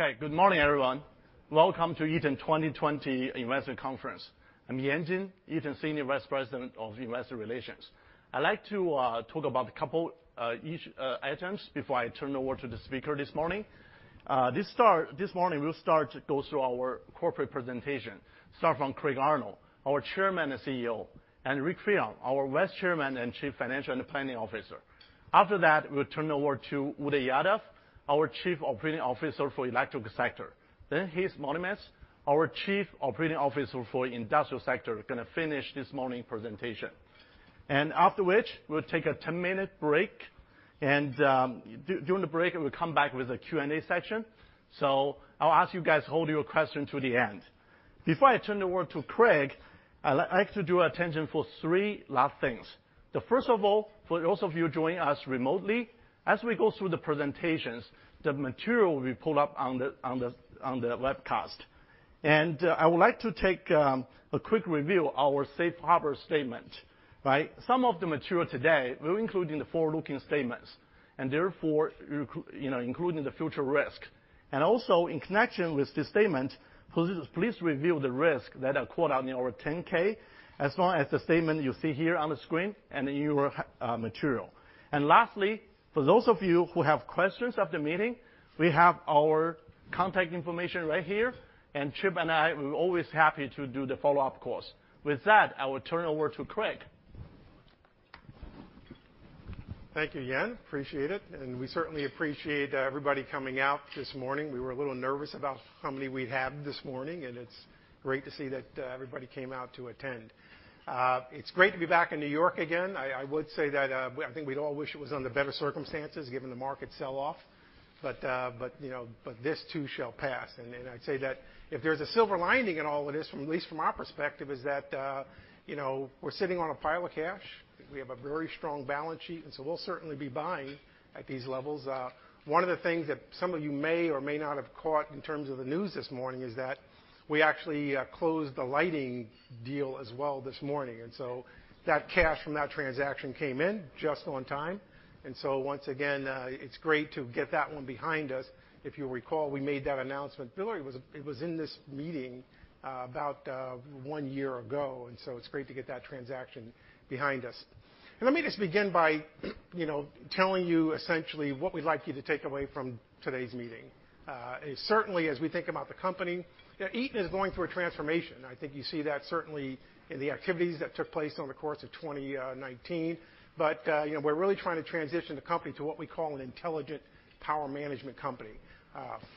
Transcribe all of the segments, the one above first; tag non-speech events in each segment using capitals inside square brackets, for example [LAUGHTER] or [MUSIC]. Okay. Good morning, everyone. Welcome to Eaton 2020 Investment Conference. I'm Yan Jin, Eaton Senior Vice President of Investor Relations. I'd like to talk about a couple each items before I turn over to the speaker this morning. This morning, we'll start to go through our corporate presentation. Start from Craig Arnold, our Chairman and CEO, and Rick Fearon, our Vice Chairman and Chief Financial and Planning Officer. After that, we'll turn over to Uday Yadav, our Chief Operating Officer for Electrical Sector. Heath Monesmith, our Chief Operating Officer for Industrial Sector, going to finish this morning presentation. After which, we'll take a 10-minute break, and during the break, we'll come back with a Q&A session. I'll ask you guys to hold your question to the end. Before I turn the word to Craig, I like to draw attention for three last things. First of all, for those of you joining us remotely, as we go through the presentations, the material will be pulled up on the webcast. I would like to take a quick review of our safe harbor statement. Some of the material today will include the forward-looking statements and therefore including the future risk. Also, in connection with this statement, please review the risk that are called out in our 10-K, as well as the statement you see here on the screen and in your material. Lastly, for those of you who have questions after the meeting, we have our contact information right here, and Chip and I will be always happy to do the follow-up calls. With that, I will turn over to Craig. Thank you, Yan. Appreciate it. We certainly appreciate everybody coming out this morning. We were a little nervous about how many we'd have this morning, and it's great to see that everybody came out to attend. It's great to be back in New York again. I would say that I think we'd all wish it was under better circumstances, given the market sell-off. This too shall pass. I'd say that if there's a silver lining in all of this, at least from our perspective, is that we're sitting on a pile of cash. We have a very strong balance sheet, we'll certainly be buying at these levels. One of the things that some of you may or may not have caught in terms of the news this morning is that we actually closed the lighting deal as well this morning. That cash from that transaction came in just on time, once again, it's great to get that one behind us. If you'll recall, we made that announcement, it was in this meeting about one year ago, it's great to get that transaction behind us. Let me just begin by telling you essentially what we'd like you to take away from today's meeting. Certainly, as we think about the company, Eaton is going through a transformation. I think you see that certainly in the activities that took place over the course of 2019. We're really trying to transition the company to what we call an intelligent power management company.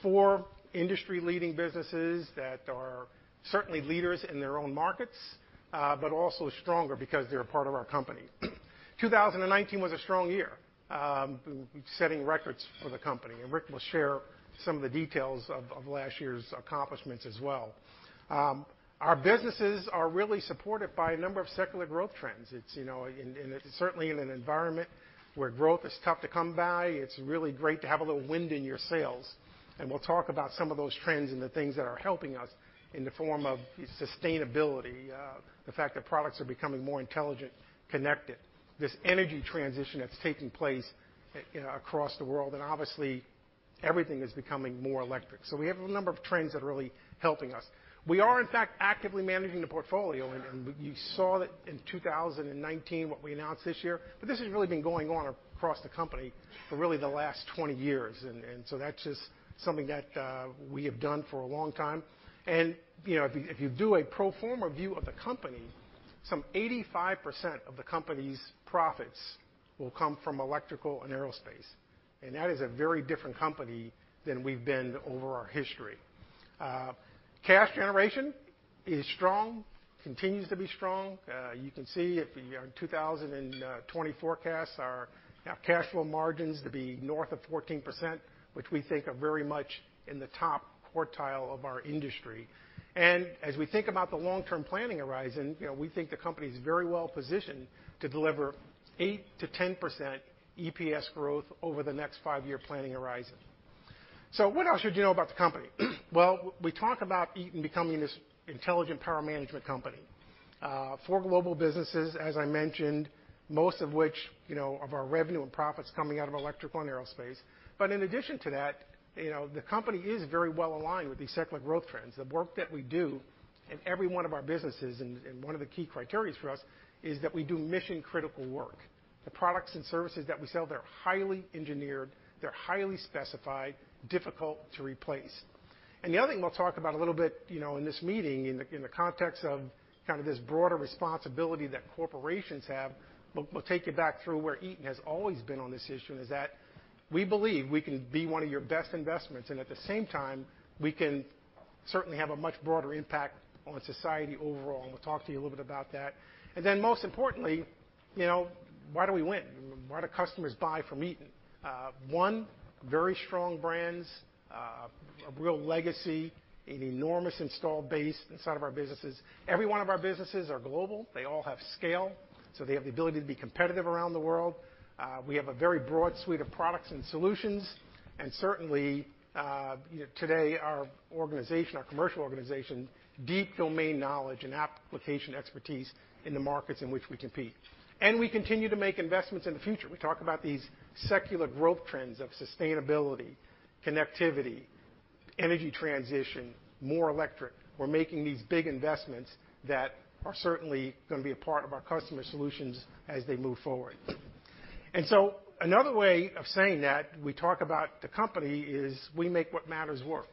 Four industry-leading businesses that are certainly leaders in their own markets, but also stronger because they're a part of our company. 2019 was a strong year, setting records for the company, Rick will share some of the details of last year's accomplishments as well. Our businesses are really supported by a number of secular growth trends. Certainly in an environment where growth is tough to come by, it's really great to have a little wind in your sails. We'll talk about some of those trends and the things that are helping us in the form of sustainability, the fact that products are becoming more intelligent, connected. This energy transition that's taking place across the world, and obviously, everything is becoming more electric. We have a number of trends that are really helping us. We are, in fact, actively managing the portfolio, and you saw that in 2019, what we announced this year. This has really been going on across the company for really the last 20 years, that's just something that we have done for a long time. If you do a pro forma view of the company, some 85% of the company's profits will come from electrical and aerospace, and that is a very different company than we've been over our history. Cash generation is strong, continues to be strong. You can see in our 2020 forecasts, our cash flow margins to be north of 14%, which we think are very much in the top quartile of our industry. As we think about the long-term planning horizon, we think the company is very well-positioned to deliver 8%-10% EPS growth over the next five-year planning horizon. What else should you know about the company? Well, we talk about Eaton becoming this intelligent power management company. Four global businesses, as I mentioned, most of which of our revenue and profits coming out of electrical and aerospace. In addition to that, the company is very well-aligned with these secular growth trends. The work that we do in every one of our businesses, and one of the key criteria for us, is that we do mission-critical work. The products and services that we sell, they're highly engineered, they're highly specified, difficult to replace. The other thing we'll talk about a little bit in this meeting, in the context of kind of this broader responsibility that corporations have, we'll take you back through where Eaton has always been on this issue, is that we believe we can be one of your best investments, and at the same time, we can certainly have a much broader impact on society overall, and we'll talk to you a little bit about that. Most importantly, why do we win? Why do customers buy from Eaton? One, very strong brands, a real legacy, an enormous installed base inside of our businesses. Every one of our businesses are global. They all have scale, so they have the ability to be competitive around the world. We have a very broad suite of products and solutions. Certainly, today our commercial organization, deep domain knowledge and application expertise in the markets in which we compete. We continue to make investments in the future. We talk about these secular growth trends of sustainability, connectivity, Energy transition, more electric. We're making these big investments that are certainly going to be a part of our customer solutions as they move forward. Another way of saying that, we talk about the company is we make what matters work.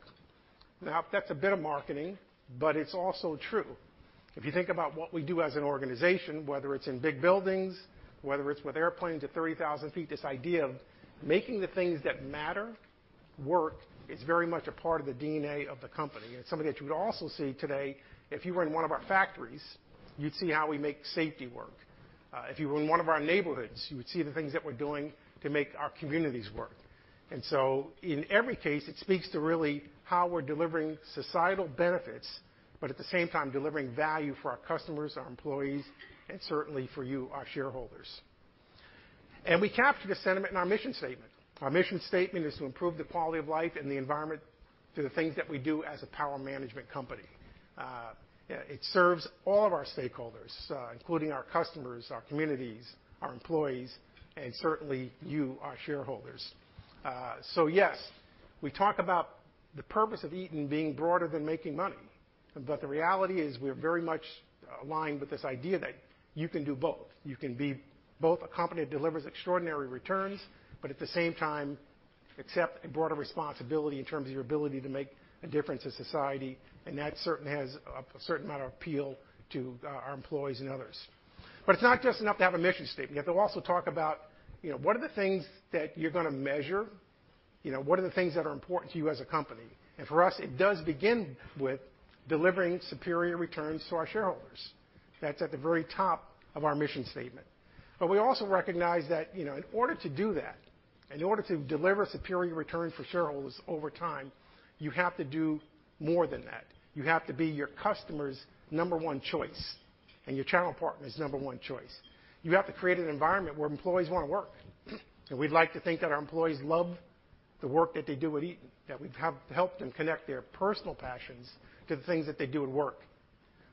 That's a bit of marketing, but it's also true. If you think about what we do as an organization, whether it's in big buildings, whether it's with airplanes at 30,000 feet, this idea of making the things that matter work is very much a part of the DNA of the company, and it's something that you would also see today if you were in one of our factories. You'd see how we make safety work. If you were in one of our neighborhoods, you would see the things that we're doing to make our communities work. In every case, it speaks to really how we're delivering societal benefits, but at the same time, delivering value for our customers, our employees, and certainly for you, our shareholders. We capture the sentiment in our mission statement. Our mission statement is to improve the quality of life and the environment through the things that we do as a power management company. It serves all of our stakeholders, including our customers, our communities, our employees, and certainly you, our shareholders. Yes, we talk about the purpose of Eaton being broader than making money, but the reality is we're very much aligned with this idea that you can do both. You can be both a company that delivers extraordinary returns, but at the same time, accept a broader responsibility in terms of your ability to make a difference in society, and that has a certain amount of appeal to our employees and others. It's not just enough to have a mission statement. You have to also talk about what are the things that you're going to measure, what are the things that are important to you as a company. For us, it does begin with delivering superior returns to our shareholders. That's at the very top of our mission statement. We also recognize that in order to do that, in order to deliver superior return for shareholders over time, you have to do more than that. You have to be your customer's number one choice and your channel partner's number one choice. You have to create an environment where employees want to work. We'd like to think that our employees love the work that they do at Eaton, that we've helped them connect their personal passions to the things that they do at work.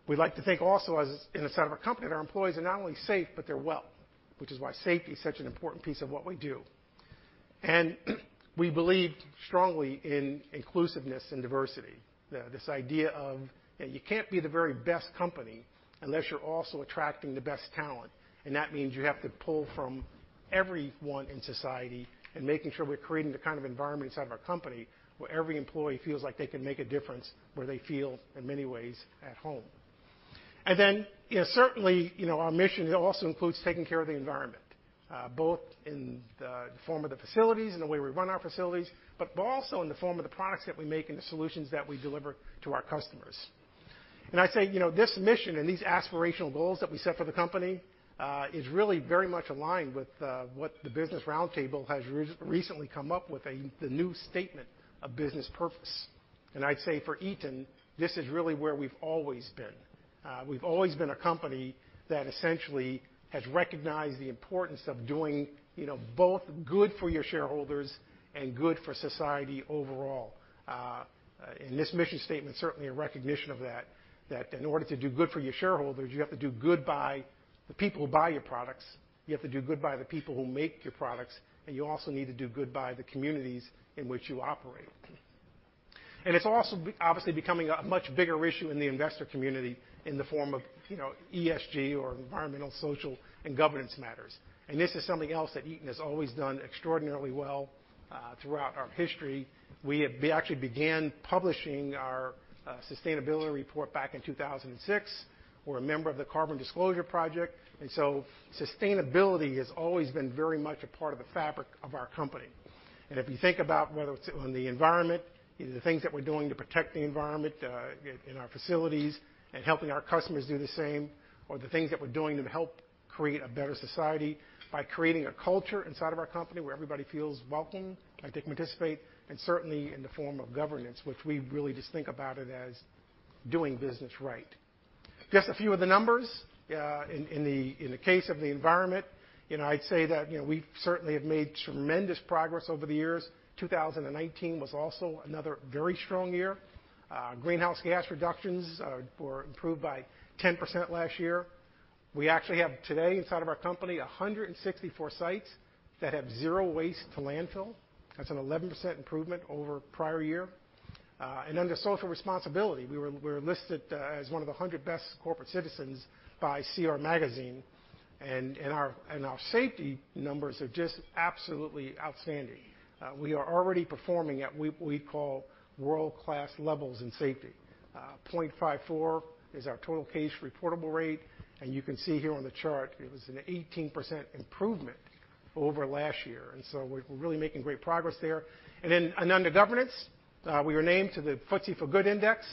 We like to think also as inside of our company that our employees are not only safe, but they're well, which is why safety is such an important piece of what we do. We believe strongly in inclusiveness and diversity. This idea of you can't be the very best company unless you're also attracting the best talent, and that means you have to pull from everyone in society and making sure we're creating the kind of environment inside of our company where every employee feels like they can make a difference, where they feel, in many ways, at home. Certainly, our mission also includes taking care of the environment, both in the form of the facilities and the way we run our facilities, but also in the form of the products that we make and the solutions that we deliver to our customers. I say, this mission and these aspirational goals that we set for the company, is really very much aligned with what the Business Roundtable has recently come up with, the new statement of business purpose. I'd say for Eaton, this is really where we've always been. We've always been a company that essentially has recognized the importance of doing both good for your shareholders and good for society overall. This mission statement is certainly a recognition of that in order to do good for your shareholders, you have to do good by the people who buy your products, you have to do good by the people who make your products, and you also need to do good by the communities in which you operate. It's also obviously becoming a much bigger issue in the investor community in the form of ESG or environmental, social, and governance matters. This is something else that Eaton has always done extraordinarily well, throughout our history. We actually began publishing our sustainability report back in 2006. We're a member of the Carbon Disclosure Project, and so sustainability has always been very much a part of the fabric of our company. If you think about whether it's on the environment, the things that we're doing to protect the environment in our facilities and helping our customers do the same, or the things that we're doing to help create a better society by creating a culture inside of our company where everybody feels welcome, like they can participate, and certainly in the form of governance, which we really just think about it as doing business right. Just a few of the numbers. In the case of the environment, I'd say that we certainly have made tremendous progress over the years. 2019 was also another very strong year. Greenhouse gas reductions were improved by 10% last year. We actually have today, inside of our company, 164 sites that have zero waste to landfill. That's an 11% improvement over prior year. Under social responsibility, we were listed as one of the 100 best corporate citizens by CR Magazine, and our safety numbers are just absolutely outstanding. We are already performing at what we call world-class levels in safety. 0.54 is our total case reportable rate, and you can see here on the chart, it was an 18% improvement over last year. We're really making great progress there. Under governance, we were named to the FTSE4Good Index,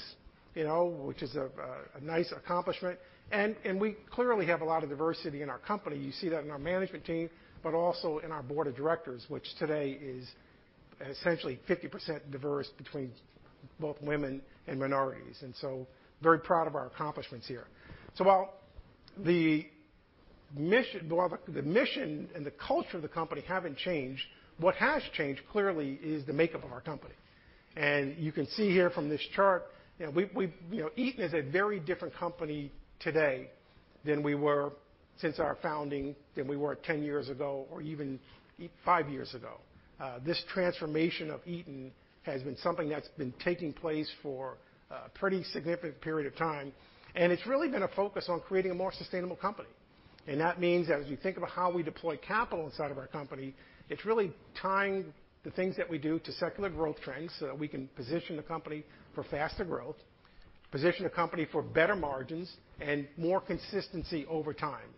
which is a nice accomplishment. We clearly have a lot of diversity in our company. You see that in our management team, but also in our board of directors, which today is essentially 50% diverse between both women and minorities. Very proud of our accomplishments here. While the mission and the culture of the company haven't changed, what has changed clearly is the makeup of our company. You can see here from this chart, Eaton is a very different company today than we were since our founding, than we were 10 years ago, or even five years ago. This transformation of Eaton has been something that's been taking place for a pretty significant period of time, and it's really been a focus on creating a more sustainable company. That means as you think about how we deploy capital inside of our company, it's really tying the things that we do to secular growth trends so that we can position the company for faster growth, position the company for better margins, and more consistency over time.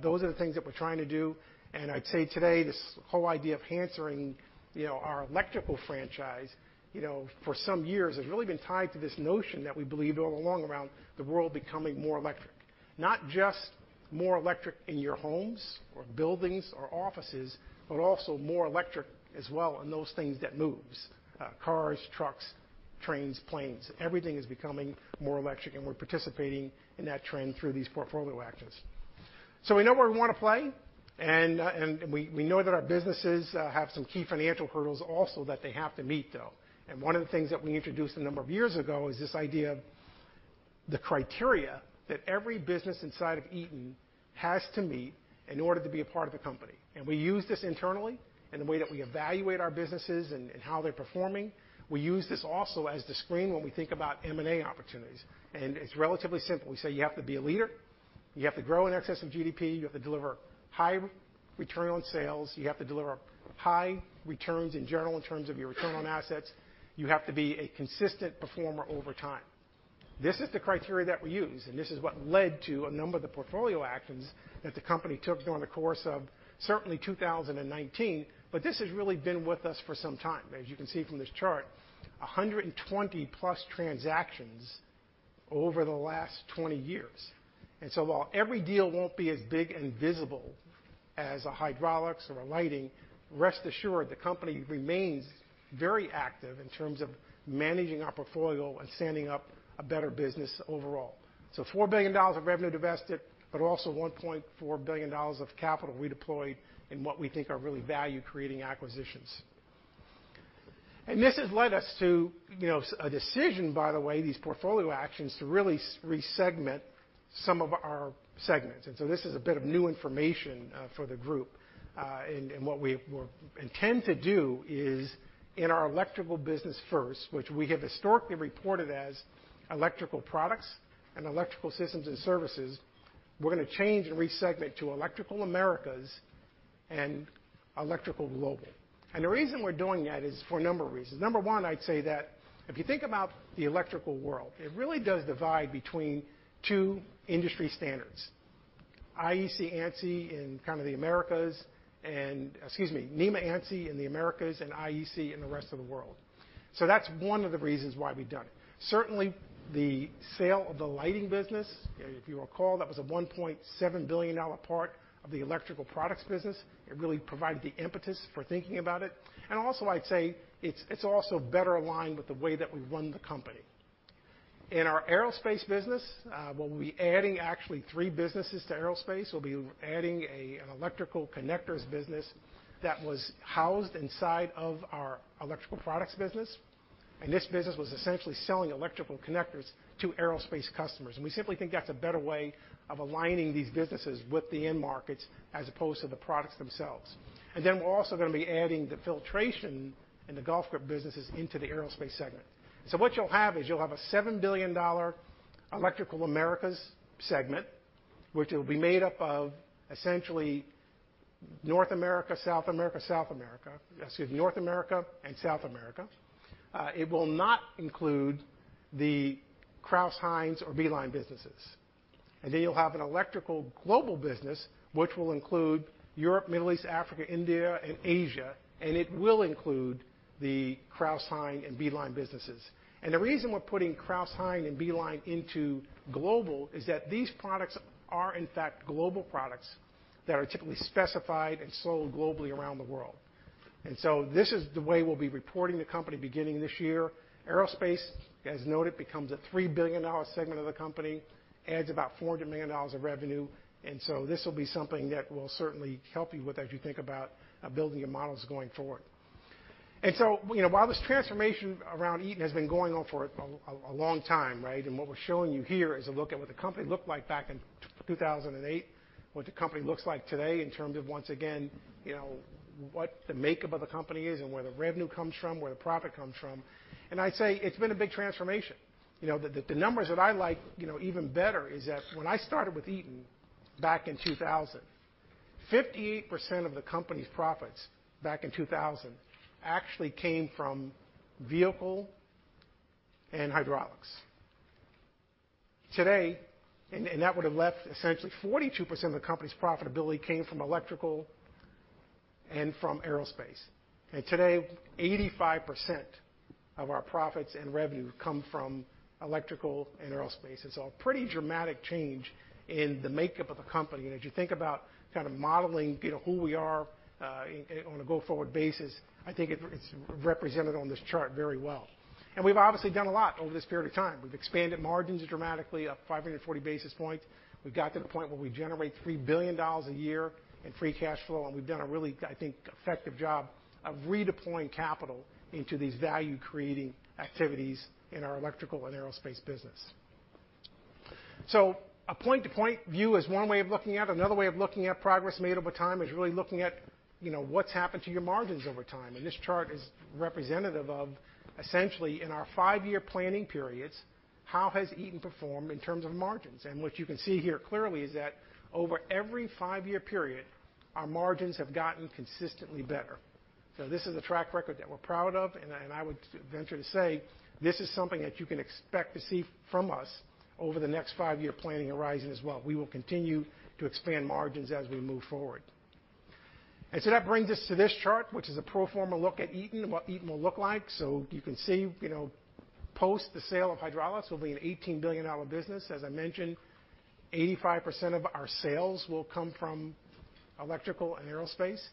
Those are the things that we're trying to do, and I'd say today, this whole idea of answering our electrical franchise, for some years has really been tied to this notion that we believed all along around the world becoming more electric. Not just more electric in your homes or buildings or offices, but also more electric as well in those things that moves, cars, trucks, trains, planes. Everything is becoming more electric, and we're participating in that trend through these portfolio actions. We know where we want to play, and we know that our businesses have some key financial hurdles also that they have to meet, though. One of the things that we introduced a number of years ago is this idea of the criteria that every business inside of Eaton has to meet in order to be a part of the company. We use this internally in the way that we evaluate our businesses and how they're performing. We use this also as the screen when we think about M&A opportunities. It's relatively simple. We say you have to be a leader. You have to grow in excess of GDP. You have to deliver high return on sales. You have to deliver high returns in general in terms of your return on assets. You have to be a consistent performer over time. This is the criteria that we use, and this is what led to a number of the portfolio actions that the company took during the course of certainly 2019, but this has really been with us for some time. As you can see from this chart, 120-plus transactions over the last 20 years. While every deal won't be as big and visible as a hydraulics or a lighting, rest assured the company remains very active in terms of managing our portfolio and standing up a better business overall. $4 billion of revenue divested, but also $1.4 billion of capital redeployed in what we think are really value-creating acquisitions. This has led us to a decision, by the way, these portfolio actions, to really re-segment some of our segments. This is a bit of new information for the group. What we intend to do is in our electrical business first, which we have historically reported as electrical products and electrical systems and services, we're going to change and re-segment to Electrical Americas and Electrical Global. The reason we're doing that is for a number of reasons. Number one, I'd say that if you think about the electrical world, it really does divide between two industry standards, IEC, ANSI in kind of the Americas and, excuse me, NEMA, ANSI in the Americas and IEC in the rest of the world. That's one of the reasons why we've done it. Certainly, the sale of the lighting business, if you recall, that was a $1.7 billion part of the electrical products business. It really provided the impetus for thinking about it. I'd say it's also better aligned with the way that we run the company. In our aerospace business, we'll be adding actually three businesses to aerospace. We'll be adding an electrical connectors business that was housed inside of our electrical products business, and this business was essentially selling electrical connectors to aerospace customers. We simply think that's a better way of aligning these businesses with the end markets as opposed to the products themselves. We're also going to be adding the filtration and the golf grip businesses into the aerospace segment. What you'll have is you'll have a $7 billion Electrical Americas segment, which will be made up of essentially North America, South America. Excuse me, North America and South America. It will not include the Crouse-Hinds or B-Line businesses. You'll have an Electrical Global business, which will include Europe, Middle East, Africa, India, and Asia, and it will include the Crouse-Hinds and B-Line businesses. The reason we're putting Crouse-Hinds and B-Line into global is that these products are, in fact, global products that are typically specified and sold globally around the world. This is the way we'll be reporting the company beginning this year. Aerospace, as noted, becomes a $3 billion segment of the company, adds about $400 million of revenue, this will be something that will certainly help you with as you think about building your models going forward. While this transformation around Eaton has been going on for a long time, right? What we're showing you here is a look at what the company looked like back in 2008, what the company looks like today in terms of, once again, what the makeup of the company is and where the revenue comes from, where the profit comes from. I'd say it's been a big transformation. The numbers that I like even better is that when I started with Eaton back in 2000, 58% of the company's profits back in 2000 actually came from vehicle and hydraulics. That would have left essentially 42% of the company's profitability came from electrical and from aerospace. Today, 85% of our profits and revenue come from electrical and aerospace. It's a pretty dramatic change in the makeup of the company. As you think about kind of modeling who we are on a go-forward basis, I think it's represented on this chart very well. We've obviously done a lot over this period of time. We've expanded margins dramatically, up 540 basis points. We've got to the point where we generate $3 billion a year in free cash flow, and we've done a really, I think, effective job of redeploying capital into these value-creating activities in our electrical and aerospace business. A point-to-point view is one way of looking at it. Another way of looking at progress made over time is really looking at what's happened to your margins over time, and this chart is representative of essentially in our five-year planning periods, how has Eaton performed in terms of margins? What you can see here clearly is that over every five-year period, our margins have gotten consistently better. This is a track record that we're proud of, and I would venture to say this is something that you can expect to see from us over the next five-year planning horizon as well. We will continue to expand margins as we move forward. That brings us to this chart, which is a pro forma look at Eaton, what Eaton will look like. You can see, post the sale of Hydraulics, we'll be an $18 billion business. As I mentioned, 85% of our sales will come from electrical and aerospace.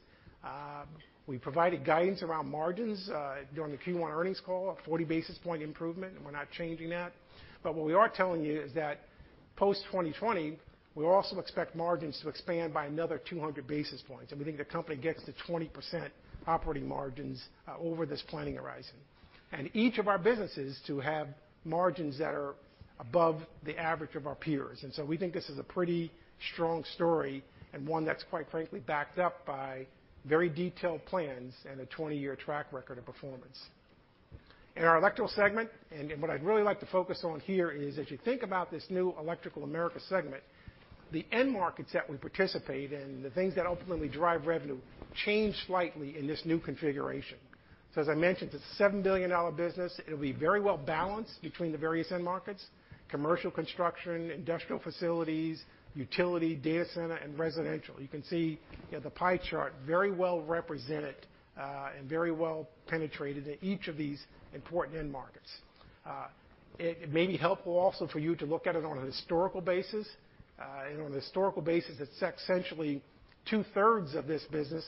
We provided guidance around margins during the Q1 earnings call, a 40 basis point improvement, and we're not changing that. What we are telling you is that post-2020, we also expect margins to expand by another 200 basis points, and we think the company gets to 20% operating margins over this planning horizon, and each of our businesses to have margins that are above the average of our peers. We think this is a pretty strong story and one that's quite frankly, backed up by very detailed plans and a 20-year track record of performance. In our Electrical segment, and what I'd really like to focus on here, is as you think about this new Electrical Americas segment, the end markets that we participate in, the things that ultimately drive revenue, change slightly in this new configuration. As I mentioned, it's a $7 billion business. It'll be very well-balanced between the various end markets: commercial construction, industrial facilities, utility, data center, and residential. You can see the pie chart very well represented, and very well penetrated in each of these important end markets. It may be helpful also for you to look at it on a historical basis. On a historical basis, it's essentially two-thirds of this business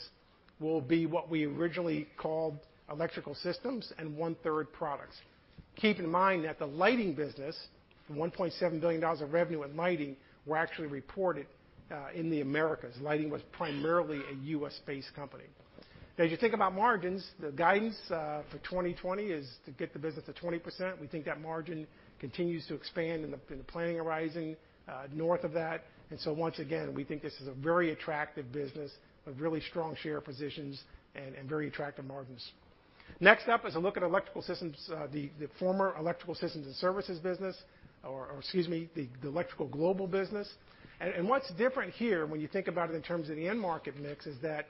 will be what we originally called electrical systems and one-third products. Keep in mind that the lighting business, the $1.7 billion of revenue in lighting, were actually reported in Electrical Americas. Lighting was primarily a U.S.-based company. As you think about margins, the guidance for 2020 is to get the business to 20%. We think that margin continues to expand in the planning horizon north of that. Once again, we think this is a very attractive business with really strong share positions and very attractive margins. Next up is a look at electrical systems, the former electrical systems and services business, or excuse me, the Electrical Global business. What's different here when you think about it in terms of the end market mix is that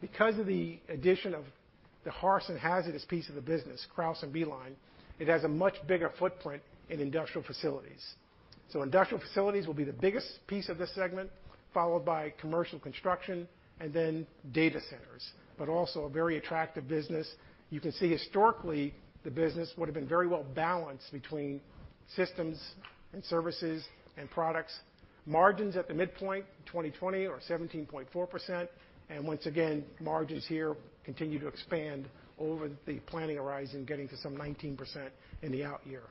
because of the addition of the harsh and hazardous piece of the business, Crouse and B-Line, it has a much bigger footprint in industrial facilities. Industrial facilities will be the biggest piece of this segment, followed by commercial construction, and then data centers, but also a very attractive business. You can see historically, the business would've been very well-balanced between systems and services and products. Margins at the midpoint, 2020, are 17.4%. Once again, margins here continue to expand over the planning horizon, getting to some 19% in the out year.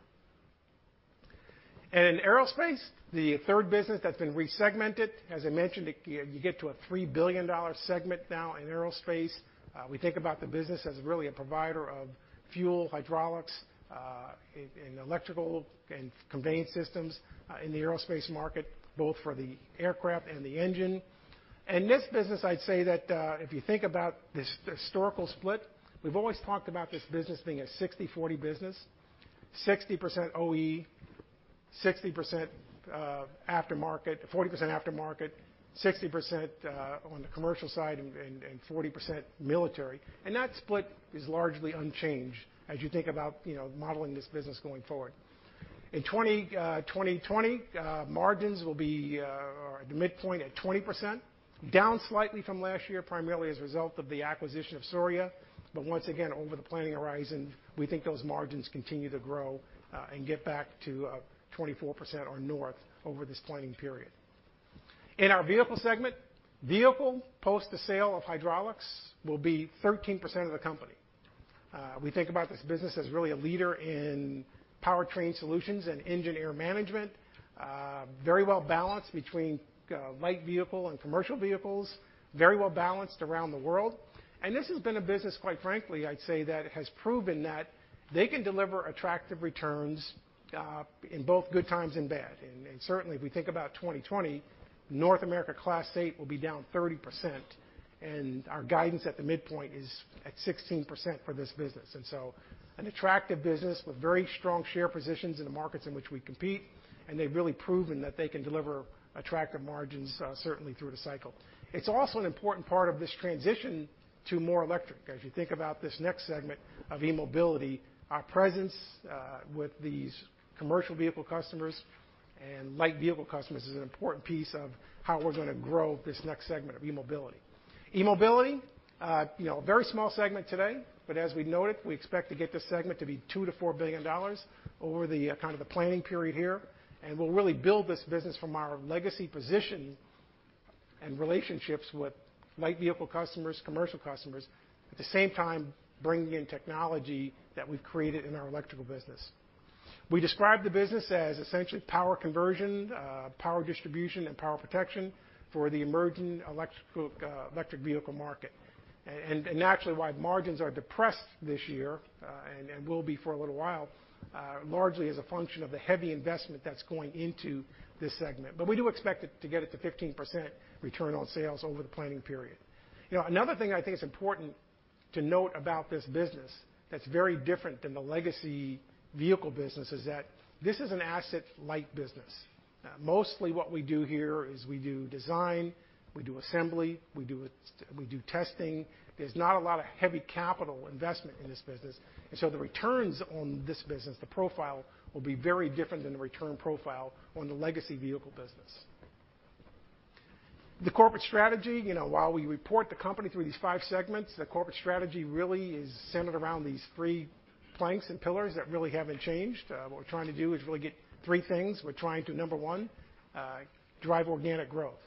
In Aerospace, the third business that's been re-segmented, as I mentioned, you get to a $3 billion segment now in Aerospace. We think about the business as really a provider of fuel Hydraulics, and electrical and conveyance systems, in the aerospace market, both for the aircraft and the engine. This business, I'd say that, if you think about this historical split, we've always talked about this business being a 60/40 business, 60% OE, 40% aftermarket, 60% on the commercial side and 40% military. That split is largely unchanged as you think about modeling this business going forward. In 2020, margins will be, or the midpoint at 20%, down slightly from last year, primarily as a result of the acquisition of Souriau. Once again, over the planning horizon, we think those margins continue to grow, and get back to 24% or north over this planning period. In our Vehicle segment, Vehicle, post the sale of Hydraulics, will be 13% of the company. We think about this business as really a leader in powertrain solutions and engine air management. Very well-balanced between light vehicle and commercial vehicles, very well-balanced around the world. This has been a business, quite frankly, I'd say, that has proven that they can deliver attractive returns in both good times and bad. Certainly, if we think about 2020, North America Class eight will be down 30%, and our guidance at the midpoint is at 16% for this business. An attractive business with very strong share positions in the markets in which we compete, and they've really proven that they can deliver attractive margins, certainly through the cycle. It's also an important part of this transition to more electric. As you think about this next segment of E-mobility, our presence with these commercial vehicle customers and light vehicle customers is an important piece of how we're going to grow this next segment of E-mobility. E-mobility, a very small segment today, but as we noted, we expect to get this segment to be $2 billion-$4 billion over the kind of the planning period here, and we'll really build this business from our legacy position and relationships with light vehicle customers, commercial customers. At the same time, bringing in technology that we've created in our electrical business. We describe the business as essentially power conversion, power distribution, and power protection for the emerging electric vehicle market. Naturally, why margins are depressed this year, and will be for a little while, largely as a function of the heavy investment that's going into this segment. We do expect it to get it to 15% return on sales over the planning period. Another thing I think is important to note about this business that's very different than the legacy vehicle business, is that this is an asset-light business. Mostly what we do here is we do design, we do assembly, we do testing. There's not a lot of heavy capital investment in this business. The returns on this business, the profile, will be very different than the return profile on the legacy vehicle business. The corporate strategy, while we report the company through these five segments, the corporate strategy really is centered around these three planks and pillars that really haven't changed. What we're trying to do is really get three things. We're trying to, number one, drive organic growth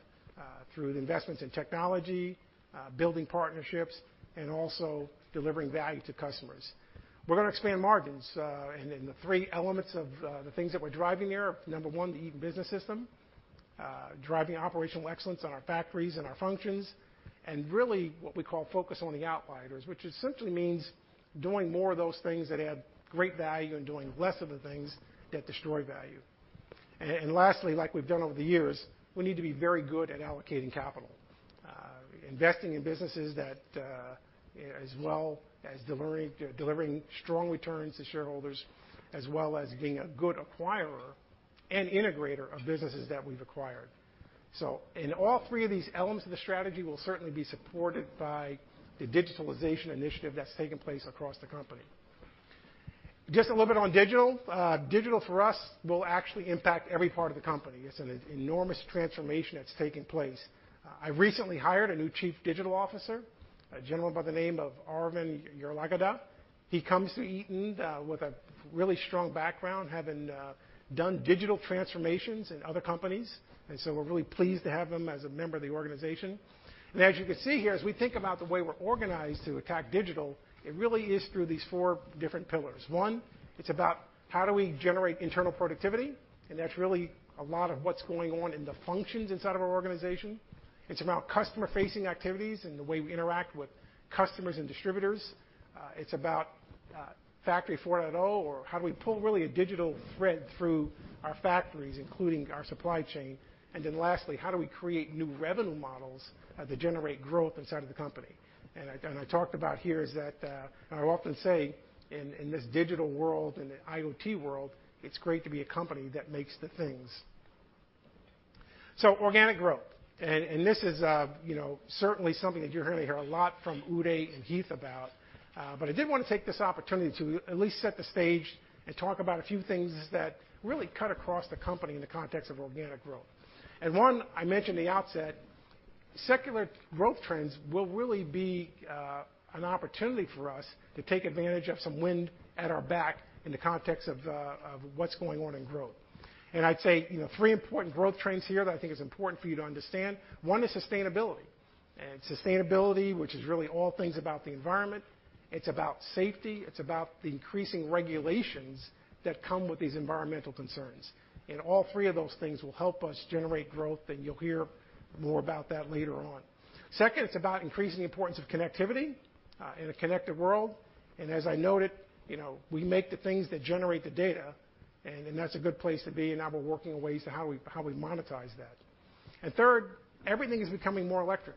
through the investments in technology, building partnerships, and also delivering value to customers. We're going to expand margins, the three elements of the things that we're driving there are, number one, the Eaton Business System, driving operational excellence in our factories and our functions, and really what we call focus on the outliers, which essentially means doing more of those things that add great value and doing less of the things that destroy value. Lastly, like we've done over the years, we need to be very good at allocating capital, investing in businesses that, as well as delivering strong returns to shareholders, as well as being a good acquirer and integrator of businesses that we've acquired. All three of these elements of the strategy will certainly be supported by the Digitalization Initiative that's taking place across the company. Just a little bit on digital. Digital for us will actually impact every part of the company. It's an enormous transformation that's taking place. I recently hired a new Chief Digital Officer, a gentleman by the name of Aravind Yarlagadda. He comes to Eaton with a really strong background, having done digital transformations in other companies. We're really pleased to have him as a member of the organization. As you can see here, as we think about the way we're organized to attack digital, it really is through these four different pillars. One, it's about how do we generate internal productivity. That's really a lot of what's going on in the functions inside of our organization. It's about customer-facing activities and the way we interact with customers and distributors. It's about Industry 4.0, how do we pull really a digital thread through our factories, including our supply chain. Lastly, how do we create new revenue models that generate growth inside of the company? I talked about here is that, I often say in this digital world, in the IoT world, it's great to be a company that makes the things. Organic growth, and this is certainly something that you're going to hear a lot from Uday and Heath about. I did want to take this opportunity to at least set the stage and talk about a few things that really cut across the company in the context of organic growth. One, I mentioned at the outset, secular growth trends will really be an opportunity for us to take advantage of some wind at our back in the context of what's going on in growth. I'd say, three important growth trends here that I think is important for you to understand. One is sustainability, and sustainability, which is really all things about the environment. It's about safety. It's about the increasing regulations that come with these environmental concerns. All three of those things will help us generate growth, and you'll hear more about that later on. Second, it's about increasing the importance of connectivity in a connected world. As I noted, we make the things that generate the data, and that's a good place to be, and now we're working on ways to how we monetize that. Third, everything is becoming more electric.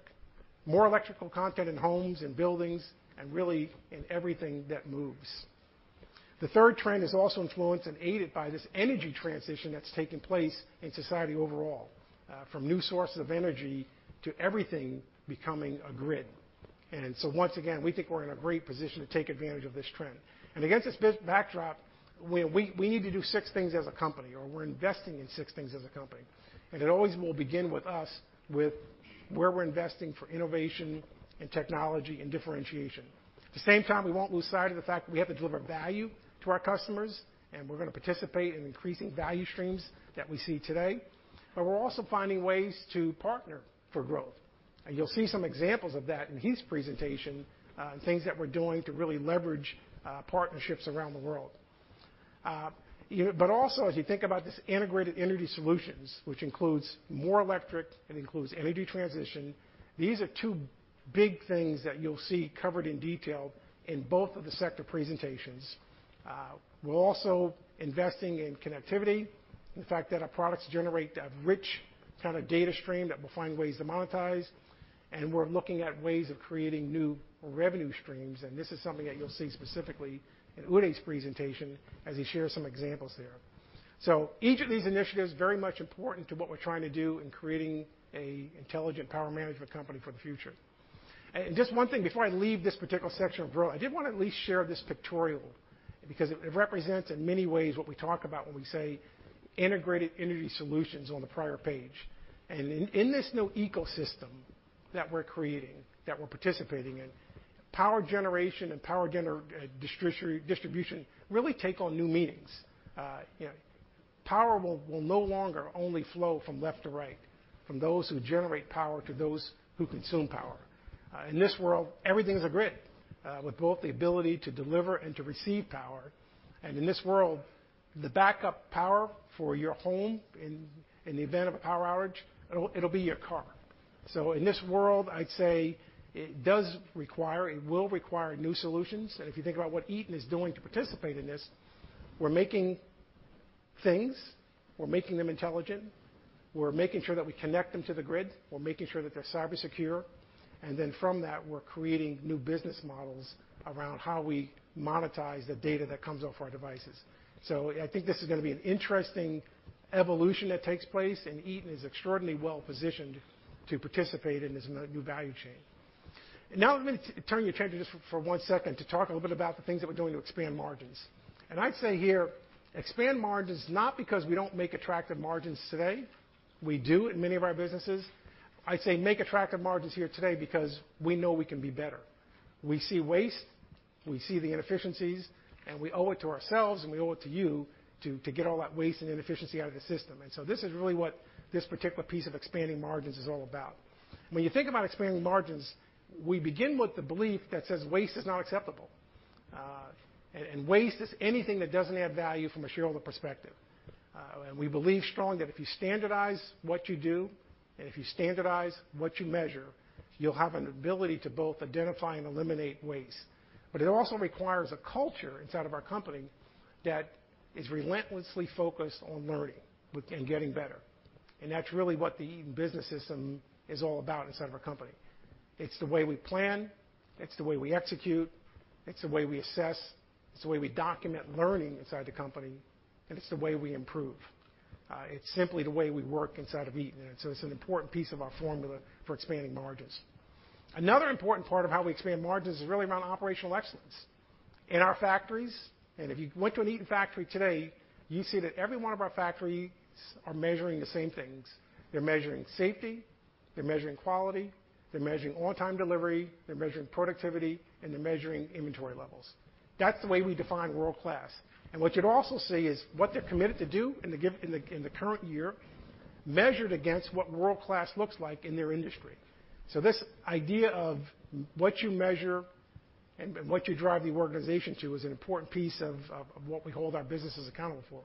More electrical content in homes and buildings, and really in everything that moves. The third trend is also influenced and aided by this energy transition that's taking place in society overall, from new sources of energy to everything becoming a grid. Once again, we think we're in a great position to take advantage of this trend. Against this backdrop, we need to do six things as a company, or we're investing in six things as a company. It always will begin with us, with where we're investing for innovation in technology and differentiation. At the same time, we won't lose sight of the fact that we have to deliver value to our customers, and we're going to participate in increasing value streams that we see today. We're also finding ways to partner for growth. You'll see some examples of that in Heath's presentation, things that we're doing to really leverage partnerships around the world. Also, as you think about this integrated energy solutions, which includes more electric, it includes energy transition. These are two big things that you'll see covered in detail in both of the sector presentations. We're also investing in connectivity, the fact that our products generate a rich kind of data stream that we'll find ways to monetize. We're looking at ways of creating new revenue streams, and this is something that you'll see specifically in Uday's presentation as he shares some examples there. Each of these initiatives, very much important to what we're trying to do in creating a intelligent power management company for the future. Just one thing before I leave this particular section of growth, I did want to at least share this pictorial, because it represents, in many ways, what we talk about when we say integrated energy solutions on the prior page. In this new ecosystem that we're creating, that we're participating in, power generation and power distribution really take on new meanings. You know, power will no longer only flow from left to right, from those who generate power to those who consume power. In this world, everything is a grid, with both the ability to deliver and to receive power. In this world, the backup power for your home in the event of a power outage, it'll be your car. In this world, I'd say it will require new solutions. If you think about what Eaton is doing to participate in this, we're making things, we're making them intelligent, we're making sure that we connect them to the grid, we're making sure that they're cyber secure. From that, we're creating new business models around how we monetize the data that comes off our devices. I think this is going to be an interesting evolution that takes place, and Eaton is extraordinarily well-positioned to participate in this new value chain. Now let me turn your attention just for one second to talk a little bit about the things that we're doing to expand margins. I'd say here, expand margins, not because we don't make attractive margins today. We do in many of our businesses. I'd say make attractive margins here today because we know we can be better. We see waste, we see the inefficiencies, and we owe it to ourselves, and we owe it to you to get all that waste and inefficiency out of the system. This is really what this particular piece of expanding margins is all about. When you think about expanding margins, we begin with the belief that says waste is not acceptable. Waste is anything that doesn't add value from a shareholder perspective. We believe strongly that if you standardize what you do and if you standardize what you measure, you'll have an ability to both identify and eliminate waste. It also requires a culture inside of our company that is relentlessly focused on learning and getting better. That's really what the Eaton Business System is all about inside of our company. It's the way we plan, it's the way we execute, it's the way we assess, it's the way we document learning inside the company, and it's the way we improve. It's simply the way we work inside of Eaton, and so it's an important piece of our formula for expanding margins. Another important part of how we expand margins is really around operational excellence. In our factories, if you went to an Eaton factory today, you see that every one of our factories are measuring the same things. They're measuring safety, they're measuring quality, they're measuring on-time delivery, they're measuring productivity, and they're measuring inventory levels. That's the way we define world-class. What you'd also see is what they're committed to do in the current year, measured against what world-class looks like in their industry. This idea of what you measure and what you drive the organization to is an important piece of what we hold our businesses accountable for.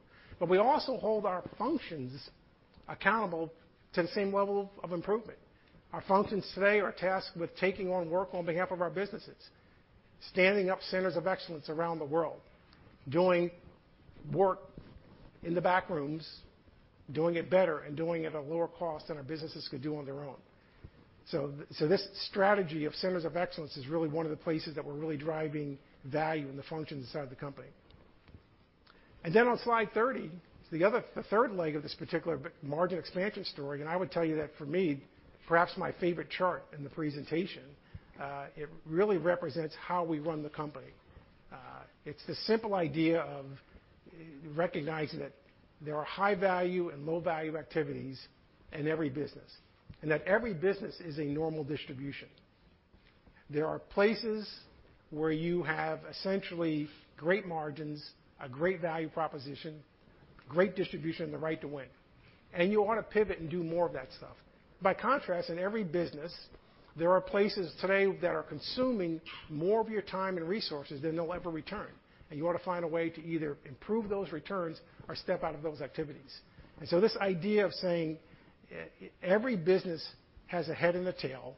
We also hold our functions accountable to the same level of improvement. Our functions today are tasked with taking on work on behalf of our businesses, standing up centers of excellence around the world, doing work in the back rooms, doing it better, and doing it at a lower cost than our businesses could do on their own. This strategy of centers of excellence is really one of the places that we're really driving value in the functions inside the company. On slide 30, the third leg of this particular margin expansion story, I would tell you that for me, perhaps my favorite chart in the presentation, it really represents how we run the company. It's the simple idea of recognizing that there are high-value and low-value activities in every business, and that every business is a normal distribution. There are places where you have essentially great margins, a great value proposition, great distribution, the right to win. You want to pivot and do more of that stuff. By contrast, in every business, there are places today that are consuming more of your time and resources than they'll ever return, and you ought to find a way to either improve those returns or step out of those activities. This idea of saying every business has a head and a tail,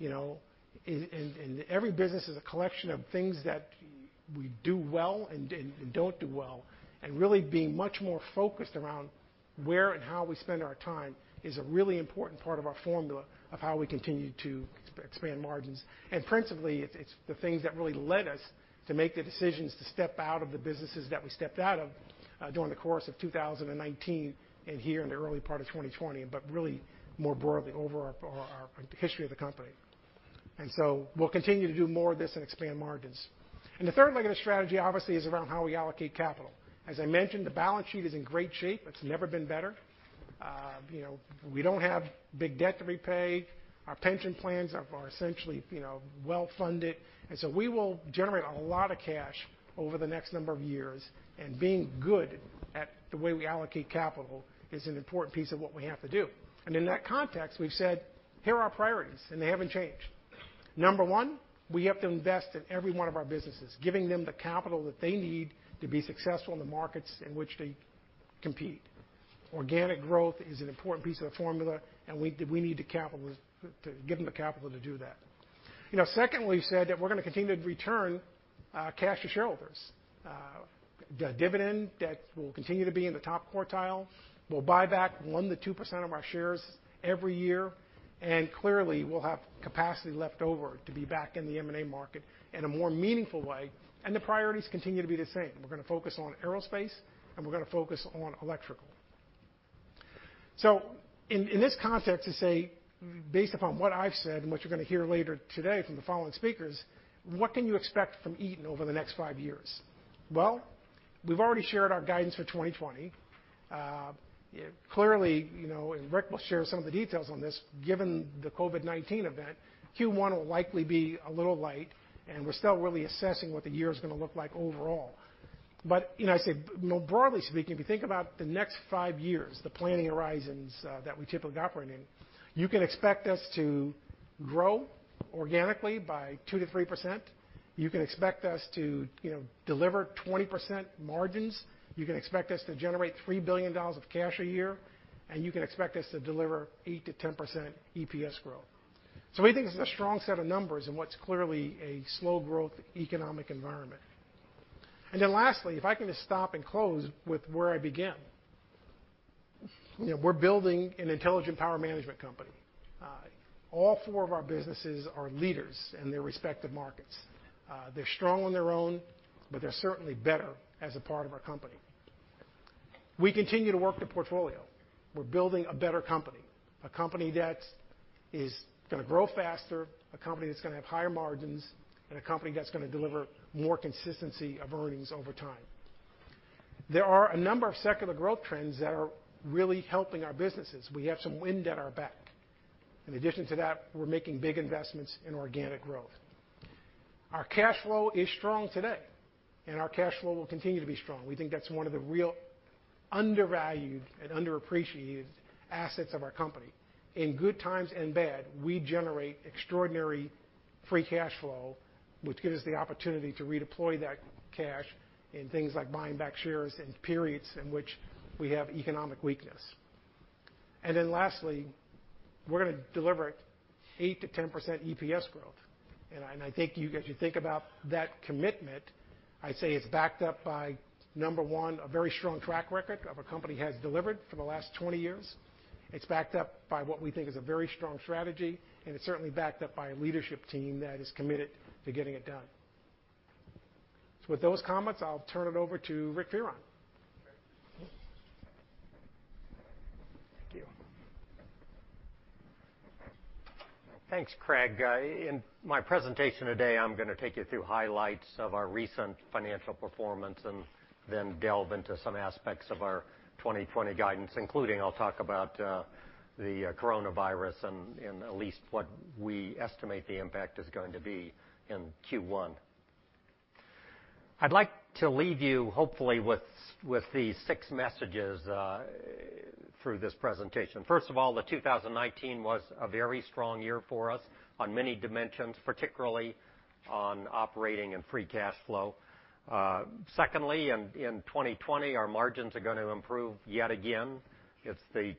and every business is a collection of things that we do well and don't do well, and really being much more focused around where and how we spend our time is a really important part of our formula of how we continue to expand margins. Principally, it's the things that really led us to make the decisions to step out of the businesses that we stepped out of during the course of 2019 and here in the early part of 2020, but really more broadly over our history of the company. We'll continue to do more of this and expand margins. The third leg of the strategy, obviously, is around how we allocate capital. As I mentioned, the balance sheet is in great shape. It's never been better. We don't have big debt to repay. Our pension plans are essentially well-funded. We will generate a lot of cash over the next number of years, and being good at the way we allocate capital is an important piece of what we have to do. In that context, we've said, here are our priorities, and they haven't changed. Number one, we have to invest in every one of our businesses, giving them the capital that they need to be successful in the markets in which they compete. Organic growth is an important piece of the formula, and we need to give them the capital to do that. Secondly, we said that we're going to continue to return cash to shareholders. Dividend debt will continue to be in the top quartile. We'll buy back 1%-2% of our shares every year. Clearly, we'll have capacity left over to be back in the M&A market in a more meaningful way. The priorities continue to be the same. We're going to focus on aerospace, and we're going to focus on electrical. In this context, to say, based upon what I've said and what you're going to hear later today from the following speakers, what can you expect from Eaton over the next five years? We've already shared our guidance for 2020. Clearly, Rick will share some of the details on this, given the COVID-19 event, Q1 will likely be a little light, and we're still really assessing what the year is going to look like overall. I say more broadly speaking, if you think about the next five years, the planning horizons that we typically operate in, you can expect us to grow organically by 2%-3%. You can expect us to deliver 20% margins. You can expect us to generate $3 billion of cash a year, and you can expect us to deliver 8%-10% EPS growth. We think this is a strong set of numbers in what's clearly a slow-growth economic environment. Lastly, if I can just stop and close with where I began. We're building an intelligent power management company. All four of our businesses are leaders in their respective markets. They're strong on their own, but they're certainly better as a part of our company. We continue to work the portfolio. We're building a better company, a company that is going to grow faster, a company that's going to have higher margins, and a company that's going to deliver more consistency of earnings over time. There are a number of secular growth trends that are really helping our businesses. We have some wind at our back. In addition to that, we're making big investments in organic growth. Our cash flow is strong today, our cash flow will continue to be strong. We think that's one of the real undervalued and underappreciated assets of our company. In good times and bad, we generate extraordinary free cash flow, which gives us the opportunity to redeploy that cash in things like buying back shares in periods in which we have economic weakness. Lastly, we're going to deliver 8%-10% EPS growth. I think as you think about that commitment, I'd say it's backed up by, number one, a very strong track record of a company has delivered for the last 20 years. It's backed up by what we think is a very strong strategy, and it's certainly backed up by a leadership team that is committed to getting it done. With those comments, I'll turn it over to Rick Fearon. Thank you. Thanks, Craig. In my presentation today, I'm going to take you through highlights of our recent financial performance and then delve into some aspects of our 2020 guidance, including I'll talk about the coronavirus and at least what we estimate the impact is going to be in Q1. I'd like to leave you, hopefully, with these six messages through this presentation. First of all, 2019 was a very strong year for us on many dimensions, particularly on operating and free cash flow. Secondly, in 2020, our margins are going to improve yet again. It's the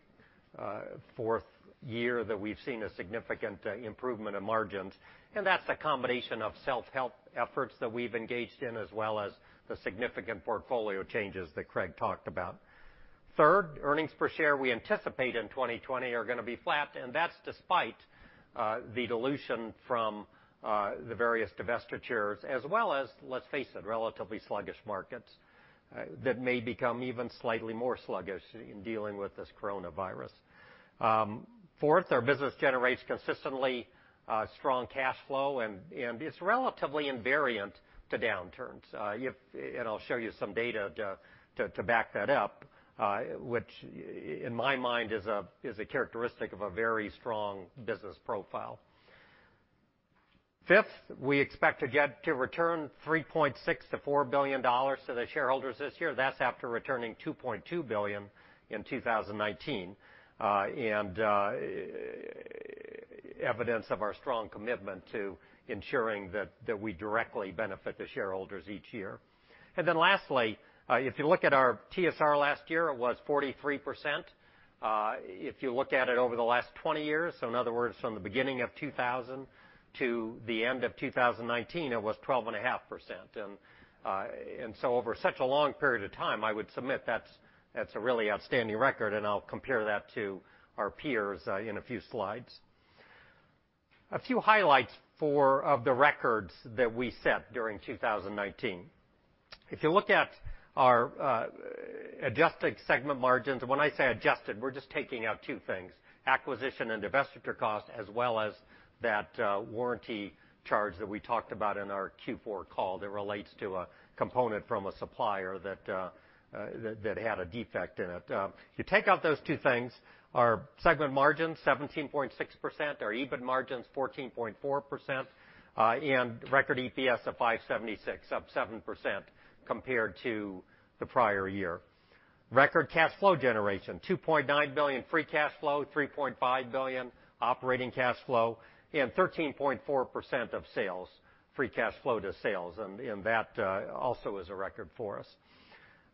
fourth year that we've seen a significant improvement in margins, and that's a combination of self-help efforts that we've engaged in, as well as the significant portfolio changes that Craig talked about. Earnings per share we anticipate in 2020 are going to be flat, and that's despite the dilution from the various divestitures, as well as, let's face it, relatively sluggish markets that may become even slightly more sluggish in dealing with this coronavirus. Our business generates consistently strong cash flow, and it's relatively invariant to downturns. I'll show you some data to back that up, which in my mind is a characteristic of a very strong business profile. We expect to return $3.6 billion-$4 billion to the shareholders this year. That's after returning $2.2 billion in 2019, evidence of our strong commitment to ensuring that we directly benefit the shareholders each year. If you look at our TSR last year, it was 43%. If you look at it over the last 20 years, in other words, from the beginning of 2000 to the end of 2019, it was 12.5%. Over such a long period of time, I would submit that's a really outstanding record, and I'll compare that to our peers in a few slides. A few highlights of the records that we set during 2019. If you look at our adjusted segment margins, when I say adjusted, we're just taking out two things, acquisition and divestiture cost, as well as that warranty charge that we talked about in our Q4 call that relates to a component from a supplier that had a defect in it. If you take out those two things, our segment margins, 17.6%, our EBIT margins, 14.4%, and record EPS of $5.76, up 7% compared to the prior year. Record cash flow generation, $2.9 billion. Free cash flow, $3.5 billion. Operating cash flow, and 13.4% of sales, free cash flow to sales, and that also is a record for us.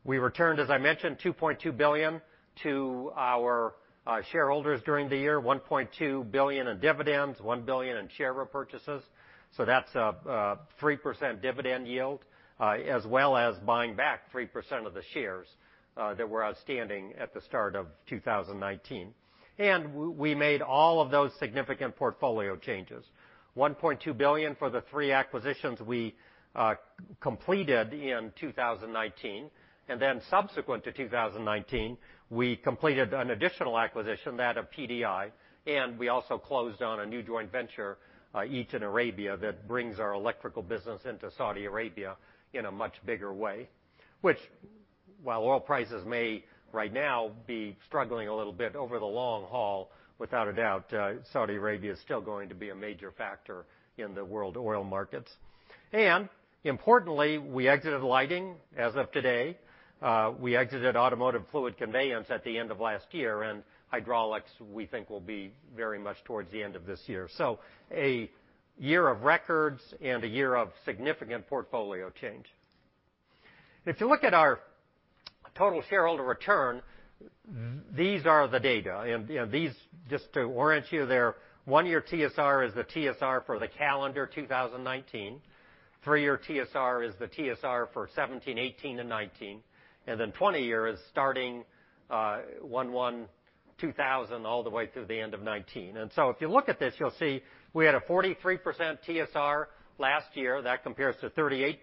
We returned, as I mentioned, $2.2 billion to our shareholders during the year, $1.2 billion in dividends, $1 billion in share repurchases. That's a 3% dividend yield, as well as buying back 3% of the shares that were outstanding at the start of 2019. We made all of those significant portfolio changes, $1.2 billion for the three acquisitions we completed in 2019. Subsequent to 2019, we completed an additional acquisition, that of PDI. We also closed on a new joint venture, Eaton Arabia, that brings our electrical business into Saudi Arabia in a much bigger way. While oil prices may right now be struggling a little bit over the long haul, without a doubt, Saudi Arabia is still going to be a major factor in the world oil markets. Importantly, we exited lighting as of today. We exited automotive fluid conveyance at the end of last year, and hydraulics, we think will be very much towards the end of this year. A year of records and a year of significant portfolio change. If you look at our total shareholder return, these are the data. These, just to orient you there, one-year TSR is the TSR for the calendar 2019. Three-year TSR is the TSR for 2017, 2018, and 2019. 20-year is starting 1/1/2000 all the way through the end of 2019. If you look at this, you'll see we had a 43% TSR last year. That compares to 38%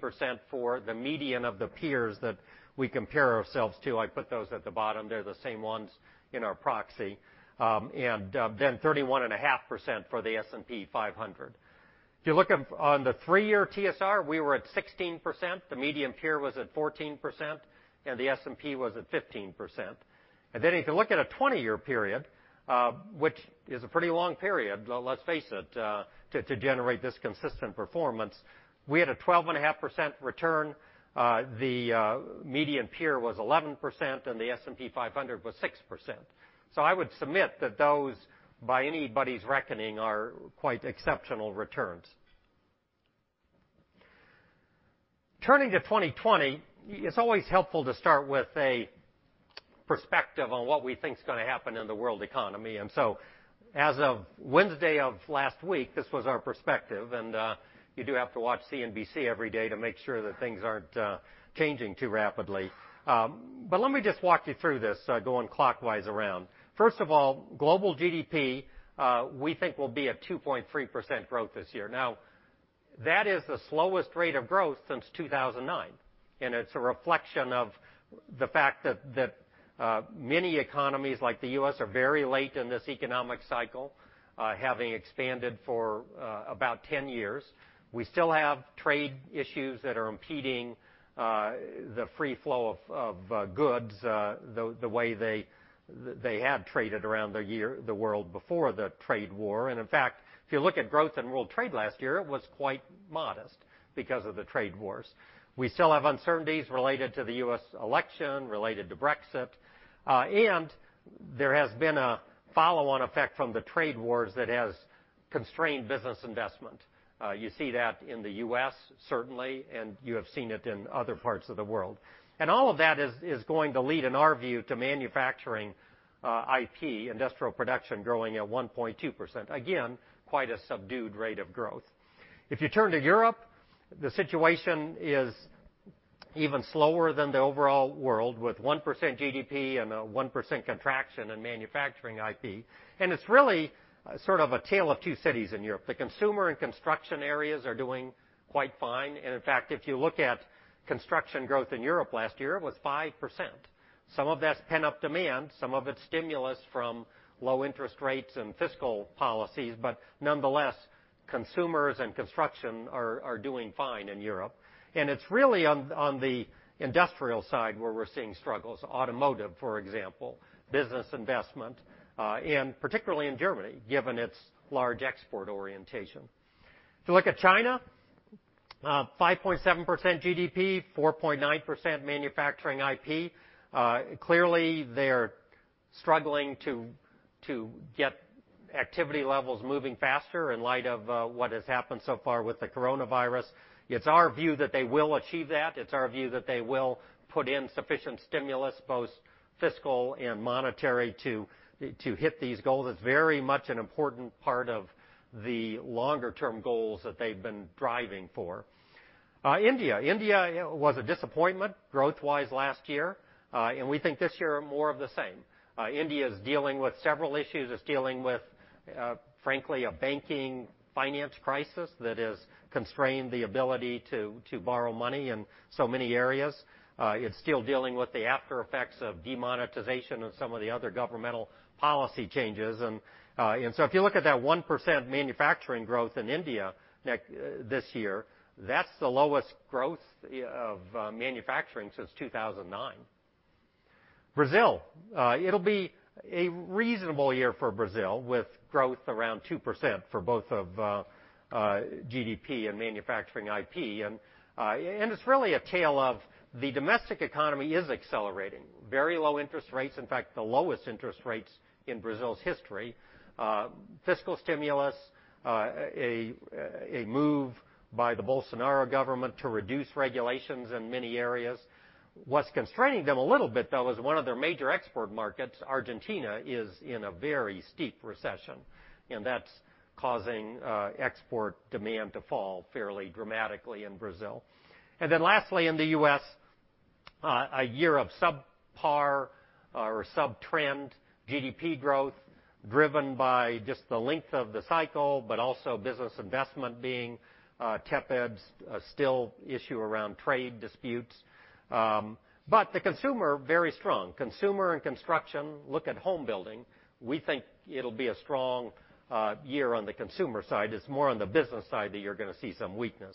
for the median of the peers that we compare ourselves to. I put those at the bottom. They're the same ones in our proxy. 31.5% for the S&P 500. If you look on the three-year TSR, we were at 16%, the median peer was at 14%, and the S&P was at 15%. If you look at a 20-year period, which is a pretty long period, let's face it, to generate this consistent performance, we had a 12.5% return. The median peer was 11%, and the S&P 500 was 6%. I would submit that those, by anybody's reckoning, are quite exceptional returns. Turning to 2020, it's always helpful to start with a perspective on what we think is going to happen in the world economy. As of Wednesday of last week, this was our perspective. You do have to watch CNBC every day to make sure that things aren't changing too rapidly. Let me just walk you through this going clockwise around. First of all, global GDP we think will be at 2.3% growth this year. Now, that is the slowest rate of growth since 2009, and it's a reflection of the fact that many economies like the U.S. are very late in this economic cycle, having expanded for about 10 years. We still have trade issues that are impeding the free flow of goods the way they had traded around the world before the trade war. In fact, if you look at growth in world trade last year, it was quite modest because of the trade wars. We still have uncertainties related to the U.S. election, related to Brexit. There has been a follow-on effect from the trade wars that has constrained business investment. You see that in the U.S. certainly, and you have seen it in other parts of the world. All of that is going to lead, in our view, to manufacturing IP, industrial production growing at 1.2%. Again, quite a subdued rate of growth. If you turn to Europe, the situation is even slower than the overall world, with 1% GDP and a 1% contraction in manufacturing IP. It's really sort of a tale of two cities in Europe. The consumer and construction areas are doing quite fine. In fact, if you look at construction growth in Europe last year, it was 5%. Some of that's pent-up demand, some of it's stimulus from low interest rates and fiscal policies, but nonetheless, consumers and construction are doing fine in Europe. It's really on the industrial side where we're seeing struggles. Automotive, for example, business investment, and particularly in Germany, given its large export orientation. If you look at China, 5.7% GDP, 4.9% manufacturing IP. Clearly, they're struggling to get activity levels moving faster in light of what has happened so far with the coronavirus. It's our view that they will achieve that. It's our view that they will put in sufficient stimulus, both fiscal and monetary, to hit these goals. It's very much an important part of the longer-term goals that they've been driving for. India. India was a disappointment growth-wise last year. We think this year more of the same. India is dealing with several issues. It's dealing with, frankly, a banking finance crisis that has constrained the ability to borrow money in so many areas. It's still dealing with the after effects of demonetization and some of the other governmental policy changes. If you look at that 1% manufacturing growth in India this year, that's the lowest growth of manufacturing since 2009. Brazil. It'll be a reasonable year for Brazil, with growth around 2% for both of GDP and manufacturing IP. It's really a tale of the domestic economy is accelerating. Very low interest rates, in fact, the lowest interest rates in Brazil's history. Fiscal stimulus, a move by the Bolsonaro government to reduce regulations in many areas. What's constraining them a little bit, though, is one of their major export markets, Argentina, is in a very steep recession, and that's causing export demand to fall fairly dramatically in Brazil. Lastly, in the U.S., a year of subpar or sub-trend GDP growth driven by just the length of the cycle, but also business investment being tepid, still issue around trade disputes. The consumer, very strong. Consumer and construction, look at home building. We think it'll be a strong year on the consumer side. It's more on the business side that you're going to see some weakness.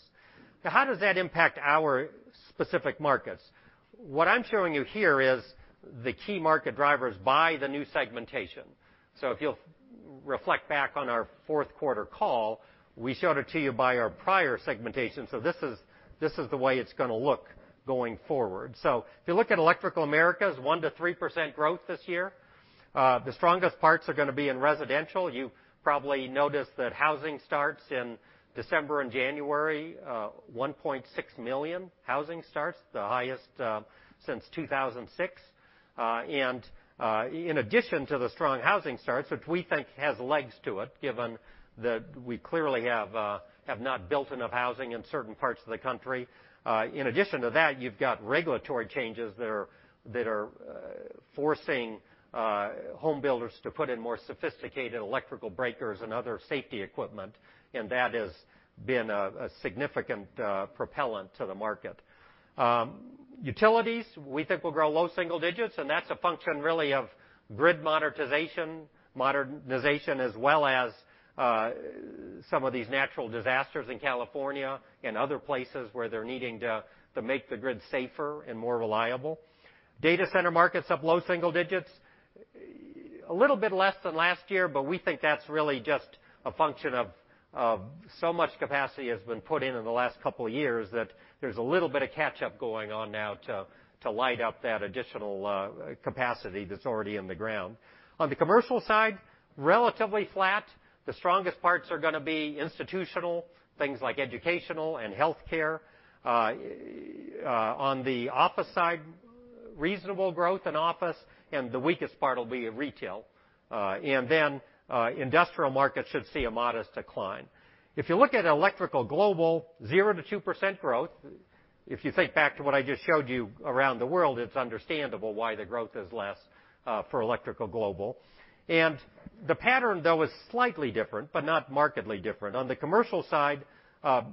How does that impact our specific markets? What I'm showing you here is the key market drivers by the new segmentation. If you'll reflect back on our fourth quarter call, we showed it to you by our prior segmentation. This is the way it's going to look going forward. If you look at Electrical Americas, 1%-3% growth this year. The strongest parts are going to be in residential. You probably noticed that housing starts in December and January, 1.6 million housing starts, the highest since 2006. In addition to the strong housing starts, which we think has legs to it, given that we clearly have not built enough housing in certain parts of the country. In addition to that, you've got regulatory changes that are forcing home builders to put in more sophisticated electrical breakers and other safety equipment, and that has been a significant propellant to the market. Utilities, we think will grow low single digits, and that's a function really of grid modernization, as well as some of these natural disasters in California and other places where they're needing to make the grid safer and more reliable. Data center markets up low single digits. A little bit less than last year, but we think that's really just a function of so much capacity has been put in in the last couple of years, that there's a little bit of catch-up going on now to light up that additional capacity that's already in the ground. On the commercial side, relatively flat. The strongest parts are going to be institutional, things like educational and healthcare. On the office side, reasonable growth in office, and the weakest part will be retail. Industrial markets should see a modest decline. If you look at Electrical Global, 0%-2% growth. If you think back to what I just showed you around the world, it's understandable why the growth is less for Electrical Global. The pattern, though, is slightly different, but not markedly different. On the commercial side,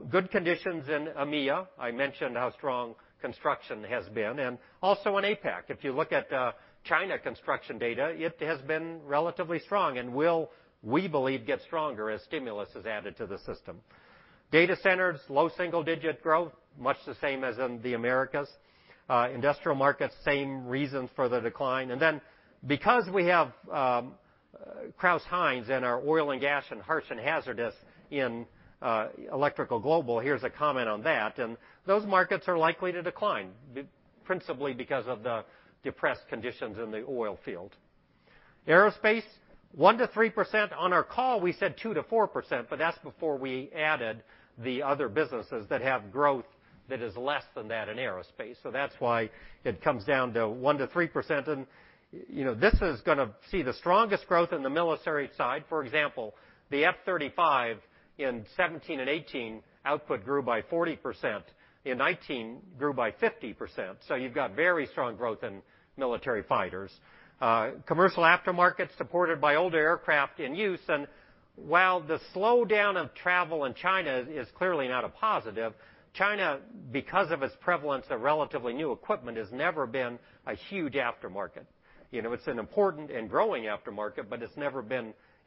good conditions in EMEIA. I mentioned how strong construction has been, and also in APAC. If you look at China construction data, it has been relatively strong and will, we believe, get stronger as stimulus is added to the system. Data centers, low single-digit growth, much the same as in the Americas. Industrial markets, same reasons for the decline. Because we have Crouse-Hinds and our oil and gas and harsh and hazardous in Electrical Global, here's a comment on that. Those markets are likely to decline, principally because of the depressed conditions in the oil field. Aerospace, 1%-3%. On our call, we said 2%-4%, That's before we added the other businesses that have growth that is less than that in aerospace. That's why it comes down to 1%-3%. This is going to see the strongest growth in the military side. For example, the F-35 in 2017 and 2018, output grew by 40%, in 2019, grew by 50%. You've got very strong growth in military fighters. Commercial aftermarket supported by older aircraft in use. While the slowdown of travel in China is clearly not a positive, China, because of its prevalence of relatively new equipment, has never been a huge aftermarket. It's an important and growing aftermarket, but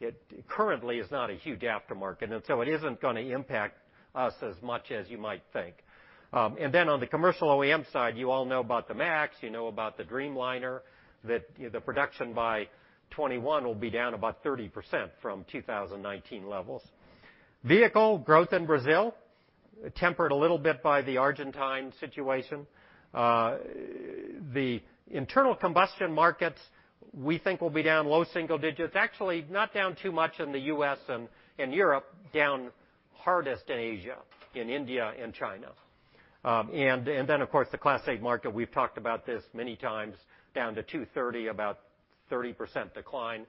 it currently is not a huge aftermarket. It isn't going to impact us as much as you might think. On the commercial OEM side, you all know about the MAX, you know about the Dreamliner, that the production by 2021 will be down about 30% from 2019 levels. Vehicle growth in Brazil, tempered a little bit by the Argentine situation. The internal combustion markets, we think will be down low single digits. Actually not down too much in the U.S. and in Europe, down hardest in Asia, in India, and China. Of course, the Class 8 market, we've talked about this many times, down to 230, about 30% decline.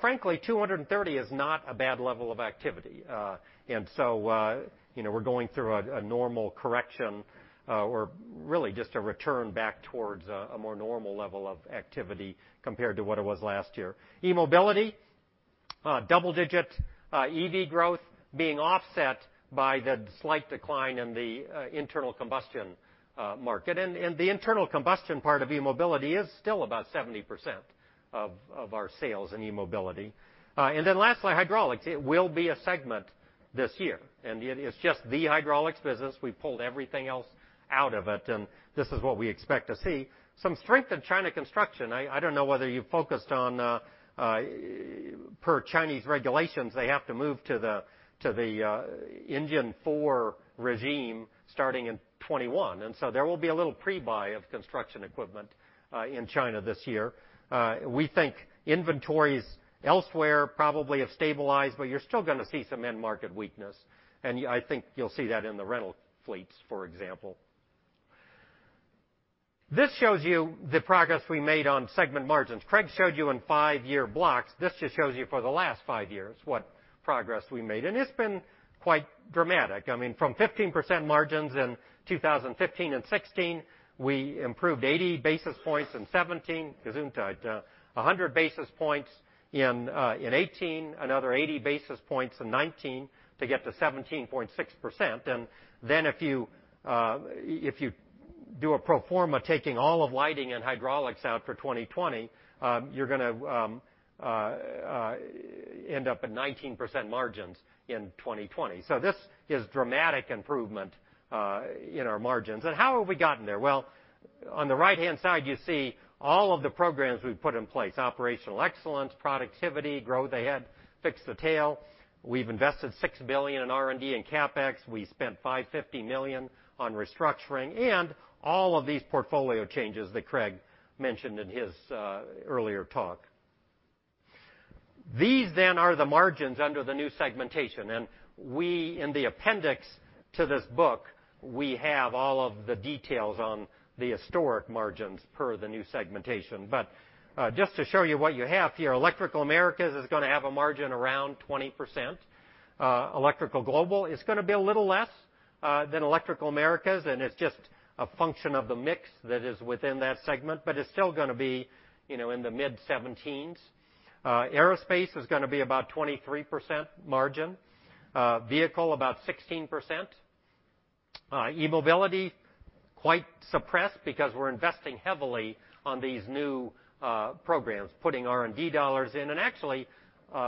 Frankly, 230 is not a bad level of activity. We're going through a normal correction, or really just a return back towards a more normal level of activity compared to what it was last year. E-mobility, double-digit EV growth being offset by the slight decline in the internal combustion market. The internal combustion part of e-mobility is still about 70% of our sales in e-mobility. Lastly, hydraulics. It will be a segment this year, and it is just the hydraulics business. We pulled everything else out of it, and this is what we expect to see. Some strength in China construction. I don't know whether you focused on, per Chinese regulations, they have to move to the engine four regime starting in 2021. There will be a little pre-buy of construction equipment in China this year. We think inventories elsewhere probably have stabilized, but you're still going to see some end market weakness, and I think you'll see that in the rental fleets, for example. This shows you the progress we made on segment margins. Craig showed you in five-year blocks. This just shows you for the last five years what progress we made. It's been quite dramatic. From 15% margins in 2015 and 2016, we improved 80 basis points in 2017, gesundheit. 100 basis points in 2018, another 80 basis points in 2019 to get to 17.6%. If you do a pro forma, taking all of lighting and hydraulics out for 2020, you're going to end up at 19% margins in 2020. This is dramatic improvement in our margins. How have we gotten there? Well, on the right-hand side, you see all of the programs we've put in place, operational excellence, productivity, grow the head, fix the tail. We've invested $6 billion in R&D and CapEx. We spent $550 million on restructuring and all of these portfolio changes that Craig mentioned in his earlier talk. These are the margins under the new segmentation. We, in the appendix to this book, we have all of the details on the historic margins per the new segmentation. Just to show you what you have here, Electrical Americas is going to have a margin around 20%. Electrical Global is going to be a little less than Electrical Americas, and it's just a function of the mix that is within that segment, but it's still going to be in the mid-17s. Aerospace is going to be about 23% margin. Vehicle, about 16%. E-mobility, quite suppressed because we're investing heavily on these new programs, putting R&D dollars in. Actually,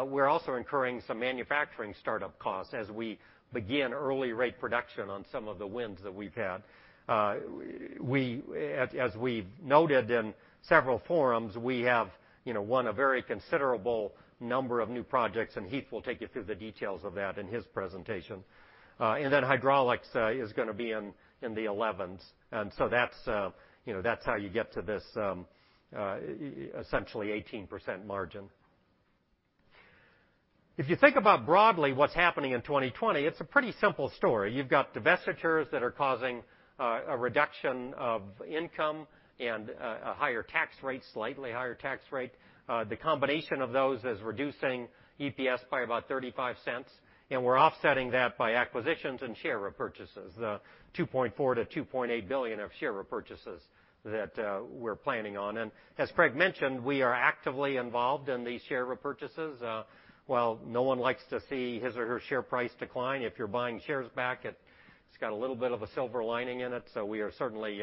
we're also incurring some manufacturing startup costs as we begin early rate production on some of the wins that we've had. As we've noted in several forums, we have won a very considerable number of new projects. Heath will take you through the details of that in his presentation. Hydraulics is going to be in the 11s. That's how you get to this essentially 18% margin. If you think about broadly what's happening in 2020, it's a pretty simple story. You've got divestitures that are causing a reduction of income and a higher tax rate, slightly higher tax rate. The combination of those is reducing EPS by about $0.35. We're offsetting that by acquisitions and share repurchases, the $2.4 billion-$2.8 billion of share repurchases that we're planning on. As Craig mentioned, we are actively involved in these share repurchases. While no one likes to see his or her share price decline, if you're buying shares back, it's got a little bit of a silver lining in it. We are certainly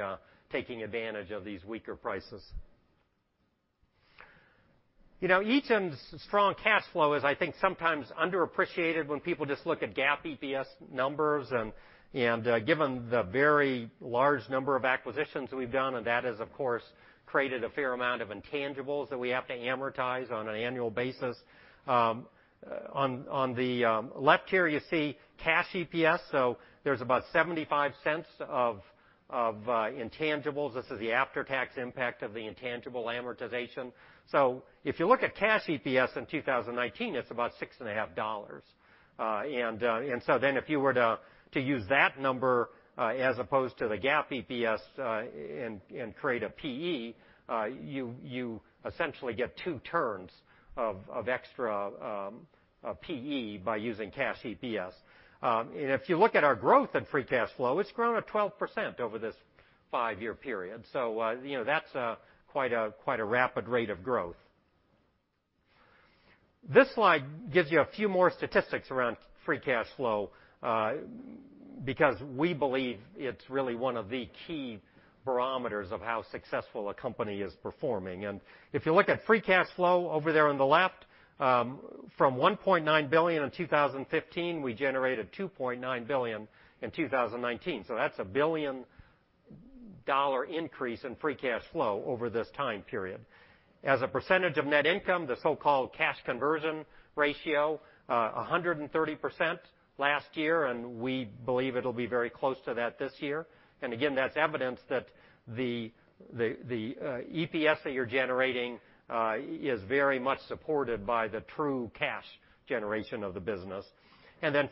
taking advantage of these weaker prices. Eaton's strong cash flow is, I think, sometimes underappreciated when people just look at GAAP EPS numbers, and given the very large number of acquisitions we've done, and that has, of course, created a fair amount of intangibles that we have to amortize on an annual basis. On the left here, you see cash EPS. There's about $0.75 of intangibles. This is the after-tax impact of the intangible amortization. If you look at cash EPS in 2019, it's about six and a half dollars. If you were to use that number as opposed to the GAAP EPS and create a PE, you essentially get two turns of extra PE by using cash EPS. If you look at our growth in free cash flow, it's grown at 12% over this five-year period. That's quite a rapid rate of growth. This slide gives you a few more statistics around free cash flow, because we believe it's really one of the key barometers of how successful a company is performing. If you look at free cash flow over there on the left, from $1.9 billion in 2015, we generated $2.9 billion in 2019. That's a billion-dollar increase in free cash flow over this time period. As a percentage of net income, the so-called cash conversion ratio, 130% last year, and we believe it'll be very close to that this year. Again, that's evidence that the EPS that you're generating is very much supported by the true cash generation of the business.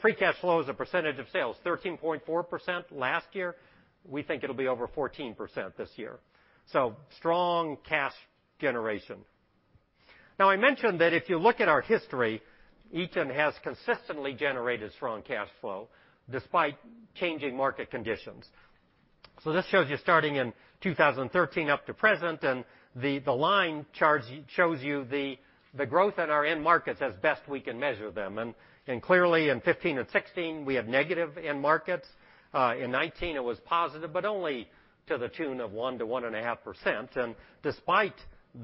Free cash flow as a percentage of sales, 13.4% last year. We think it'll be over 14% this year. Strong cash generation. Now, I mentioned that if you look at our history, Eaton has consistently generated strong cash flow despite changing market conditions. This shows you starting in 2013 up to present, and the line shows you the growth in our end markets as best we can measure them. Clearly in 2015 and 2016, we have negative end markets. In 2019, it was positive, but only to the tune of 1%-1.5%. Despite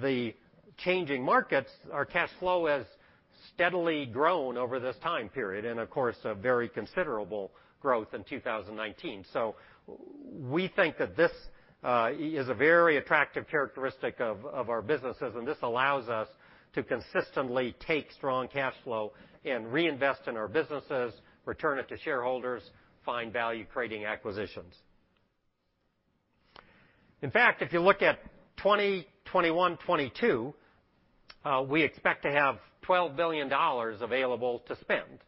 the changing markets, our cash flow has steadily grown over this time period and, of course, a very considerable growth in 2019. We think that this is a very attractive characteristic of our businesses, and this allows us to consistently take strong cash flow and reinvest in our businesses, return it to shareholders, find value-creating acquisitions. In fact, if you look at 2021, 2022, we expect to have $12 billion available to spend.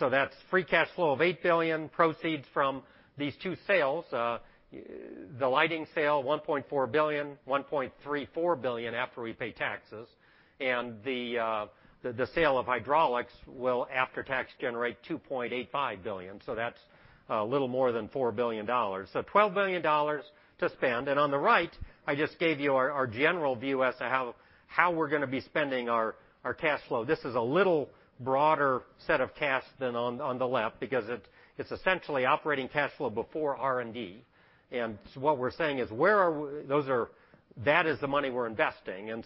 That's free cash flow of $8 billion, proceeds from these two sales. The Lighting sale, $1.4 billion, $1.34 billion after we pay taxes, and the sale of hydraulics will, after tax, generate $2.85 billion. That's a little more than $4 billion. $12 billion to spend. On the right, I just gave you our general view as to how we're going to be spending our cash flow. This is a little broader set of cash than on the left because it's essentially operating cash flow before R&D. What we're saying is that is the money we're investing.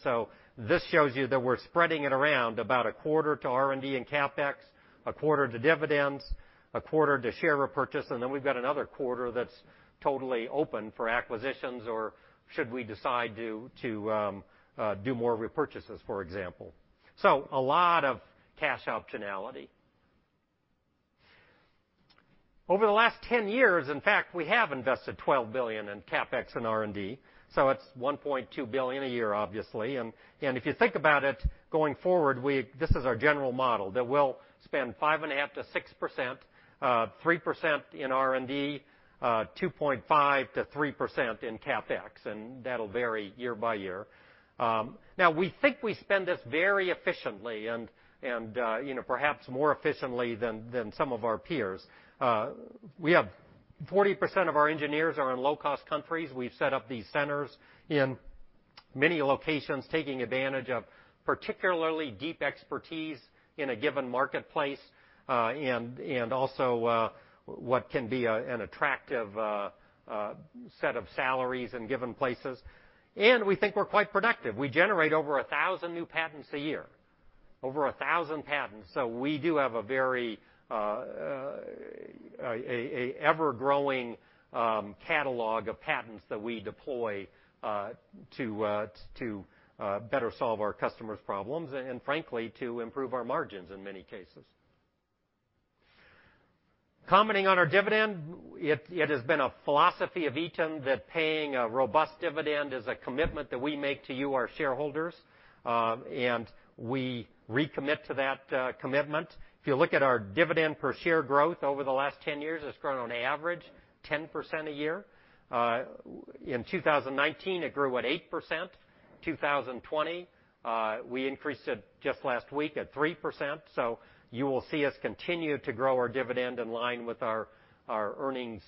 This shows you that we're spreading it around about a quarter to R&D and CapEx, a quarter to dividends, a quarter to share repurchase, and then we've got another quarter that's totally open for acquisitions or should we decide to do more repurchases, for example. A lot of cash optionality. Over the last 10 years, in fact, we have invested $12 billion in CapEx and R&D, so it's $1.2 billion a year, obviously. If you think about it, going forward, this is our general model, that we'll spend 5.5%-6%, 3% in R&D, 2.5%-3% in CapEx, and that'll vary year by year. We think we spend this very efficiently and perhaps more efficiently than some of our peers. We have 40% of our engineers are in low-cost countries. We've set up these centers in many locations, taking advantage of particularly deep expertise in a given marketplace, also what can be an attractive set of salaries in given places. We think we're quite productive. We generate over 1,000 new patents a year. Over 1,000 patents. We do have a very ever-growing catalog of patents that we deploy to better solve our customers' problems and frankly, to improve our margins in many cases. Commenting on our dividend, it has been a philosophy of Eaton that paying a robust dividend is a commitment that we make to you, our shareholders, and we recommit to that commitment. If you look at our dividend per share growth over the last 10 years, it's grown on average 10% a year. In 2019, it grew at 8%. 2020, we increased it just last week at 3%, so you will see us continue to grow our dividend in line with our earnings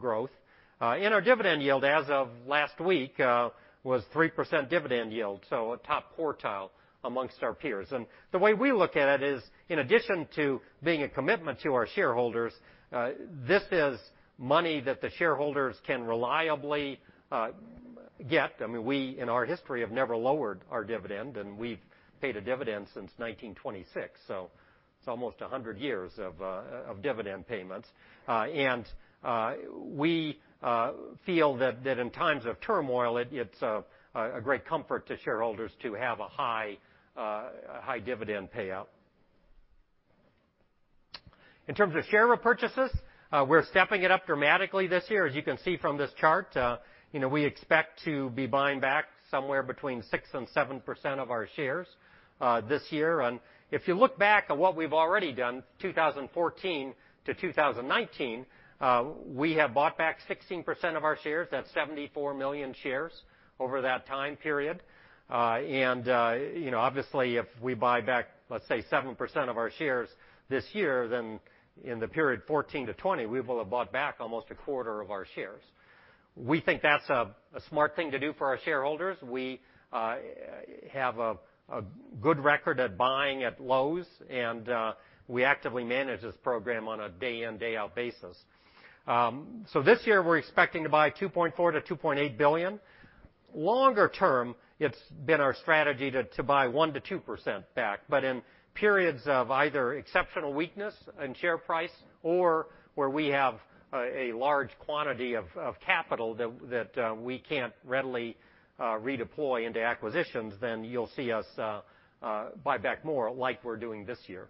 growth. Our dividend yield as of last week was 3% dividend yield, so a top quartile amongst our peers. The way we look at it is, in addition to being a commitment to our shareholders, this is money that the shareholders can reliably get. We, in our history, have never lowered our dividend, and we've paid a dividend since 1926, so it's almost 100 years of dividend payments. We feel that in times of turmoil, it's a great comfort to shareholders to have a high dividend payout. In terms of share repurchases, we're stepping it up dramatically this year. As you can see from this chart, we expect to be buying back somewhere between 6% and 7% of our shares this year. If you look back on what we've already done, 2014 to 2019, we have bought back 16% of our shares. That's 74 million shares over that time period. Obviously, if we buy back, let's say, 7% of our shares this year, in the period 2014 to 2020, we will have bought back almost a quarter of our shares. We think that's a smart thing to do for our shareholders. We have a good record at buying at lows, and we actively manage this program on a day-in, day-out basis. This year we're expecting to buy $2.4 billion-$2.8 billion. Longer term, it's been our strategy to buy 1%-2% back. In periods of either exceptional weakness in share price or where we have a large quantity of capital that we can't readily redeploy into acquisitions, then you'll see us buy back more like we're doing this year.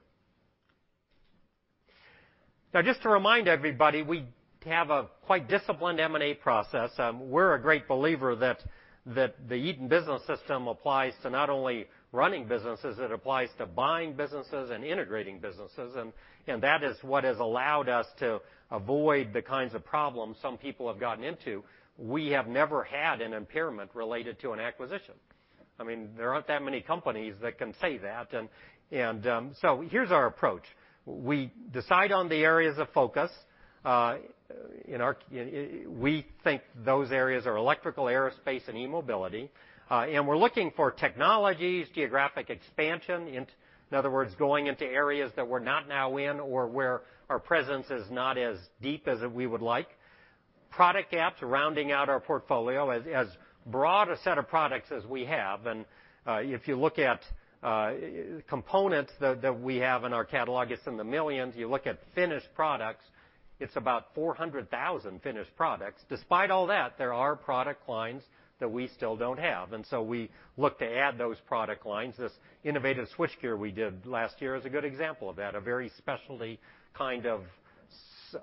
Just to remind everybody, we have a quite disciplined M&A process. We're a great believer that the Eaton Business System applies to not only running businesses, it applies to buying businesses and integrating businesses, and that is what has allowed us to avoid the kinds of problems some people have gotten into. We have never had an impairment related to an acquisition. There aren't that many companies that can say that. Here's our approach. We decide on the areas of focus. We think those areas are Electrical, Aerospace, and E-mobility. We're looking for technologies, geographic expansion, in other words, going into areas that we're not now in or where our presence is not as deep as we would like. Product gaps, rounding out our portfolio. As broad a set of products as we have, and if you look at components that we have in our catalog, it's in the millions. You look at finished products, it's about 400,000 finished products. Despite all that, there are product lines that we still don't have, and so we look to add those product lines. This innovative switchgear we did last year is a good example of that, a very specialty,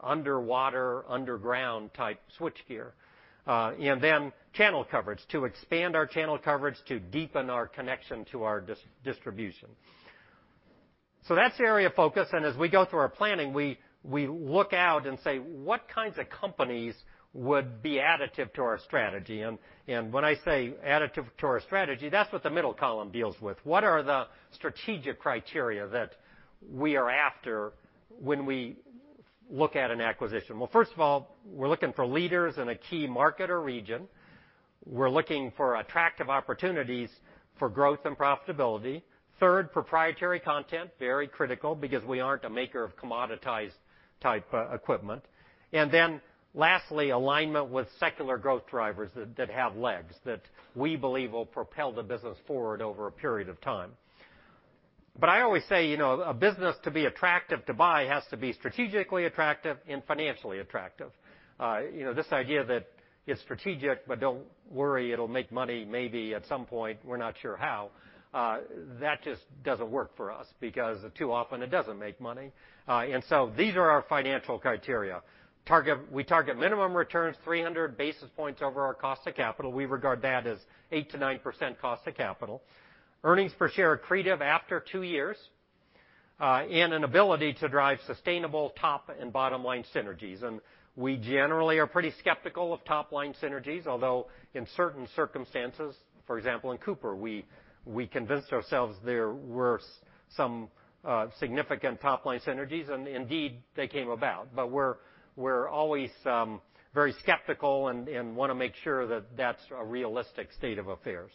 underwater, underground type switchgear. Channel coverage, to expand our channel coverage, to deepen our connection to our distribution. That's the area of focus, and as we go through our planning, we look out and say what kinds of companies would be additive to our strategy? When I say additive to our strategy, that's what the middle column deals with. What are the strategic criteria that we are after when we look at an acquisition? Well, first of all, we're looking for leaders in a key market or region. We're looking for attractive opportunities for growth and profitability. Third, proprietary content, very critical because we aren't a maker of commoditized type equipment. Lastly, alignment with secular growth drivers that have legs that we believe will propel the business forward over a period of time. I always say, a business to be attractive to buy has to be strategically attractive and financially attractive. This idea that it's strategic, but don't worry, it'll make money maybe at some point, we're not sure how, that just doesn't work for us because too often it doesn't make money. These are our financial criteria. We target minimum returns 300 basis points over our cost of capital. We regard that as 8%-9% cost of capital. Earnings per share accretive after two years, and an ability to drive sustainable top and bottom line synergies. We generally are pretty skeptical of top-line synergies, although in certain circumstances, for example, in Cooper, we convinced ourselves there were some significant top-line synergies, and indeed, they came about. We're always very skeptical and want to make sure that that's a realistic state of affairs.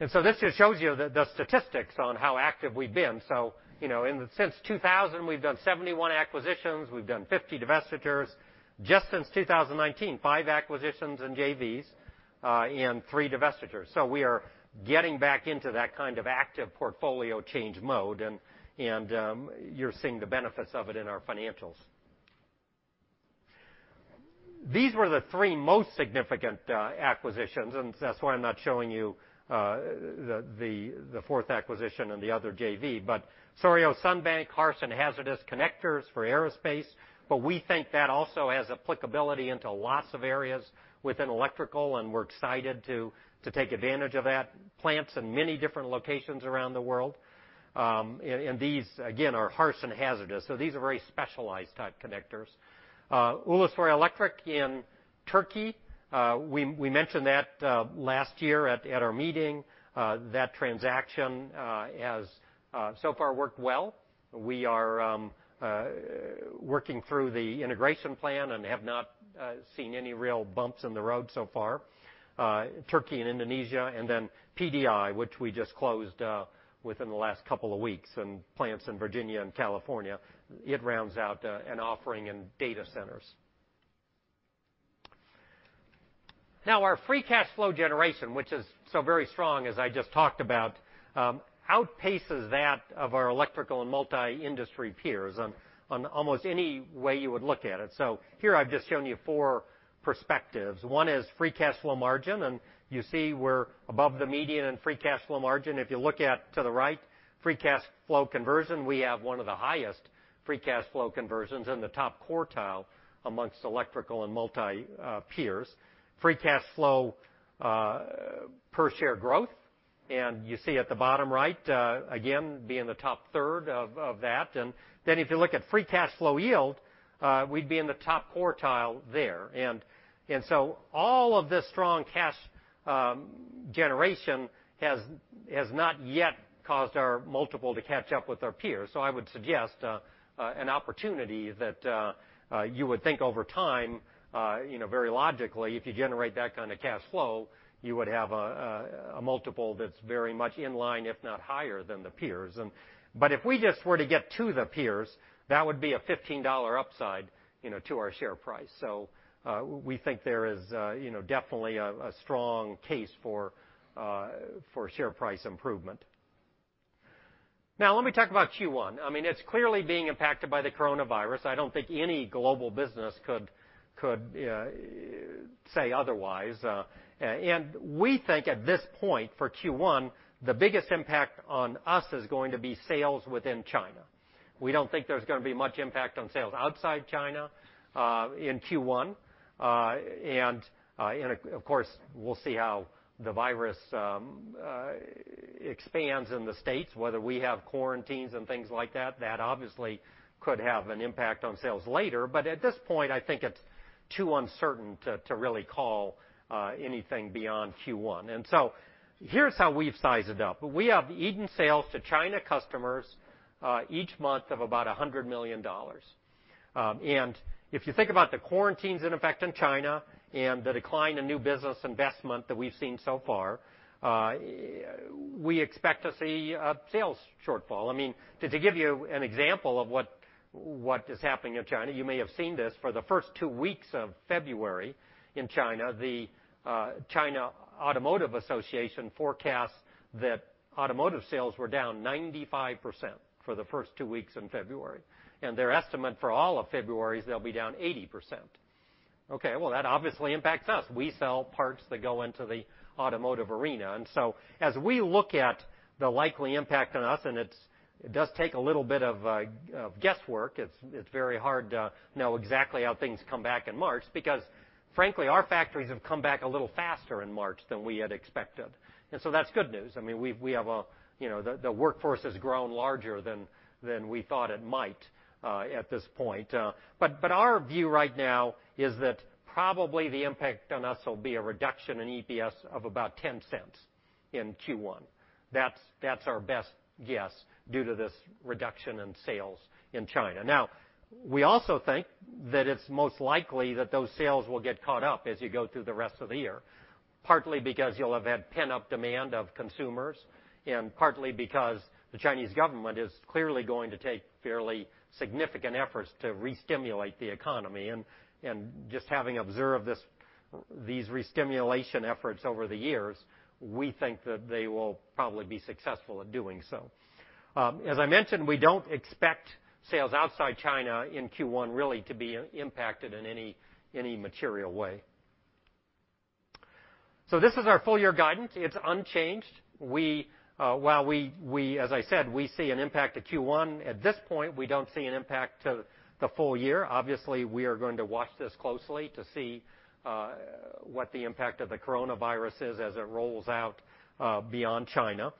This just shows you the statistics on how active we've been. Since 2000, we've done 71 acquisitions, we've done 50 divestitures. Just since 2019, five acquisitions and JVs, and three divestitures. We are getting back into that kind of active portfolio change mode, and you're seeing the benefits of it in our financials. These were the three most significant acquisitions, and that's why I'm not showing you the fourth acquisition and the other JV. Souriau-Sunbank, harsh and hazardous connectors for aerospace. We think that also has applicability into lots of areas within electrical, and we're excited to take advantage of that. Plants in many different locations around the world. These, again, are harsh and hazardous. These are very specialized type connectors. Ulusoy Elektrik in Turkey, we mentioned that last year at our meeting. That transaction has so far worked well. We are working through the integration plan and have not seen any real bumps in the road so far. Turkey and Indonesia, and then PDI, which we just closed within the last couple of weeks, and plants in Virginia and California, it rounds out an offering in data centers. Our free cash flow generation, which is so very strong, as I just talked about, outpaces that of our electrical and multi-industry peers on almost any way you would look at it. Here I've just shown you four perspectives. One is free cash flow margin, and you see we're above the median in free cash flow margin. If you look at to the right, free cash flow conversion, we have one of the highest free cash flow conversions in the top quartile amongst electrical and multi peers. Free cash flow, per share growth. You see at the bottom right, again, being the top third of that. If you look at free cash flow yield, we'd be in the top quartile there. All of this strong cash generation has not yet caused our multiple to catch up with our peers. I would suggest an opportunity that you would think over time, very logically, if you generate that kind of cash flow, you would have a multiple that's very much in line, if not higher than the peers. If we just were to get to the peers, that would be a $15 upside to our share price. We think there is definitely a strong case for share price improvement. Now let me talk about Q1. It's clearly being impacted by the coronavirus. I don't think any global business could say otherwise. We think at this point for Q1, the biggest impact on us is going to be sales within China. We don't think there's going to be much impact on sales outside China in Q1. Of course, we'll see how the virus expands in the States, whether we have quarantines and things like that. That obviously could have an impact on sales later. At this point, I think it's too uncertain to really call anything beyond Q1. Here's how we've sized it up. We have Eaton sales to China customers each month of about $100 million. If you think about the quarantines in effect in China and the decline in new business investment that we've seen so far, we expect to see a sales shortfall. To give you an example of what is happening in China, you may have seen this, for the first two weeks of February in China, the China Automotive Association forecasts that automotive sales were down 95% for the first two weeks in February. Their estimate for all of February is they'll be down 80%. Okay, well, that obviously impacts us. We sell parts that go into the automotive arena. So as we look at the likely impact on us, it does take a little bit of guesswork. It's very hard to know exactly how things come back in March because, frankly, our factories have come back a little faster in March than we had expected. So that's good news. The workforce has grown larger than we thought it might at this point. Our view right now is that probably the impact on us will be a reduction in EPS of about $0.10 in Q1. That's our best guess due to this reduction in sales in China. We also think that it's most likely that those sales will get caught up as you go through the rest of the year, partly because you'll have had pent-up demand of consumers, and partly because the Chinese government is clearly going to take fairly significant efforts to re-stimulate the economy. Just having observed these re-stimulation efforts over the years, we think that they will probably be successful at doing so. As I mentioned, we don't expect sales outside China in Q1 really to be impacted in any material way. This is our full-year guidance. It's unchanged. As I said, we see an impact to Q1. At this point, we don't see an impact to the full year. We are going to watch this closely to see what the impact of the coronavirus is as it rolls out beyond China.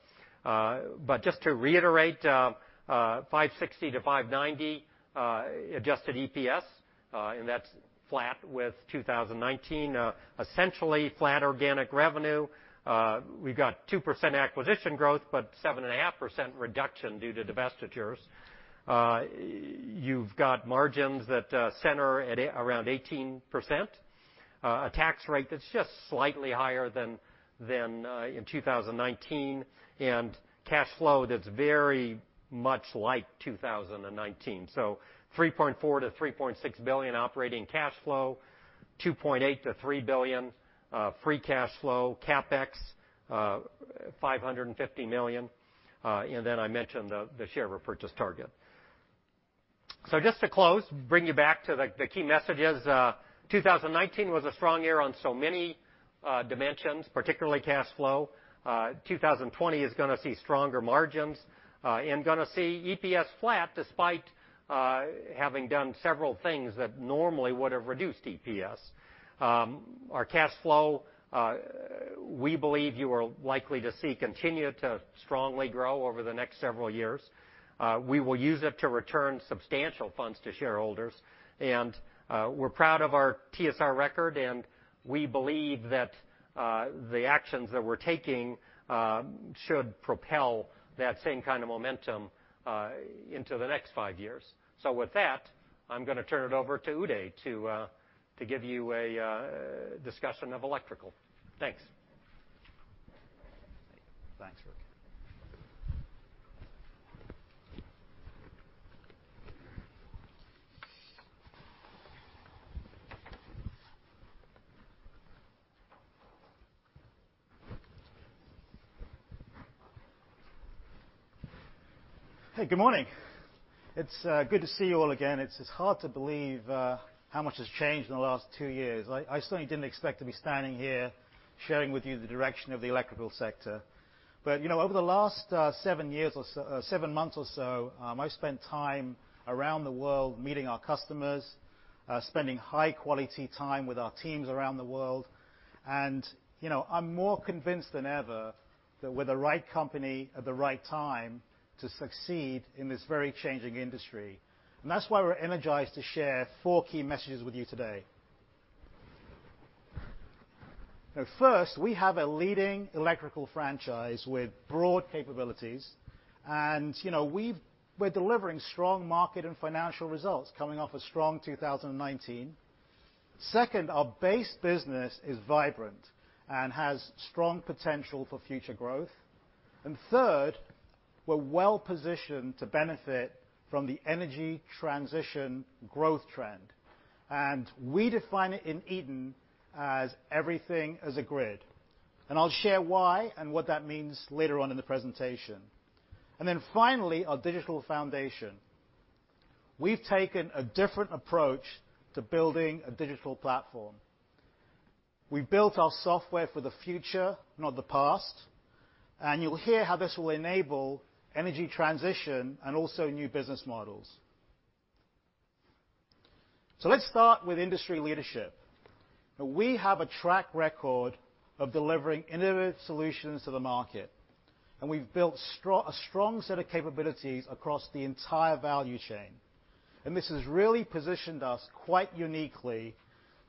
Just to reiterate, $5.60-$5.90 adjusted EPS, and that's flat with 2019. Essentially flat organic revenue. We've got 2% acquisition growth, but 7.5% reduction due to divestitures. You've got margins that center at around 18%, a tax rate that's just slightly higher than in 2019, and cash flow that's very much like 2019. $3.4 billion-$3.6 billion operating cash flow, $2.8 billion-$3 billion free cash flow, CapEx $550 million, I mentioned the share repurchase target. Just to close, bring you back to the key messages. 2019 was a strong year on so many dimensions, particularly cash flow. 2020 is going to see stronger margins and going to see EPS flat, despite having done several things that normally would have reduced EPS. Our cash flow, we believe you are likely to see continue to strongly grow over the next several years. We will use it to return substantial funds to shareholders, and we're proud of our TSR record, and we believe that the actions that we're taking should propel that same kind of momentum into the next five years. With that, I'm going to turn it over to Uday to give you a discussion of Electrical. Thanks. Thanks, Rick. Hey, good morning. It's good to see you all again. It's just hard to believe how much has changed in the last two years. I certainly didn't expect to be standing here sharing with you the direction of the Electrical Sector. Over the last seven months or so, I've spent time around the world meeting our customers, spending high-quality time with our teams around the world. I'm more convinced than ever that we're the right company at the right time to succeed in this very changing industry. That's why we're energized to share four key messages with you today. Now, first, we have a leading electrical franchise with broad capabilities, and we're delivering strong market and financial results coming off a strong 2019. Second, our base business is vibrant and has strong potential for future growth. Third, we're well-positioned to benefit from the energy transition growth trend. We define it in Eaton as everything as a grid. I'll share why and what that means later on in the presentation. Finally, our digital foundation. We've taken a different approach to building a digital platform. We've built our software for the future, not the past, and you'll hear how this will enable energy transition and also new business models. Let's start with industry leadership. Now we have a track record of delivering innovative solutions to the market, and we've built a strong set of capabilities across the entire value chain. This has really positioned us quite uniquely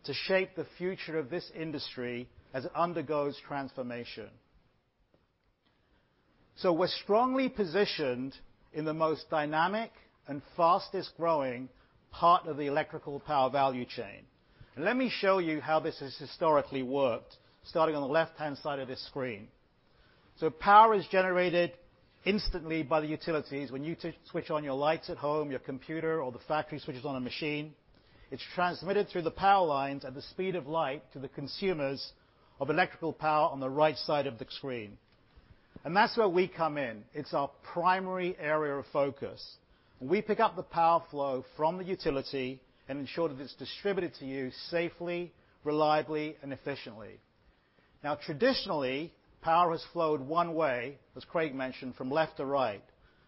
to shape the future of this industry as it undergoes transformation. We're strongly positioned in the most dynamic and fastest-growing part of the electrical power value chain. Let me show you how this has historically worked, starting on the left-hand side of this screen. Power is generated instantly by the utilities when you switch on your lights at home, your computer, or the factory switches on a machine. It's transmitted through the power lines at the speed of light to the consumers of electrical power on the right side of the screen. That's where we come in. It's our primary area of focus. We pick up the power flow from the utility and ensure that it's distributed to you safely, reliably, and efficiently. Now, traditionally, power has flowed one way, as Craig mentioned, from left to right.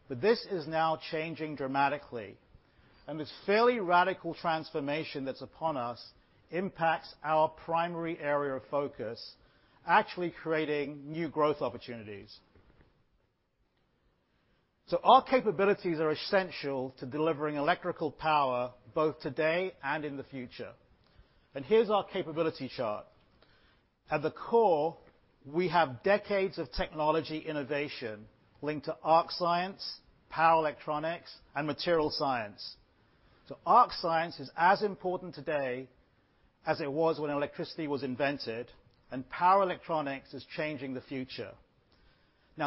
This is now changing dramatically. This fairly radical transformation that's upon us impacts our primary area of focus, actually creating new growth opportunities. Our capabilities are essential to delivering electrical power both today and in the future. Here's our capability chart. At the core, we have decades of technology innovation linked to arc science, power electronics, and material science. Arc science is as important today as it was when electricity was invented, and power electronics is changing the future.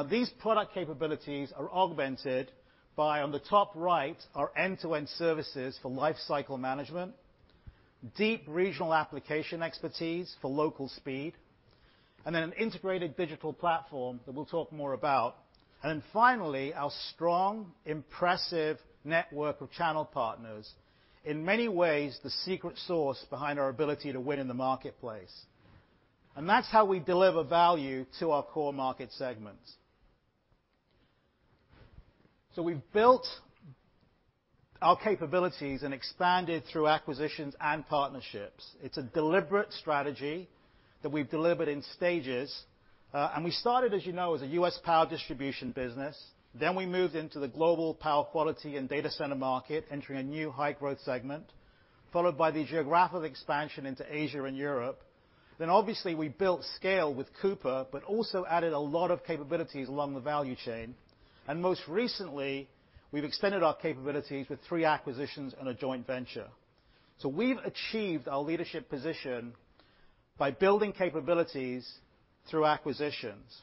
These product capabilities are augmented by, on the top right, our end-to-end services for life cycle management, deep regional application expertise for local speed, and then an integrated digital platform that we'll talk more about. Finally, our strong, impressive network of channel partners. In many ways, the secret source behind our ability to win in the marketplace. That's how we deliver value to our core market segments. We've built our capabilities and expanded through acquisitions and partnerships. It's a deliberate strategy that we've delivered in stages. We started, as you know, as a U.S. power distribution business. We moved into the global power quality and data center market, entering a new high-growth segment, followed by the geographic expansion into Asia and Europe. Obviously, we built scale with Cooper, but also added a lot of capabilities along the value chain. Most recently, we've extended our capabilities with three acquisitions and a joint venture. We've achieved our leadership position by building capabilities through acquisitions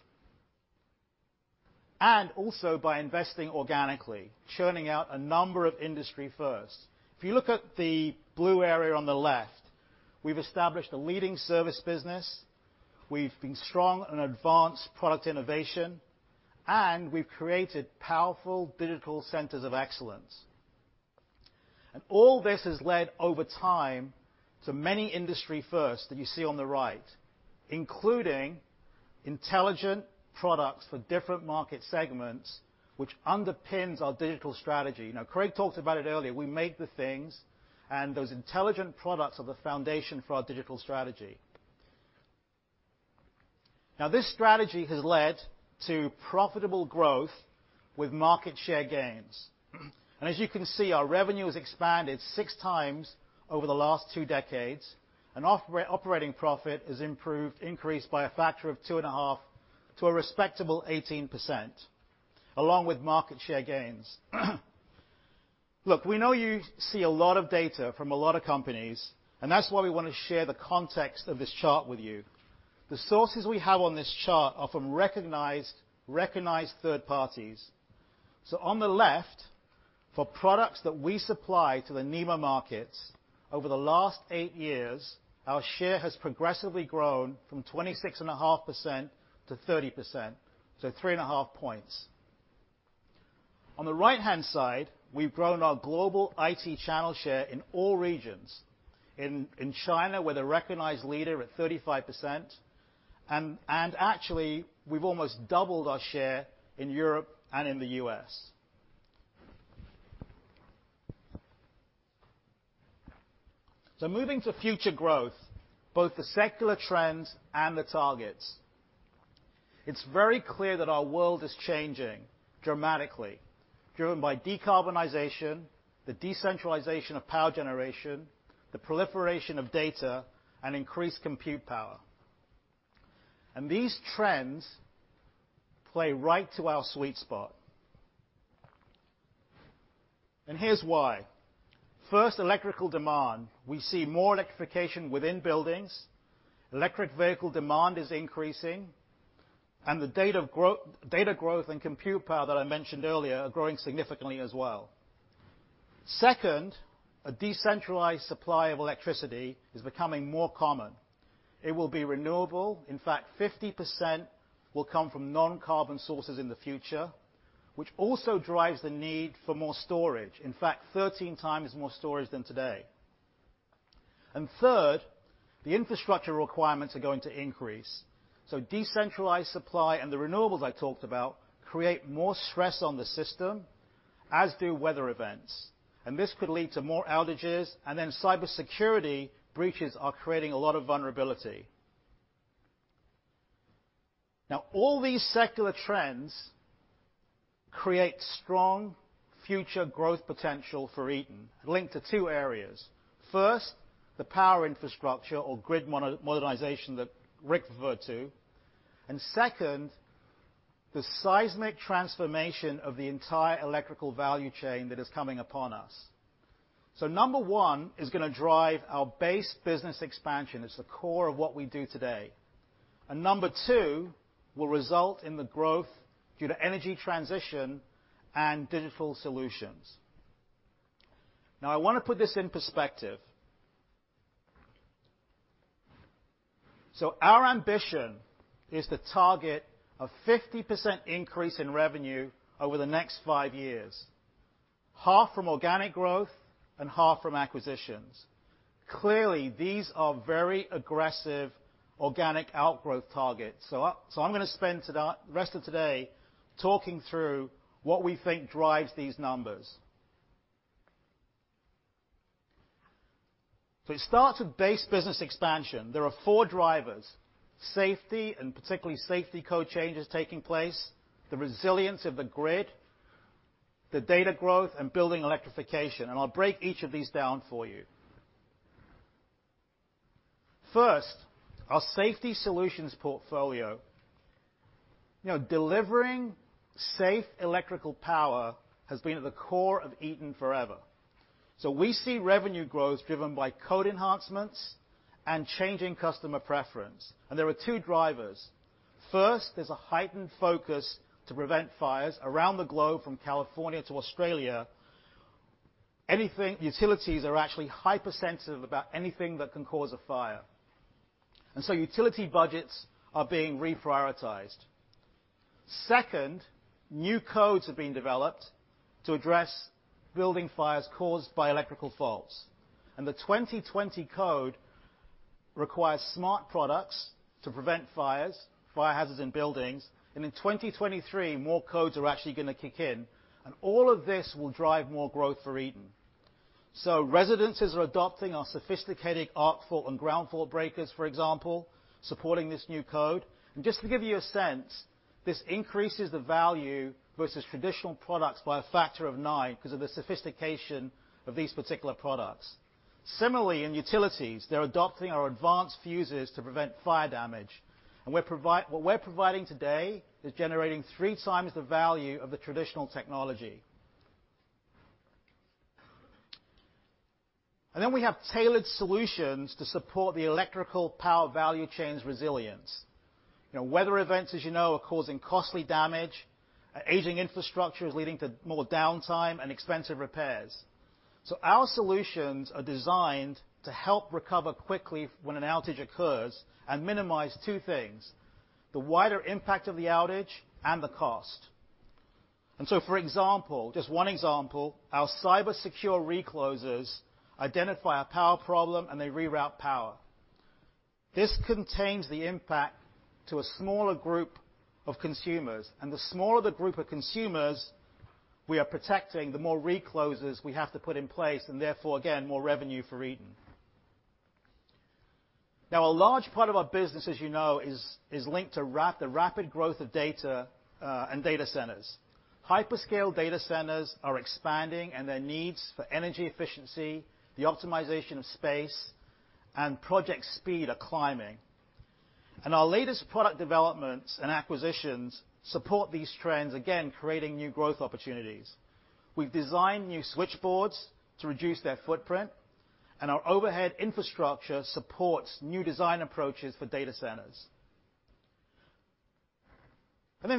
and also by investing organically, churning out a number of industry firsts. If you look at the blue area on the left, we've established a leading service business, we've been strong in advanced product innovation, and we've created powerful digital centers of excellence. All this has led over time to many industry firsts that you see on the right, including intelligent products for different market segments, which underpins our digital strategy. Craig talked about it earlier. We make the things, and those intelligent products are the foundation for our digital strategy. This strategy has led to profitable growth with market share gains. As you can see, our revenue has expanded six times over the last two decades, and operating profit has increased by a factor of two and a half to a respectable 18%, along with market share gains. Look, we know you see a lot of data from a lot of companies, and that's why we want to share the context of this chart with you. The sources we have on this chart are from recognized third parties. On the left, for products that we supply to the NEMA markets, over the last 8 years, our share has progressively grown from 26.5% to 30%, so three and a half points. On the right-hand side, we've grown our global IT channel share in all regions. In China, we're the recognized leader at 35%, and actually, we've almost doubled our share in Europe and in the U.S. Moving to future growth, both the secular trends and the targets. It's very clear that our world is changing dramatically, driven by decarbonization, the decentralization of power generation, the proliferation of data, and increased compute power. These trends play right to our sweet spot. Here's why. First, electrical demand. We see more electrification within buildings. Electric vehicle demand is increasing, and the data growth and compute power that I mentioned earlier are growing significantly as well. Second, a decentralized supply of electricity is becoming more common. It will be renewable. In fact, 50% will come from non-carbon sources in the future, which also drives the need for more storage. In fact, 13 times more storage than today. Third, the infrastructure requirements are going to increase. Decentralized supply and the renewables I talked about create more stress on the system, as do weather events, and this could lead to more outages, and then cybersecurity breaches are creating a lot of vulnerability. Now, all these secular trends create strong future growth potential for Eaton, linked to two areas. First, the power infrastructure or grid modernization that Rick referred to. Second, the seismic transformation of the entire electrical value chain that is coming upon us. Number 1 is going to drive our base business expansion. It's the core of what we do today. Number two will result in the growth due to energy transition and digital solutions. I want to put this in perspective. Our ambition is to target a 50% increase in revenue over the next five years, half from organic growth and half from acquisitions. Clearly, these are very aggressive organic outgrowth targets. I'm going to spend the rest of today talking through what we think drives these numbers. We start with base business expansion. There are four drivers: safety, and particularly safety code changes taking place, the resilience of the grid, the data growth, and building electrification. I'll break each of these down for you. First, our safety solutions portfolio. Delivering safe electrical power has been at the core of Eaton forever. We see revenue growth driven by code enhancements and changing customer preference. There are two drivers. There's a heightened focus to prevent fires around the globe, from California to Australia. Utilities are actually hypersensitive about anything that can cause a fire. Utility budgets are being reprioritized. New codes have been developed to address building fires caused by electrical faults. The 2020 code requires smart products to prevent fires, fire hazards in buildings. In 2023, more codes are actually going to kick in. All of this will drive more growth for Eaton. Residences are adopting our sophisticated arc fault and ground fault breakers, for example, supporting this new code. Just to give you a sense, this increases the value versus traditional products by a factor of nine because of the sophistication of these particular products. Similarly, in utilities, they're adopting our advanced fuses to prevent fire damage. What we're providing today is generating three times the value of the traditional technology. We have tailored solutions to support the electrical power value chain's resilience. Weather events, as you know, are causing costly damage. Aging infrastructure is leading to more downtime and expensive repairs. Our solutions are designed to help recover quickly when an outage occurs and minimize two things, the wider impact of the outage and the cost. For example, just one example, our cyber secure reclosers identify a power problem and they reroute power. This contains the impact to a smaller group of consumers. The smaller the group of consumers we are protecting, the more reclosers we have to put in place, and therefore, again, more revenue for Eaton. A large part of our business, as you know, is linked to the rapid growth of data and data centers. Hyperscale data centers are expanding, their needs for energy efficiency, the optimization of space, and project speed are climbing. Our latest product developments and acquisitions support these trends, again, creating new growth opportunities. We've designed new switchboards to reduce their footprint, our overhead infrastructure supports new design approaches for data centers.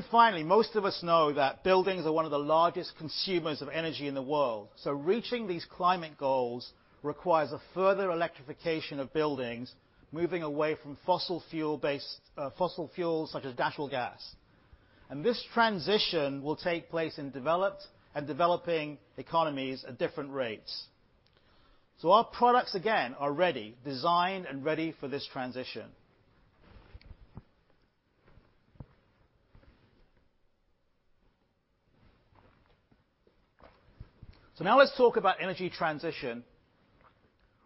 Finally, most of us know that buildings are one of the largest consumers of energy in the world. Reaching these climate goals requires a further electrification of buildings, moving away from fossil fuels, such as natural gas. This transition will take place in developed and developing economies at different rates. Our products, again, are ready, designed and ready for this transition. Let's talk about energy transition,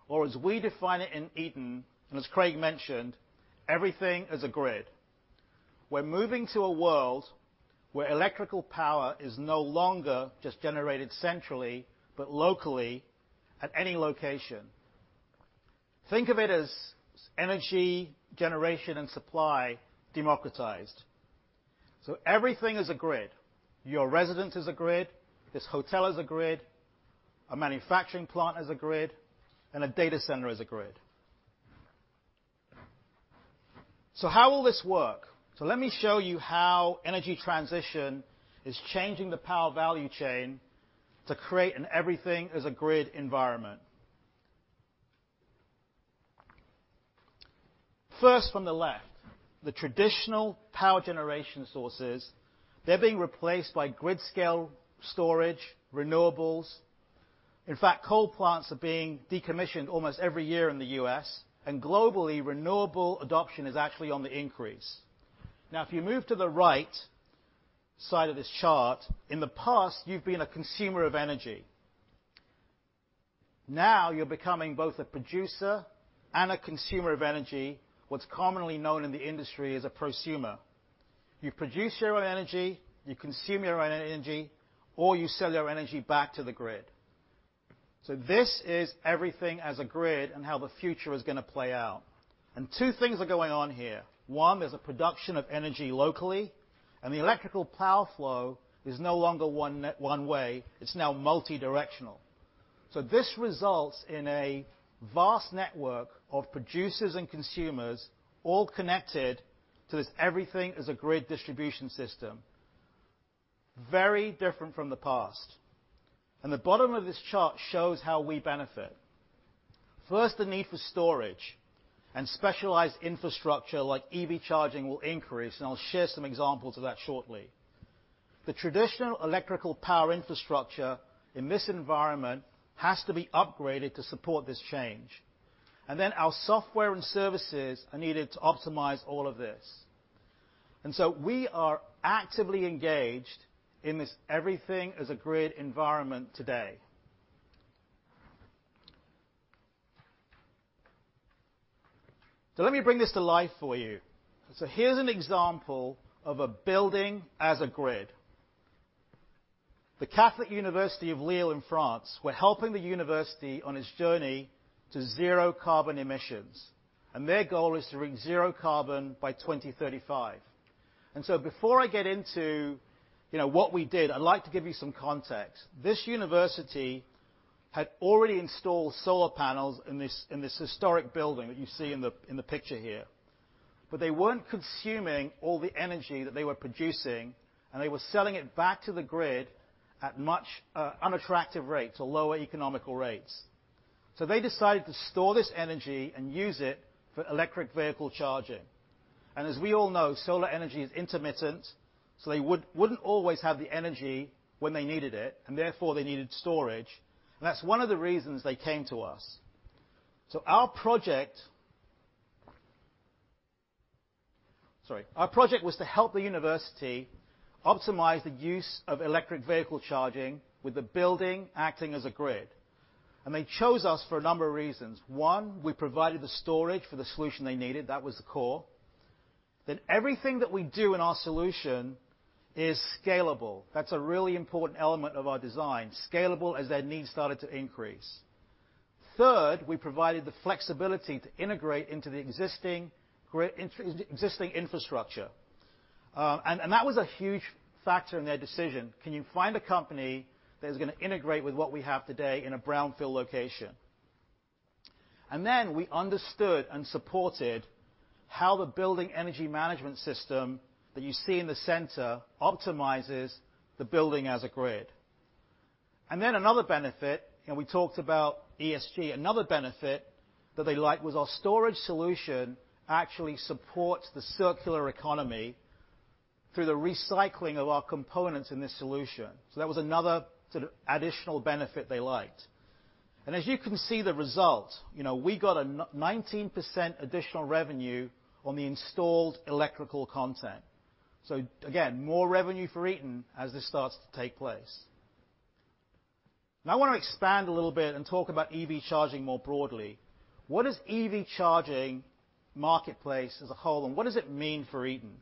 or as we define it in Eaton, and as Craig mentioned, Everything as a Grid. We're moving to a world where electrical power is no longer just generated centrally, but locally at any location. Think of it as energy generation and supply democratized. Everything is a grid. Your residence is a grid, this hotel is a grid, a manufacturing plant is a grid, and a data center is a grid. How will this work? Let me show you how energy transition is changing the power value chain to create an everything is a grid environment. First from the left, the traditional power generation sources, they're being replaced by grid-scale storage, renewables. In fact, coal plants are being decommissioned almost every year in the U.S., and globally, renewable adoption is actually on the increase. Now, if you move to the right side of this chart, in the past, you've been a consumer of energy. You're becoming both a producer and a consumer of energy, what's commonly known in the industry as a prosumer. You produce your own energy, you consume your own energy, you sell your energy back to the grid. This is Everything as a Grid and how the future is going to play out. Two things are going on here. There's a production of energy locally, and the electrical power flow is no longer one way, it's now multi-directional. This results in a vast network of producers and consumers all connected to this Everything as a Grid distribution system. Very different from the past. The bottom of this chart shows how we benefit. First, the need for storage and specialized infrastructure like EV charging will increase, and I'll share some examples of that shortly. The traditional electrical power infrastructure in this environment has to be upgraded to support this change. Our software and services are needed to optimize all of this. We are actively engaged in this everything as a grid environment today. Let me bring this to life for you. Here's an example of a building as a grid. The Catholic University of Lille in France, we're helping the university on its journey to zero carbon emissions, and their goal is to reach zero carbon by 2035. Before I get into what we did, I'd like to give you some context. This university had already installed solar panels in this historic building that you see in the picture here. They weren't consuming all the energy that they were producing, and they were selling it back to the grid at much unattractive rates or lower economical rates. They decided to store this energy and use it for electric vehicle charging. As we all know, solar energy is intermittent, so they wouldn't always have the energy when they needed it, and therefore, they needed storage. That's one of the reasons they came to us. Our project was to help the university optimize the use of electric vehicle charging with the building acting as a grid. They chose us for a number of reasons. One, we provided the storage for the solution they needed. That was the core. Everything that we do in our solution is scalable. That's a really important element of our design, scalable as their needs started to increase. Third, we provided the flexibility to integrate into the existing infrastructure. That was a huge factor in their decision. Can you find a company that is going to integrate with what we have today in a brownfield location? We understood and supported how the building energy management system that you see in the center optimizes the building as a grid. Another benefit, and we talked about ESG, another benefit that they liked was our storage solution actually supports the circular economy through the recycling of our components in this solution. That was another additional benefit they liked. As you can see the result, we got a 19% additional revenue on the installed electrical content. Again, more revenue for Eaton as this starts to take place. Now I want to expand a little bit and talk about EV charging more broadly. What is EV charging marketplace as a whole, and what does it mean for Eaton?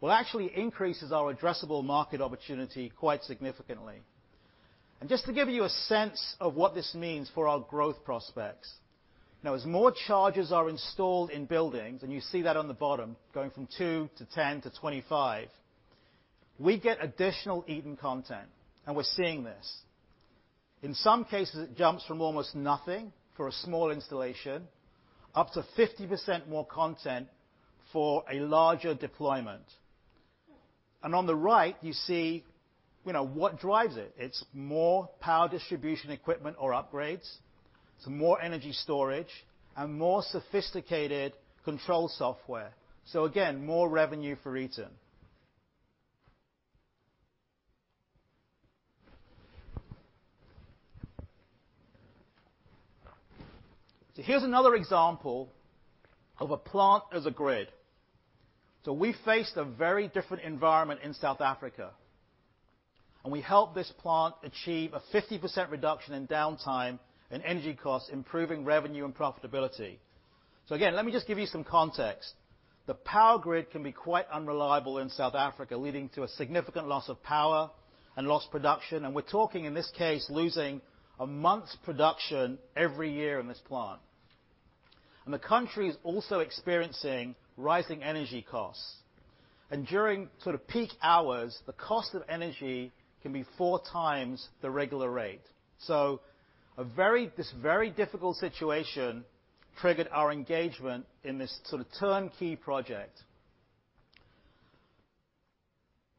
Well, it actually increases our addressable market opportunity quite significantly. Just to give you a sense of what this means for our growth prospects. Now, as more chargers are installed in buildings, and you see that on the bottom, going from two to 10 to 25, we get additional Eaton content, and we're seeing this. In some cases, it jumps from almost nothing for a small installation, up to 50% more content for a larger deployment. On the right, you see what drives it. It's more power distribution equipment or upgrades, some more energy storage, and more sophisticated control software. Again, more revenue for Eaton. Here's another example of a plant as a grid. We faced a very different environment in South Africa, and we helped this plant achieve a 50% reduction in downtime and energy costs, improving revenue and profitability. Again, let me just give you some context. The power grid can be quite unreliable in South Africa, leading to a significant loss of power and loss production. We're talking, in this case, losing a month's production every year in this plant. The country is also experiencing rising energy costs. During peak hours, the cost of energy can be four times the regular rate. This very difficult situation triggered our engagement in this turnkey project.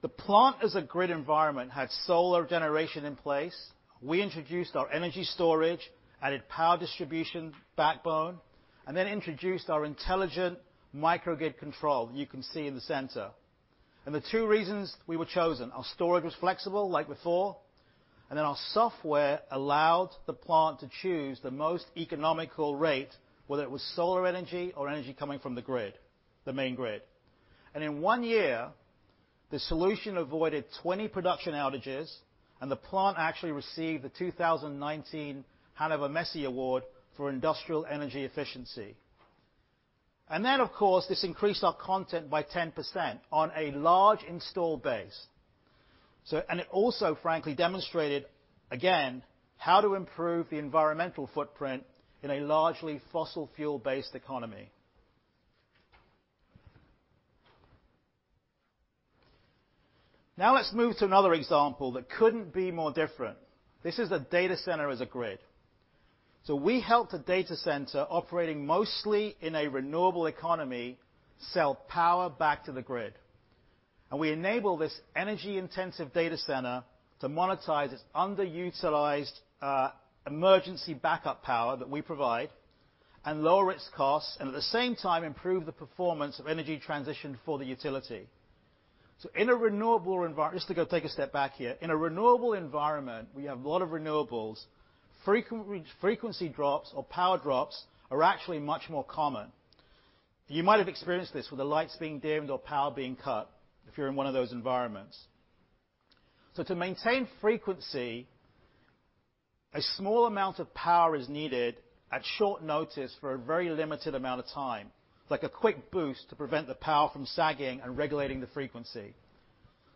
The plant as a grid environment had solar generation in place. We introduced our energy storage, added power distribution backbone, and then introduced our intelligent microgrid control you can see in the center. The two reasons we were chosen, our storage was flexible like before, our software allowed the plant to choose the most economical rate, whether it was solar energy or energy coming from the main grid. In one year, the solution avoided 20 production outages, and the plant actually received the 2019 Hannover Messe Award for industrial energy efficiency. Of course, this increased our content by 10% on a large install base. It also, frankly, demonstrated again how to improve the environmental footprint in a largely fossil fuel-based economy. Let's move to another example that couldn't be more different. This is a data center as a grid. We helped a data center operating mostly in a renewable economy sell power back to the grid. We enable this energy-intensive data center to monetize its underutilized emergency backup power that we provide and lower its costs, and at the same time, improve the performance of energy transition for the utility. Just to go take a step back here. In a renewable environment, we have a lot of renewables. Frequency drops or power drops are actually much more common. You might have experienced this with the lights being dimmed or power being cut if you're in one of those environments. To maintain frequency, a small amount of power is needed at short notice for a very limited amount of time. It's like a quick boost to prevent the power from sagging and regulating the frequency.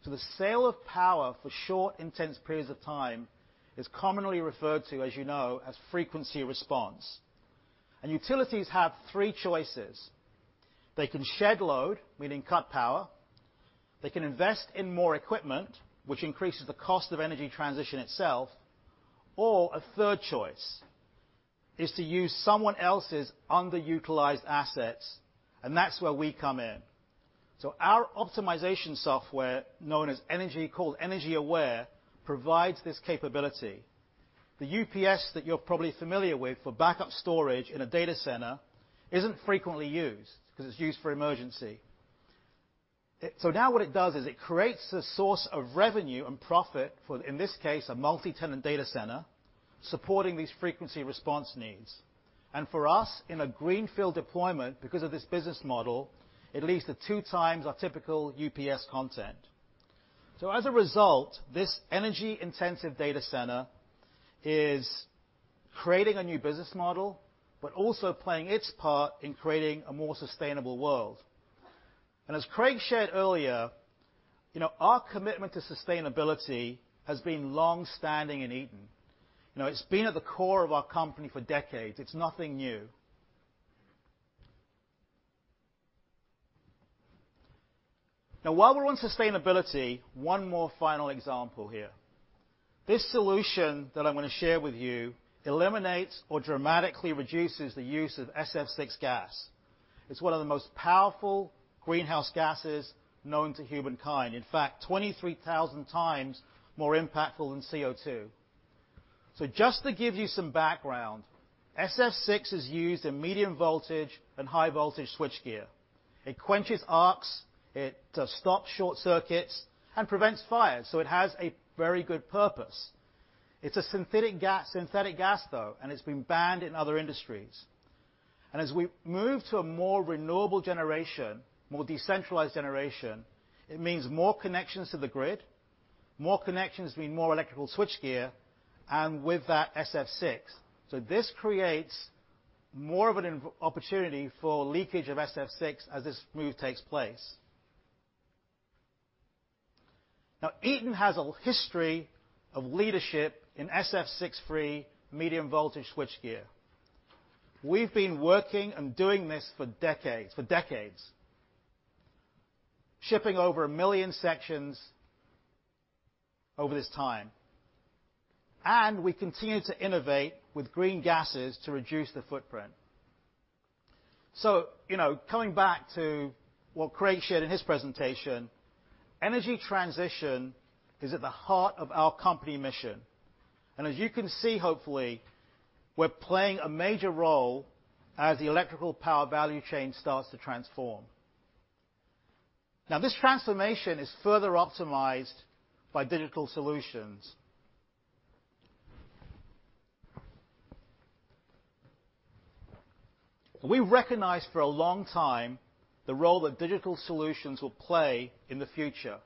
The sale of power for short intense periods of time is commonly referred to, as you know, as frequency response. Utilities have three choices. They can shed load, meaning cut power. They can invest in more equipment, which increases the cost of energy transition itself. A third choice is to use someone else's underutilized assets, and that's where we come in. Our optimization software, called EnergyAware, provides this capability. The UPS that you're probably familiar with for backup storage in a data center isn't frequently used because it's used for emergency. Now what it does is it creates a source of revenue and profit for, in this case, a multi-tenant data center supporting these frequency response needs. For us, in a greenfield deployment, because of this business model, it leases two times our typical UPS content. As a result, this energy-intensive data center is creating a new business model, but also playing its part in creating a more sustainable world. As Craig shared earlier, our commitment to sustainability has been longstanding in Eaton. It's been at the core of our company for decades. It's nothing new. While we're on sustainability, one more final example here. This solution that I'm going to share with you eliminates or dramatically reduces the use of SF6 gas. It's one of the most powerful greenhouse gases known to humankind. In fact, 23,000 times more impactful than CO2. Just to give you some background, SF6 is used in medium voltage and high voltage switchgear. It quenches arcs, it stops short circuits, and prevents fires. It has a very good purpose. It's a synthetic gas, though, and it's been banned in other industries. As we move to a more renewable generation, more decentralized generation, it means more connections to the grid, more connections mean more electrical switchgear, and with that, SF6. This creates more of an opportunity for leakage of SF6 as this move takes place. Eaton has a history of leadership in SF6-free medium voltage switchgear. We've been working and doing this for decades. Shipping over a million sections over this time. We continue to innovate with green gases to reduce the footprint. Coming back to what Craig shared in his presentation, energy transition is at the heart of our company mission. As you can see, hopefully, we're playing a major role as the electrical power value chain starts to transform. This transformation is further optimized by digital solutions. We recognized for a long time the role that digital solutions will play in the future.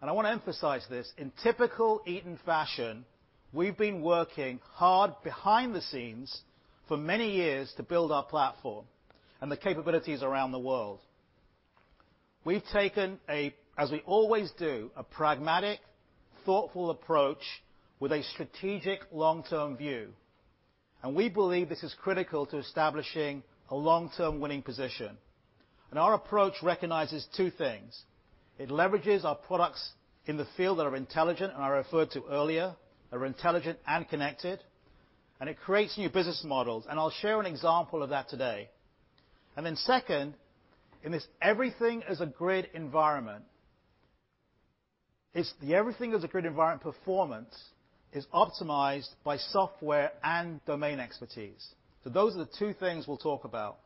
I want to emphasize this, in typical Eaton fashion, we've been working hard behind the scenes for many years to build our platform and the capabilities around the world. We've taken, as we always do, a pragmatic, thoughtful approach with a strategic long-term view. We believe this is critical to establishing a long-term winning position. Our approach recognizes two things. It leverages our products in the field that are intelligent and connected, and it creates new business models. I'll share an example of that today. Second, in this everything-is-a-grid environment performance is optimized by software and domain expertise. Those are the two things we'll talk about.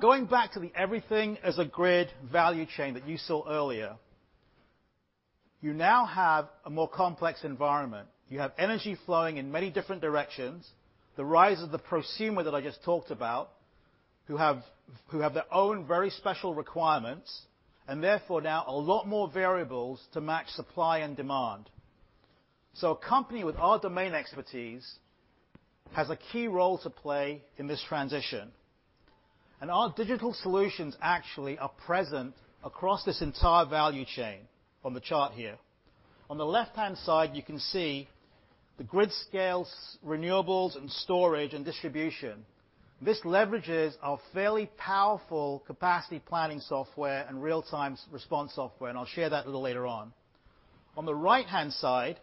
Going back to the everything-is-a-grid value chain that you saw earlier, you now have a more complex environment. You have energy flowing in many different directions, the rise of the prosumer that I just talked about, who have their own very special requirements, therefore now a lot more variables to match supply and demand. A company with our domain expertise has a key role to play in this transition, our digital solutions actually are present across this entire value chain on the chart here. On the left-hand side, you can see the grid scales, renewables and storage and distribution. This leverages our fairly powerful capacity planning software and real-time response software, I'll share that a little later on. On the right-hand side,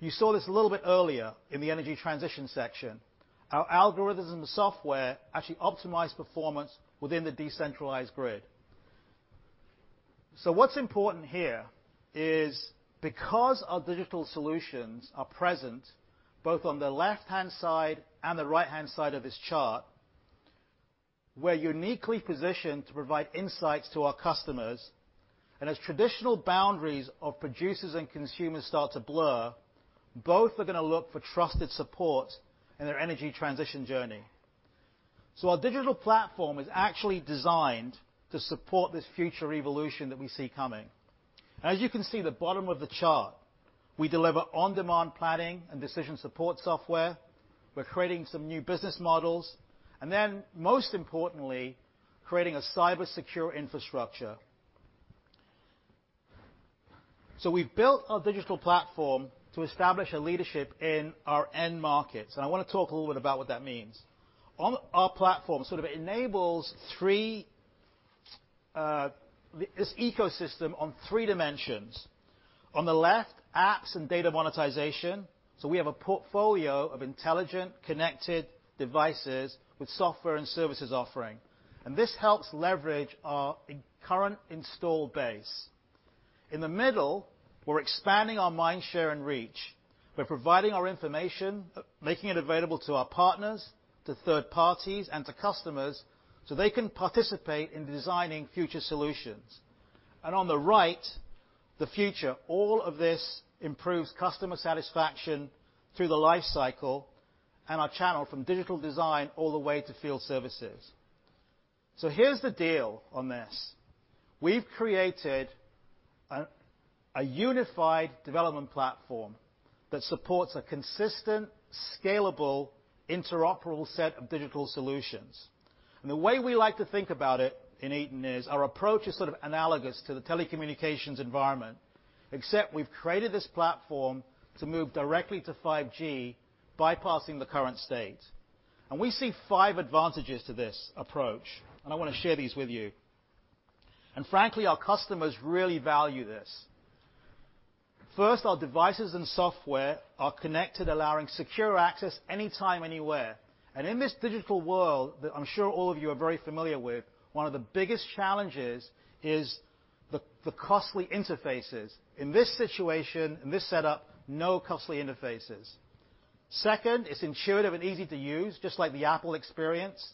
you saw this a little bit earlier in the energy transition section. Our algorithms and software actually optimize performance within the decentralized grid. What's important here is because our digital solutions are present both on the left-hand side and the right-hand side of this chart, we're uniquely positioned to provide insights to our customers. As traditional boundaries of producers and consumers start to blur, both are going to look for trusted support in their energy transition journey. Our digital platform is actually designed to support this future evolution that we see coming. As you can see at the bottom of the chart, we deliver on-demand planning and decision support software. We're creating some new business models, and then most importantly, creating a cybersecure infrastructure. We've built a digital platform to establish a leadership in our end markets, and I want to talk a little bit about what that means. On our platform, it enables this ecosystem on three dimensions. On the left, apps and data monetization. We have a portfolio of intelligent, connected devices with software and services offering. This helps leverage our current install base. In the middle, we're expanding our mind share and reach. We're providing our information, making it available to our partners, to third parties, and to customers so they can participate in designing future solutions. On the right, the future. All of this improves customer satisfaction through the life cycle and our channel from digital design all the way to field services. Here's the deal on this. We've created a unified development platform that supports a consistent, scalable, interoperable set of digital solutions. The way we like to think about it in Eaton is our approach is sort of analogous to the telecommunications environment, except we've created this platform to move directly to 5G, bypassing the current state. We see five advantages to this approach, and I want to share these with you. Frankly, our customers really value this. First, our devices and software are connected, allowing secure access anytime, anywhere. In this digital world that I'm sure all of you are very familiar with, one of the biggest challenges is the costly interfaces. In this situation, in this setup, no costly interfaces. Second, it's intuitive and easy to use, just like the Apple experience.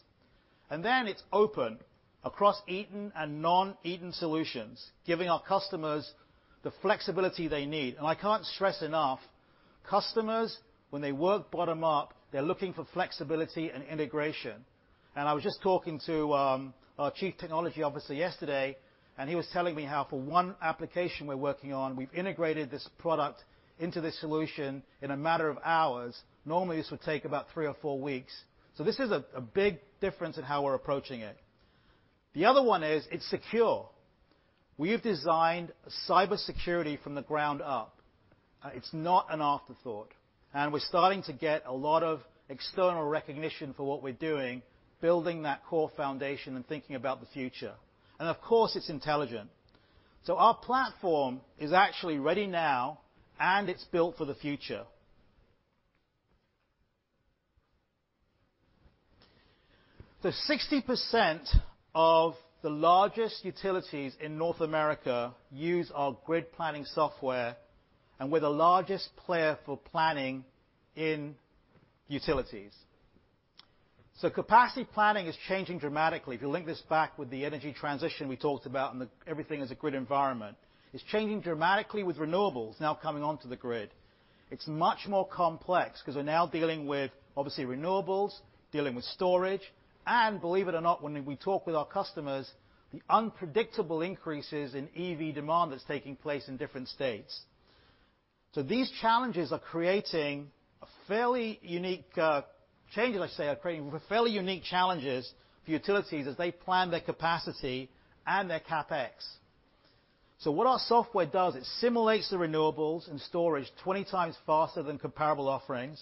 It's open across Eaton and non-Eaton solutions, giving our customers the flexibility they need. I can't stress enough, customers, when they work bottom-up, they're looking for flexibility and integration. I was just talking to our Chief Technology Officer yesterday, and he was telling me how for one application we're working on, we've integrated this product into this solution in a matter of hours. Normally, this would take about three or four weeks. This is a big difference in how we're approaching it. The other one is it's secure. We have designed cybersecurity from the ground up. It's not an afterthought. We're starting to get a lot of external recognition for what we're doing, building that core foundation and thinking about the future. Of course, it's intelligent. Our platform is actually ready now, and it's built for the future. 60% of the largest utilities in North America use our grid planning software, and we're the largest player for planning in utilities. Capacity planning is changing dramatically. If you link this back with the energy transition we talked about and the everything is a grid environment, it's changing dramatically with renewables now coming onto the grid. It's much more complex because we're now dealing with, obviously, renewables, dealing with storage, and believe it or not, when we talk with our customers, the unpredictable increases in EV demand that's taking place in different states. These challenges are creating fairly unique challenges for utilities as they plan their capacity and their CapEx. What our software does, it simulates the renewables and storage 20 times faster than comparable offerings.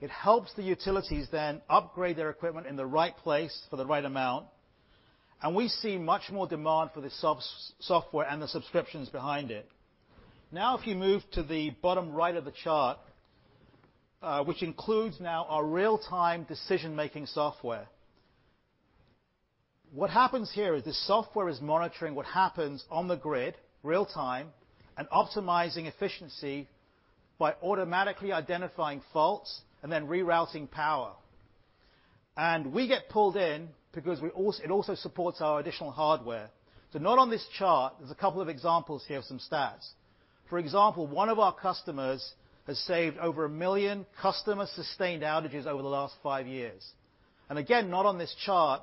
It helps the utilities then upgrade their equipment in the right place for the right amount. We see much more demand for the software and the subscriptions behind it. Now, if you move to the bottom right of the chart, which includes now our real-time decision-making software. What happens here is the software is monitoring what happens on the grid real-time and optimizing efficiency by automatically identifying faults and then rerouting power. We get pulled in because it also supports our additional hardware. Not on this chart, there's a couple of examples here of some stats. For example, one of our customers has saved over 1 million customer-sustained outages over the last five years. Again, not on this chart,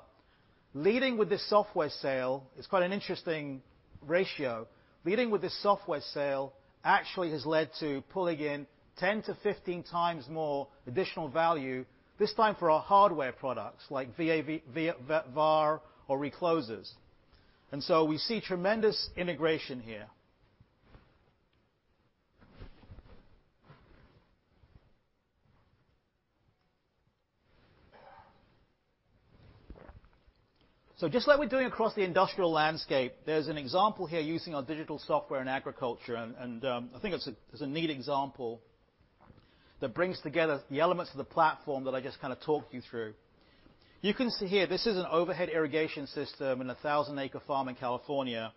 leading with this software sale is quite an interesting ratio. Leading with this software sale actually has led to pulling in 10 to 15 times more additional value, this time for our hardware products like VAR or reclosers. We see tremendous integration here. Just like we're doing across the industrial landscape, there's an example here using our digital software in agriculture, and I think it's a neat example. That brings together the elements of the platform that I just kind of talked you through. You can see here, this is an overhead irrigation system in a 1,000-acre farm in California.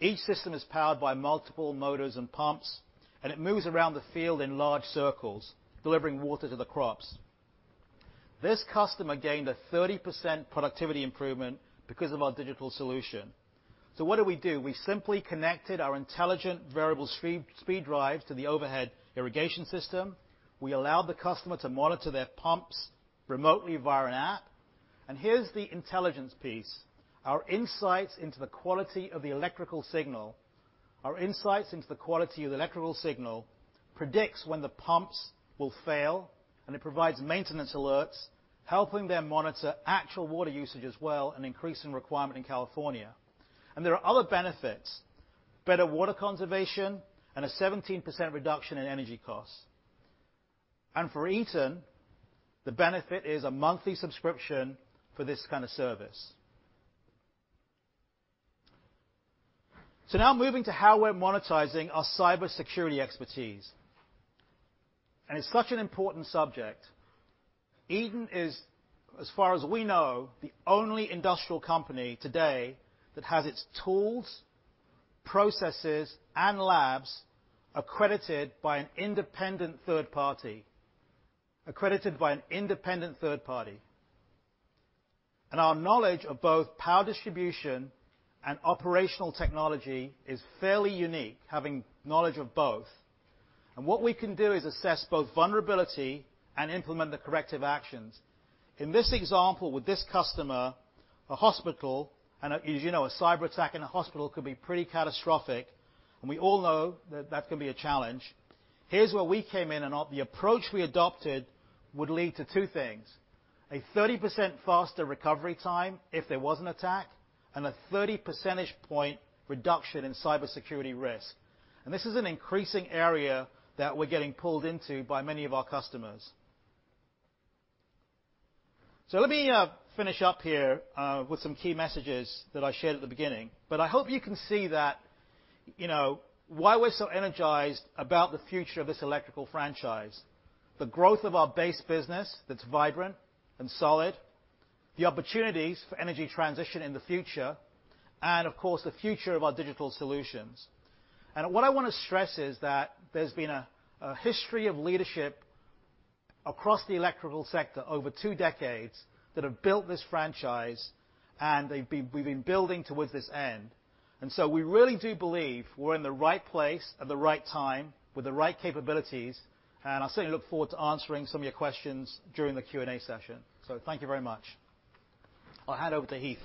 Each system is powered by multiple motors and pumps, and it moves around the field in large circles, delivering water to the crops. This customer gained a 30% productivity improvement because of our digital solution. What did we do? We simply connected our intelligent variable speed drives to the overhead irrigation system. We allowed the customer to monitor their pumps remotely via an app. Here's the intelligence piece. Our insights into the quality of the electrical signal predicts when the pumps will fail, and it provides maintenance alerts, helping them monitor actual water usage as well, an increasing requirement in California. There are other benefits: better water conservation and a 17% reduction in energy costs. For Eaton, the benefit is a monthly subscription for this kind of service. Now moving to how we're monetizing our cybersecurity expertise. It's such an important subject. Eaton is, as far as we know, the only industrial company today that has its tools, processes, and labs accredited by an independent third party. Our knowledge of both power distribution and operational technology is fairly unique, having knowledge of both. What we can do is assess both vulnerability and implement the corrective actions. In this example, with this customer, a hospital, as you know, a cyberattack in a hospital could be pretty catastrophic. We all know that that can be a challenge. Here's where we came in. The approach we adopted would lead to two things: a 30% faster recovery time if there was an attack, and a 30 percentage point reduction in cybersecurity risk. This is an increasing area that we're getting pulled into by many of our customers. Let me finish up here with some key messages that I shared at the beginning. I hope you can see why we're so energized about the future of this electrical franchise. The growth of our base business that's vibrant and solid, the opportunities for energy transition in the future, of course, the future of our digital solutions. What I want to stress is that there's been a history of leadership across the Electrical Sector over 2 decades that have built this franchise, and we've been building towards this end. We really do believe we're in the right place at the right time with the right capabilities, and I certainly look forward to answering some of your questions during the Q&A session. Thank you very much. I'll hand over to Heath.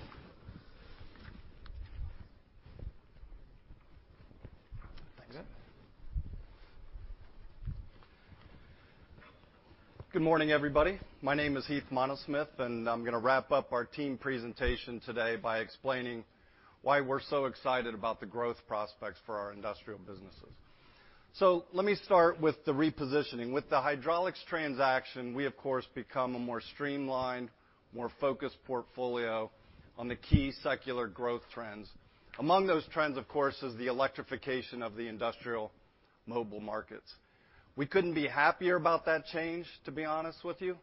Thanks. Good. Good morning, everybody. My name is Heath Monesmith. I'm going to wrap up our team presentation today by explaining why we're so excited about the growth prospects for our industrial businesses. Let me start with the repositioning. With the hydraulics transaction, we, of course, become a more streamlined, more focused portfolio on the key secular growth trends. Among those trends, of course, is the electrification of the industrial mobile markets. We couldn't be happier about that change, to be honest with you.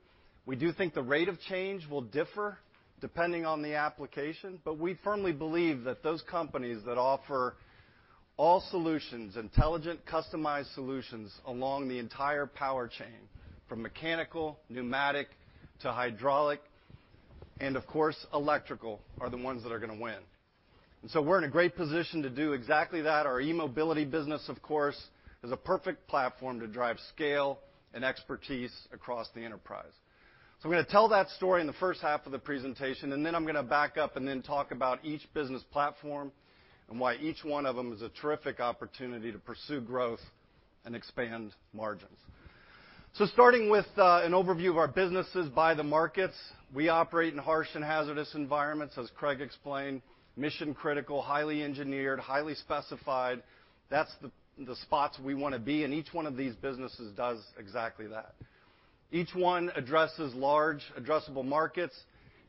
We do think the rate of change will differ depending on the application. We firmly believe that those companies that offer all solutions, intelligent, customized solutions along the entire power chain, from mechanical, pneumatic, to hydraulic, and of course, electrical, are the ones that are going to win. We're in a great position to do exactly that. Our e-mobility business, of course, is a perfect platform to drive scale and expertise across the enterprise. I'm going to tell that story in the first half of the presentation, I'm going to back up and talk about each business platform and why each one of them is a terrific opportunity to pursue growth and expand margins. Starting with an overview of our businesses by the markets. We operate in harsh and hazardous environments, as Craig explained, mission-critical, highly engineered, highly specified. That's the spots we want to be in. Each one of these businesses does exactly that. Each one addresses large addressable markets.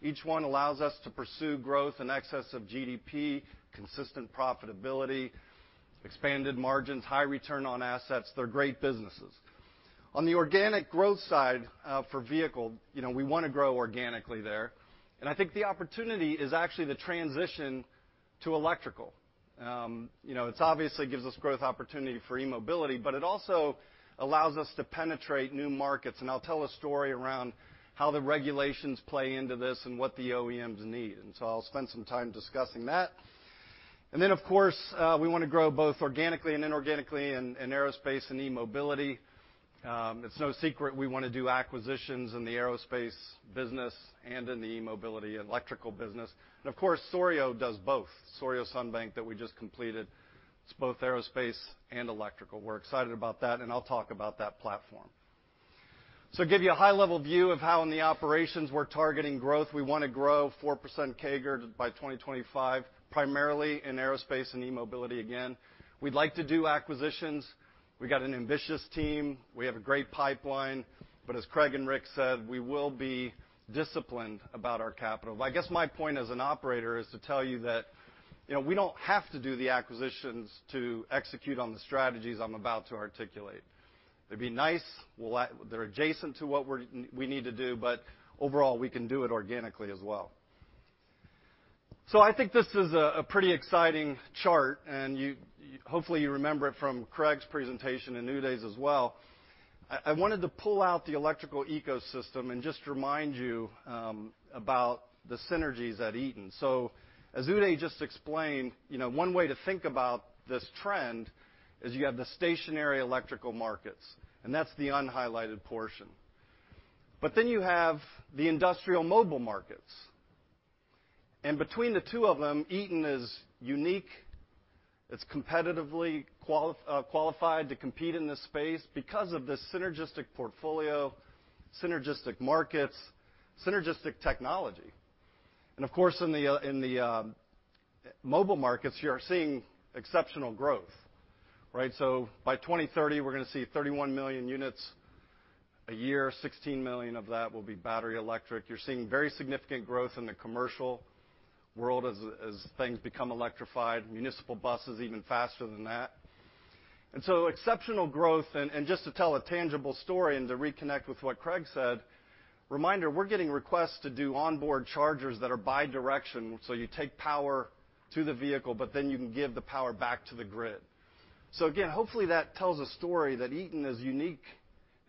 Each one allows us to pursue growth in excess of GDP, consistent profitability, expanded margins, high return on assets. They're great businesses. On the organic growth side, for vehicle, we want to grow organically there. I think the opportunity is actually the transition to electrical. It obviously gives us growth opportunity for e-mobility, but it also allows us to penetrate new markets. I'll tell a story around how the regulations play into this and what the OEMs need. I'll spend some time discussing that. Then, of course, we want to grow both organically and inorganically in aerospace and e-mobility. It's no secret we want to do acquisitions in the aerospace business and in the e-mobility electrical business. Of course, Souriau does both. Souriau-Sunbank that we just completed, it's both aerospace and electrical. We're excited about that, and I'll talk about that platform. Give you a high-level view of how in the operations we're targeting growth. We want to grow 4% CAGR by 2025, primarily in aerospace and e-mobility again. We'd like to do acquisitions. We got an ambitious team. We have a great pipeline. As Craig and Rick said, we will be disciplined about our capital. I guess my point as an operator is to tell you that we don't have to do the acquisitions to execute on the strategies I'm about to articulate. It'd be nice. They're adjacent to what we need to do, but overall, we can do it organically as well. I think this is a pretty exciting chart, and hopefully, you remember it from Craig's presentation and Uday's as well. I wanted to pull out the electrical ecosystem and just remind you about the synergies at Eaton. As Uday just explained, one way to think about this trend is you have the stationary electrical markets, and that's the unhighlighted portion. You have the industrial mobile markets. Between the two of them, Eaton is unique. It's competitively qualified to compete in this space because of the synergistic portfolio, synergistic markets, synergistic technology. In the mobile markets, you're seeing exceptional growth, right? By 2030, we're going to see 31 million units a year. 16 million of that will be battery electric. You're seeing very significant growth in the commercial world as things become electrified, municipal buses even faster than that. Exceptional growth. Just to tell a tangible story and to reconnect with what Craig said, reminder, we're getting requests to do onboard chargers that are bi-direction. You take power to the vehicle, but then you can give the power back to the grid. Hopefully, that tells a story that Eaton is unique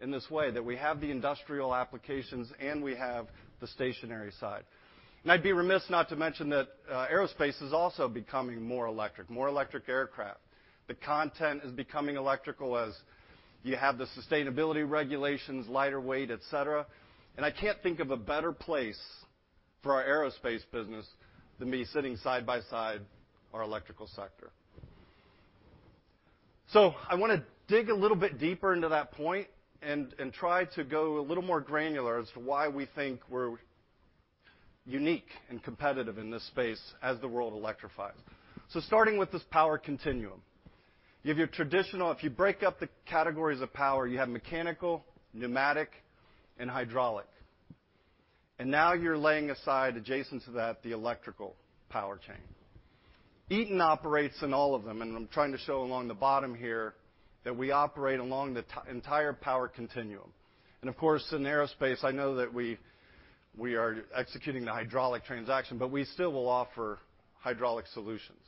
in this way, that we have the industrial applications and we have the stationary side. I'd be remiss not to mention that aerospace is also becoming more electric, more electric aircraft. The content is becoming electrical as you have the sustainability regulations, lighter weight, et cetera. I can't think of a better place for our aerospace business than me sitting side by side our Electrical Sector. I want to dig a little bit deeper into that point and try to go a little more granular as to why we think we're unique and competitive in this space as the world electrifies. Starting with this power continuum. You have your traditional, if you break up the categories of power, you have mechanical, pneumatic, and hydraulic. Now you're laying aside adjacent to that the electrical power chain. Eaton operates in all of them, and I'm trying to show along the bottom here that we operate along the entire power continuum. Of course, in aerospace, I know that we are executing the hydraulic transaction, but we still will offer hydraulic solutions.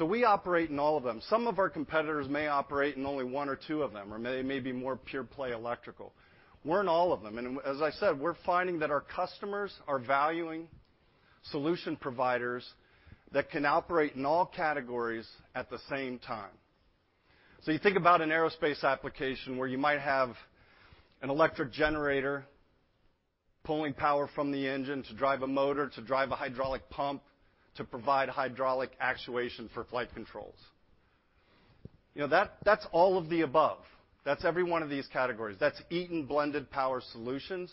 We operate in all of them. Some of our competitors may operate in only one or two of them, or they may be more pure play electrical. We're in all of them. As I said, we're finding that our customers are valuing solution providers that can operate in all categories at the same time. You think about an aerospace application where you might have an electric generator pulling power from the engine to drive a motor, to drive a hydraulic pump, to provide hydraulic actuation for flight controls. That's all of the above. That's every one of these categories. That's Eaton blended power solutions.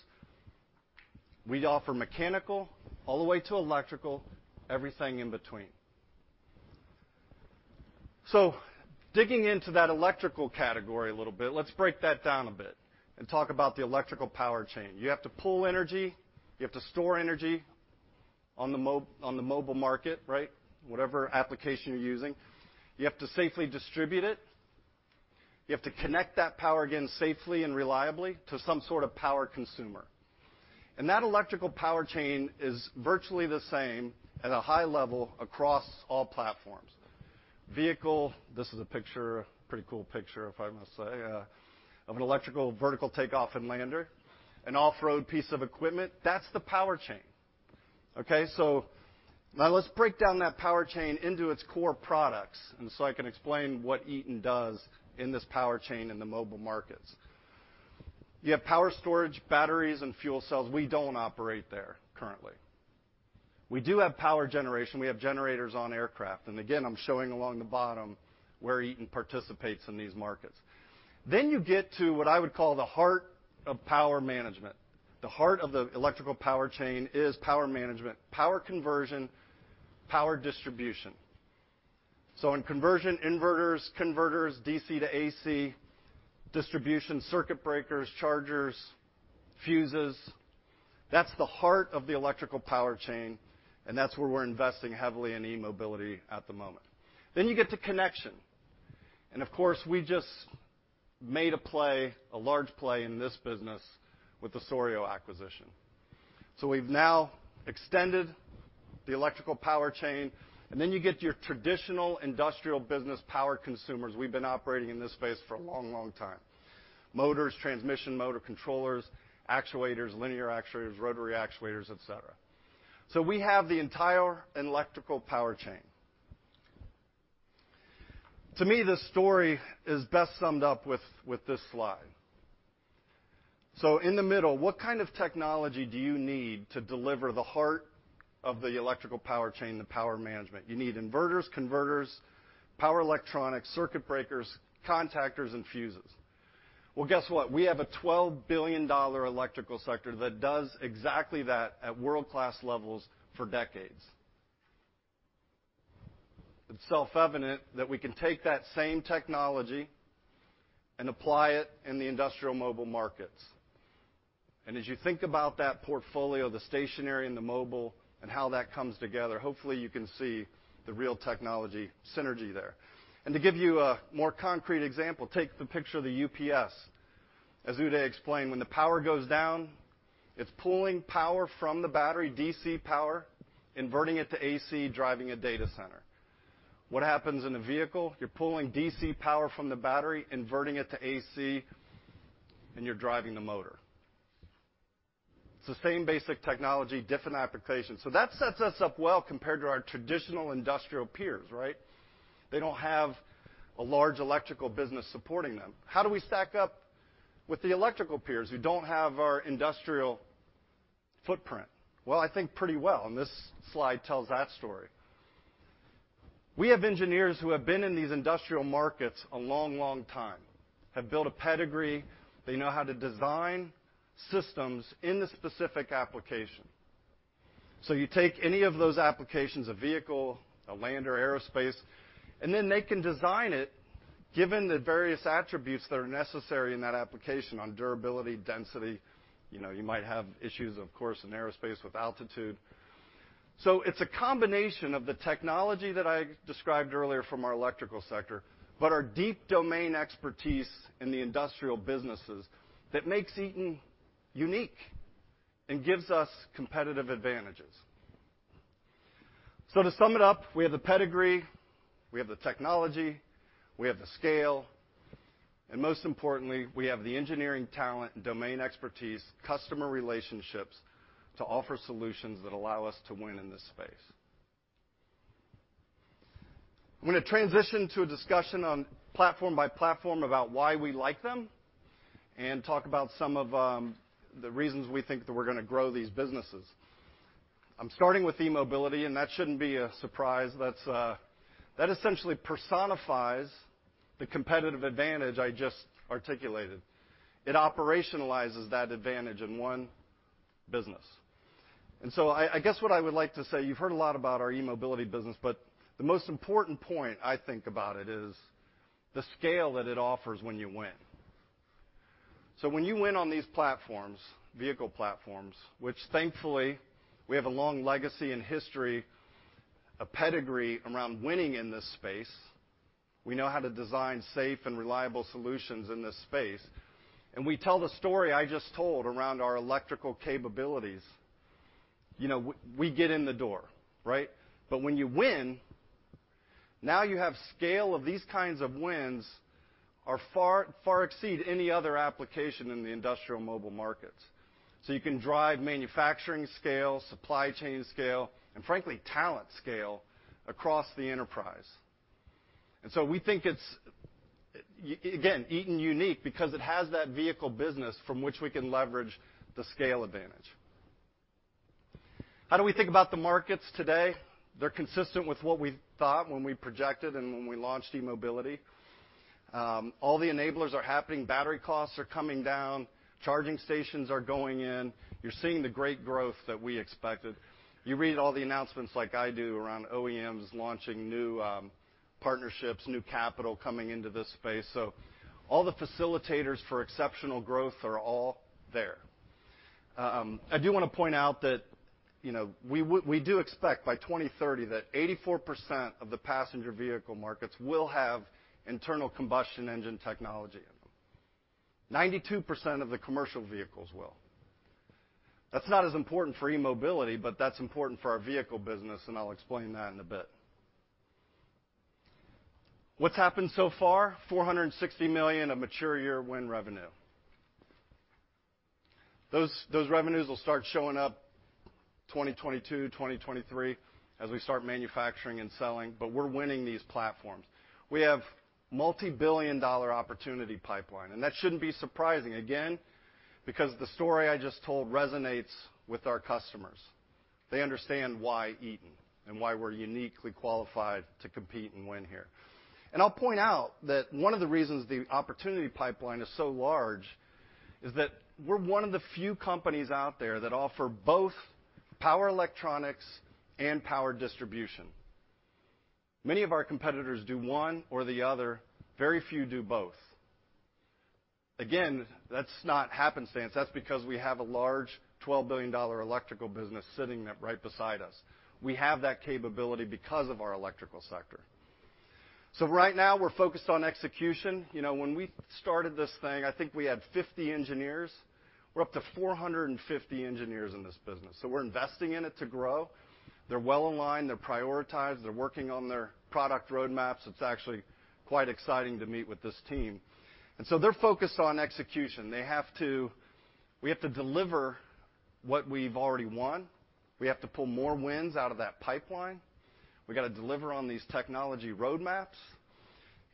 We offer mechanical all the way to electrical, everything in between. Digging into that electrical category a little bit, let's break that down a bit and talk about the electrical power chain. You have to pull energy, you have to store energy on the mobile market, right? Whatever application you're using. You have to safely distribute it. You have to connect that power again safely and reliably to some sort of power consumer. That electrical power chain is virtually the same at a high level across all platforms. Vehicle, this is a picture, pretty cool picture, if I must say, of an electrical vertical take-off and lander, an off-road piece of equipment. That's the power chain. Now let's break down that power chain into its core products, I can explain what Eaton does in this power chain in the mobile markets. You have power storage, batteries, and fuel cells. We don't operate there currently. We do have power generation. We have generators on aircraft. Again, I'm showing along the bottom where Eaton participates in these markets. You get to what I would call the heart of power management. The heart of the electrical power chain is power management, power conversion, power distribution. In conversion, inverters, converters, DC to AC, distribution, circuit breakers, chargers, fuses, that's the heart of the electrical power chain, and that's where we're investing heavily in e-mobility at the moment. You get to connection. Of course, we just made a play, a large play in this business with the Souriau acquisition. We've now extended the electrical power chain, and then you get your traditional industrial business power consumers. We've been operating in this space for a long, long time. Motors, transmission motor controllers, actuators, linear actuators, rotary actuators, et cetera. We have the entire electrical power chain. To me, this story is best summed up with this slide. In the middle, what kind of technology do you need to deliver the heart of the electrical power chain, the power management? You need inverters, converters, power electronics, circuit breakers, contactors, and fuses. Guess what? We have a $12 billion electrical sector that does exactly that at world-class levels for decades. It's self-evident that we can take that same technology and apply it in the industrial mobile markets. As you think about that portfolio, the stationary and the mobile, and how that comes together, hopefully, you can see the real technology synergy there. To give you a more concrete example, take the picture of the UPS. As Uday explained, when the power goes down, it's pulling power from the battery, DC power, inverting it to AC, driving a data center. What happens in a vehicle? You're pulling DC power from the battery, inverting it to AC, and you're driving the motor. It's the same basic technology, different application. That sets us up well compared to our traditional industrial peers, right? They don't have a large electrical business supporting them. How do we stack up with the electrical peers who don't have our industrial footprint? Well, I think pretty well, and this slide tells that story. We have engineers who have been in these industrial markets a long time, have built a pedigree. They know how to design systems in the specific application. You take any of those applications, a vehicle, a land or aerospace, they can design it given the various attributes that are necessary in that application on durability, density. You might have issues, of course, in aerospace with altitude. It's a combination of the technology that I described earlier from our electrical sector, but our deep domain expertise in the industrial businesses that makes Eaton unique and gives us competitive advantages. To sum it up, we have the pedigree, we have the technology, we have the scale, and most importantly, we have the engineering talent and domain expertise, customer relationships to offer solutions that allow us to win in this space. I'm going to transition to a discussion on platform by platform about why we like them and talk about some of the reasons we think that we're going to grow these businesses. I'm starting with e-mobility. That shouldn't be a surprise. That essentially personifies the competitive advantage I just articulated. It operationalizes that advantage in one business. I guess what I would like to say, you've heard a lot about our e-mobility business. The most important point I think about it is the scale that it offers when you win. When you win on these platforms, vehicle platforms, which thankfully, we have a long legacy and history, a pedigree around winning in this space. We know how to design safe and reliable solutions in this space. We tell the story I just told around our electrical capabilities. We get in the door, right? When you win, now you have scale of these kinds of wins are far exceed any other application in the industrial mobile markets. You can drive manufacturing scale, supply chain scale, and frankly, talent scale across the enterprise. We think it's, again, Eaton unique because it has that vehicle business from which we can leverage the scale advantage. How do we think about the markets today? They're consistent with what we thought when we projected and when we launched e-mobility. All the enablers are happening. Battery costs are coming down. Charging stations are going in. You're seeing the great growth that we expected. You read all the announcements like I do around OEMs launching new partnerships, new capital coming into this space. All the facilitators for exceptional growth are all there. I do want to point out that we do expect by 2030 that 84% of the passenger vehicle markets will have internal combustion engine technology in them, 92% of the commercial vehicles will. That's not as important for e-mobility, but that's important for our vehicle business, and I'll explain that in a bit. What's happened so far? $460 million of mature year win revenue. Those revenues will start showing up 2022, 2023 as we start manufacturing and selling, but we're winning these platforms. We have multi-billion-dollar opportunity pipeline, and that shouldn't be surprising, again, because the story I just told resonates with our customers. They understand why Eaton and why we're uniquely qualified to compete and win here. I'll point out that one of the reasons the opportunity pipeline is so large is that we're one of the few companies out there that offer both power electronics and power distribution. Many of our competitors do one or the other. Very few do both. Again, that's not happenstance. That's because we have a large $12 billion electrical business sitting right beside us. We have that capability because of our Electrical Sector. Right now, we're focused on execution. When we started this thing, I think we had 50 engineers. We're up to 450 engineers in this business. We're investing in it to grow. They're well aligned, they're prioritized, they're working on their product roadmaps. It's actually quite exciting to meet with this team. They're focused on execution. We have to deliver what we've already won. We have to pull more wins out of that pipeline. We got to deliver on these technology roadmaps.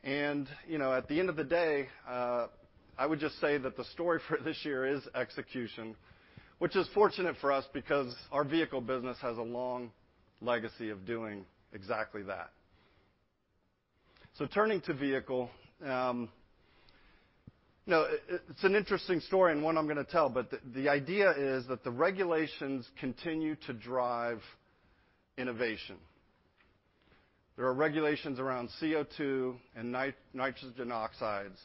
At the end of the day, I would just say that the story for this year is execution, which is fortunate for us because our vehicle business has a long legacy of doing exactly that. Turning to Vehicle, it's an interesting story, and one I'm going to tell, but the idea is that the regulations continue to drive innovation. There are regulations around CO2 and nitrogen oxides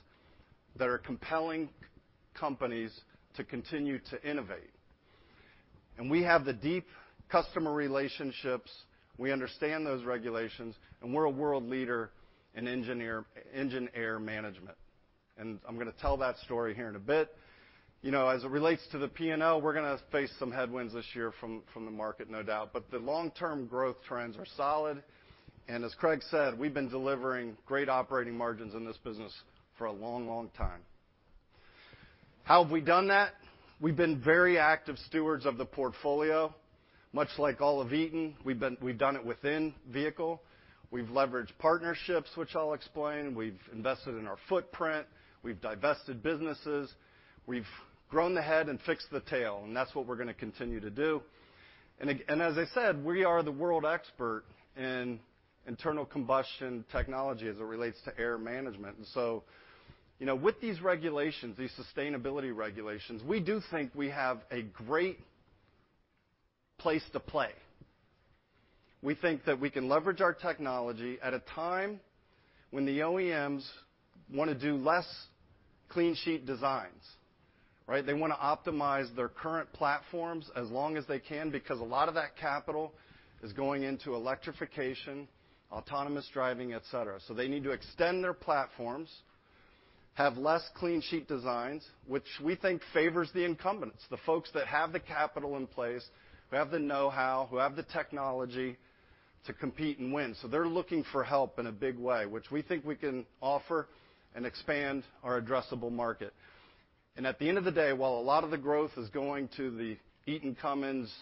that are compelling companies to continue to innovate. We have the deep customer relationships. We understand those regulations, and we're a world leader in engine air management. I'm going to tell that story here in a bit. As it relates to the P&L, we're going to face some headwinds this year from the market, no doubt. The long-term growth trends are solid. As Craig said, we've been delivering great operating margins in this business for a long, long time. How have we done that? We've been very active stewards of the portfolio. Much like all of Eaton, we've done it within Vehicle. We've leveraged partnerships, which I'll explain. We've invested in our footprint. We've divested businesses. We've grown the head and fixed the tail, that's what we're going to continue to do. As I said, we are the world expert in internal combustion technology as it relates to air management. With these sustainability regulations, we do think we have a great place to play. We think that we can leverage our technology at a time when the OEMs want to do less clean sheet designs. Right? They want to optimize their current platforms as long as they can because a lot of that capital is going into electrification, autonomous driving, et cetera. They need to extend their platforms, have less clean sheet designs, which we think favors the incumbents, the folks that have the capital in place, who have the knowhow, who have the technology to compete and win. They're looking for help in a big way, which we think we can offer and expand our addressable market. At the end of the day, while a lot of the growth is going to the Eaton Cummins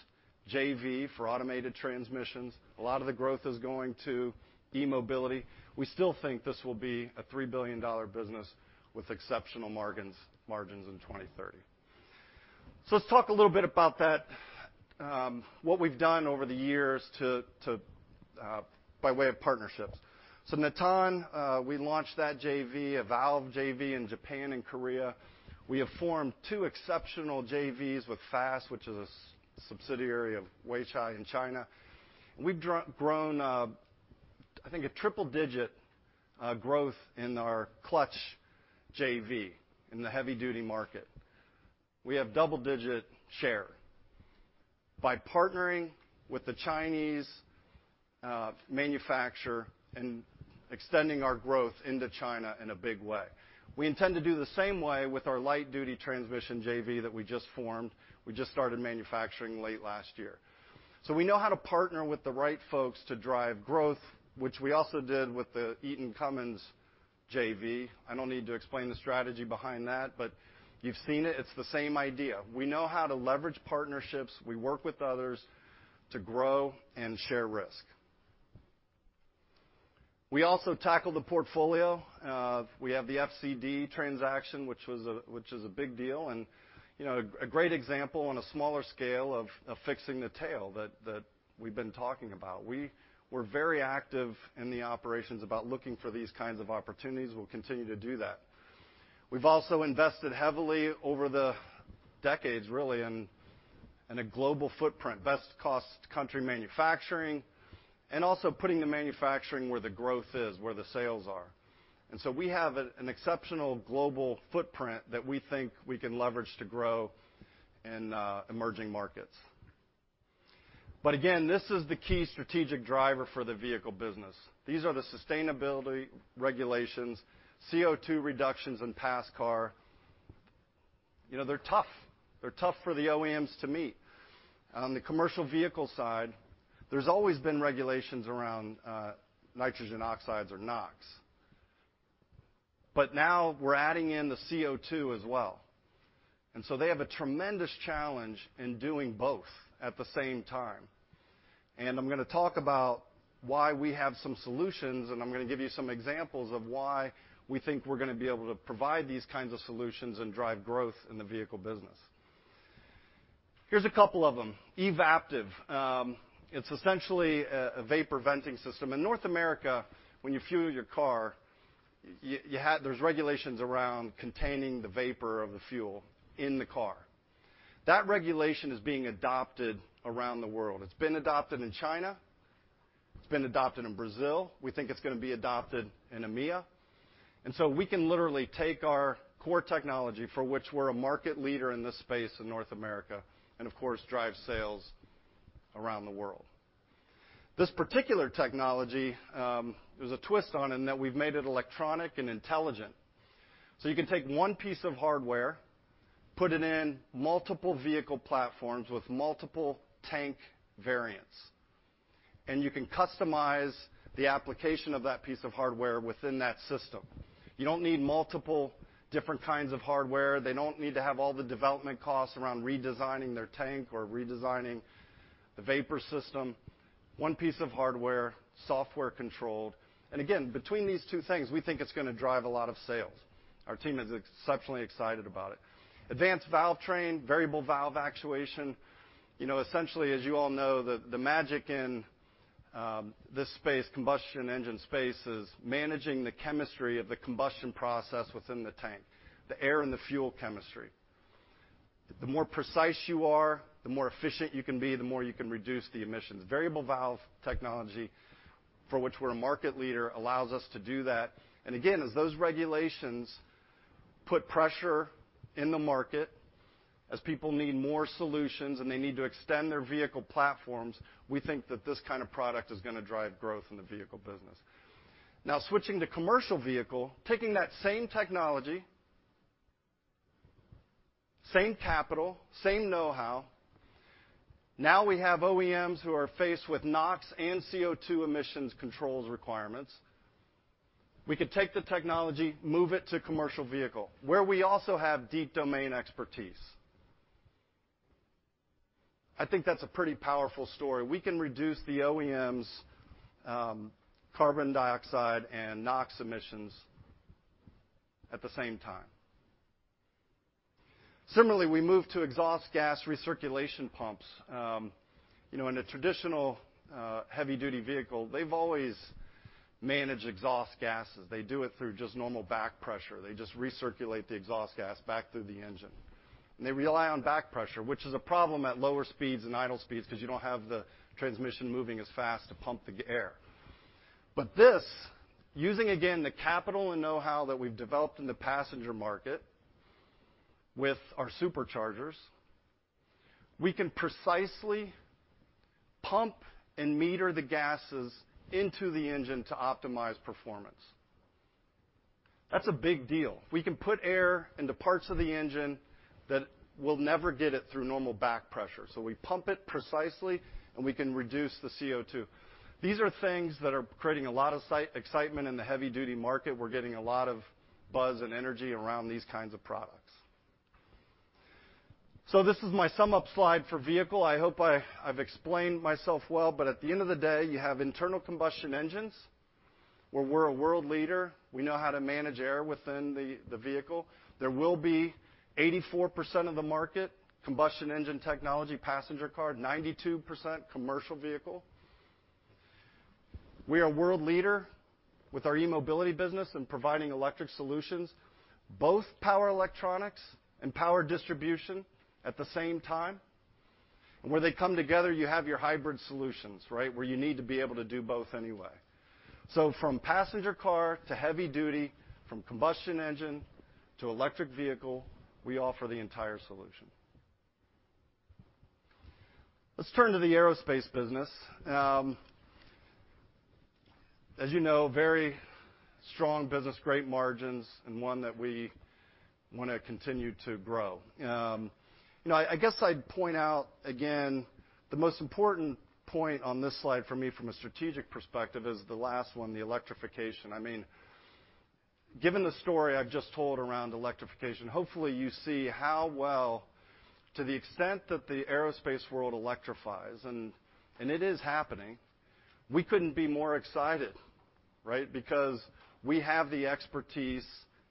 JV for automated transmissions, a lot of the growth is going to e-mobility. We still think this will be a $3 billion business with exceptional margins in 2030. Let's talk a little bit about that, what we've done over the years by way of partnerships. Nittan, we launched that JV, a valve JV in Japan and Korea. We have formed two exceptional JVs with Fast, which is a subsidiary of Weichai in China. We've grown, I think, a triple digit growth in our clutch JV in the heavy duty market. We have double digit share by partnering with the Chinese manufacturer and extending our growth into China in a big way. We intend to do the same way with our light duty transmission JV that we just formed. We just started manufacturing late last year. We know how to partner with the right folks to drive growth, which we also did with the Eaton Cummins JV. I don't need to explain the strategy behind that, but you've seen it. It's the same idea. We know how to leverage partnerships. We work with others to grow and share risk. We also tackle the portfolio. We have the FCD transaction, which is a big deal, and a great example on a smaller scale of fixing the tail that we've been talking about. We were very active in the operations about looking for these kinds of opportunities. We'll continue to do that. We've also invested heavily over the decades, really, in a global footprint, best cost country manufacturing, and also putting the manufacturing where the growth is, where the sales are. We have an exceptional global footprint that we think we can leverage to grow in emerging markets. Again, this is the key strategic driver for the vehicle business. These are the sustainability regulations, CO2 reductions in passenger car. They're tough. They're tough for the OEMs to meet. On the commercial vehicle side, there's always been regulations around, nitrogen oxides or NOx. Now we're adding in the CO2 as well. They have a tremendous challenge in doing both at the same time. I'm going to talk about why we have some solutions, and I'm going to give you some examples of why we think we're going to be able to provide these kinds of solutions and drive growth in the vehicle business. Here's a couple of them. eVaptive. It's essentially a vapor venting system. In North America, when you fuel your car, there's regulations around containing the vapor of the fuel in the car. That regulation is being adopted around the world. It's been adopted in China. It's been adopted in Brazil. We think it's going to be adopted in EMEA. We can literally take our core technology for which we're a market leader in this space in North America, and of course, drive sales around the world. This particular technology, there's a twist on it, and that we've made it electronic and intelligent. You can take one piece of hardware, put it in multiple vehicle platforms with multiple tank variants, and you can customize the application of that piece of hardware within that system. You don't need multiple different kinds of hardware. They don't need to have all the development costs around redesigning their tank or redesigning the vapor system. One piece of hardware, software controlled. Again, between these two things, we think it's going to drive a lot of sales. Our team is exceptionally excited about it. Advanced valve train, variable valve actuation. Essentially as you all know, the magic in this space, combustion engine space, is managing the chemistry of the combustion process within the tank, the air and the fuel chemistry. The more precise you are, the more efficient you can be, the more you can reduce the emissions. Variable valve technology, for which we're a market leader, allows us to do that. Again, as those regulations put pressure in the market, as people need more solutions and they need to extend their vehicle platforms, we think that this kind of product is going to drive growth in the vehicle business. Now switching to commercial vehicle, taking that same technology, same capital, same know-how, now we have OEMs who are faced with NOx and CO2 emissions controls requirements. We could take the technology, move it to commercial vehicle, where we also have deep domain expertise. I think that's a pretty powerful story. We can reduce the OEMs' carbon dioxide and NOx emissions at the same time. Similarly, we move to exhaust gas recirculation pumps. In a traditional heavy duty vehicle, they've always managed exhaust gases. They do it through just normal back pressure. They just recirculate the exhaust gas back through the engine. They rely on back pressure, which is a problem at lower speeds and idle speeds because you don't have the transmission moving as fast to pump the air. This, using, again, the capital and know-how that we've developed in the passenger market with our superchargers, we can precisely pump and meter the gases into the engine to optimize performance. That's a big deal. We can put air into parts of the engine that will never get it through normal back pressure. We pump it precisely, and we can reduce the CO2. These are things that are creating a lot of excitement in the heavy duty market. We're getting a lot of buzz and energy around these kinds of products. This is my sum up slide for vehicle. I hope I've explained myself well. At the end of the day, you have internal combustion engines, where we're a world leader. We know how to manage air within the vehicle. There will be 84% of the market, combustion engine technology, passenger car, 92% commercial vehicle. We are a world leader with our e-mobility business in providing electric solutions, both power electronics and power distribution at the same time. Where they come together, you have your hybrid solutions, where you need to be able to do both anyway. From passenger car to heavy duty, from combustion engine to electric vehicle, we offer the entire solution. Let's turn to the aerospace business. As you know, very strong business, great margins, and one that we want to continue to grow. I guess I'd point out, again, the most important point on this slide for me from a strategic perspective is the last one, the electrification. Given the story I've just told around electrification, hopefully you see how well to the extent that the aerospace world electrifies, and it is happening, we couldn't be more excited. We have the expertise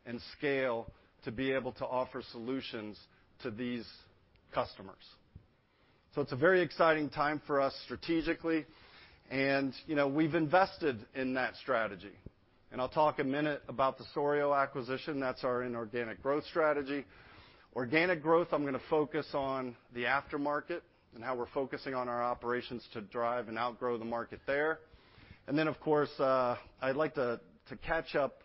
and scale to be able to offer solutions to these customers. It's a very exciting time for us strategically. We've invested in that strategy. I'll talk a minute about the Souriau acquisition. That's our inorganic growth strategy. Organic growth, I'm going to focus on the aftermarket and how we're focusing on our operations to drive and outgrow the market there. Of course, I'd like to catch up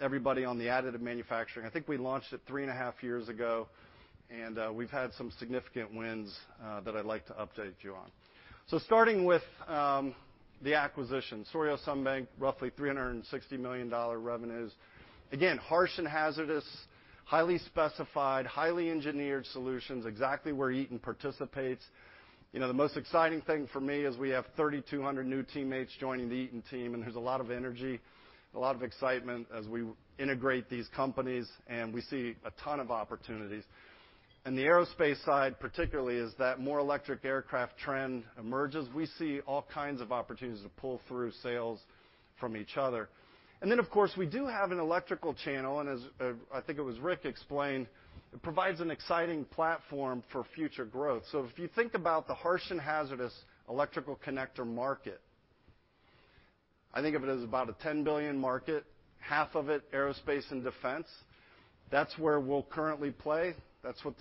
everybody on the additive manufacturing. I think we launched it three and a half years ago, and we've had some significant wins that I'd like to update you on. Starting with the acquisition, Souriau-Sunbank, roughly $360 million revenues. Harsh and hazardous, highly specified, highly engineered solutions, exactly where Eaton participates. The most exciting thing for me is we have 3,200 new teammates joining the Eaton team, and there's a lot of energy, a lot of excitement as we integrate these companies, and we see a ton of opportunities. In the aerospace side, particularly, as that more electric aircraft trend emerges, we see all kinds of opportunities to pull through sales from each other. Of course, we do have an electrical channel, and as I think it was Rick explained, it provides an exciting platform for future growth. If you think about the harsh and hazardous electrical connector market, I think of it as about a $10 billion market, half of it aerospace and defense. That's where we'll currently play. That's what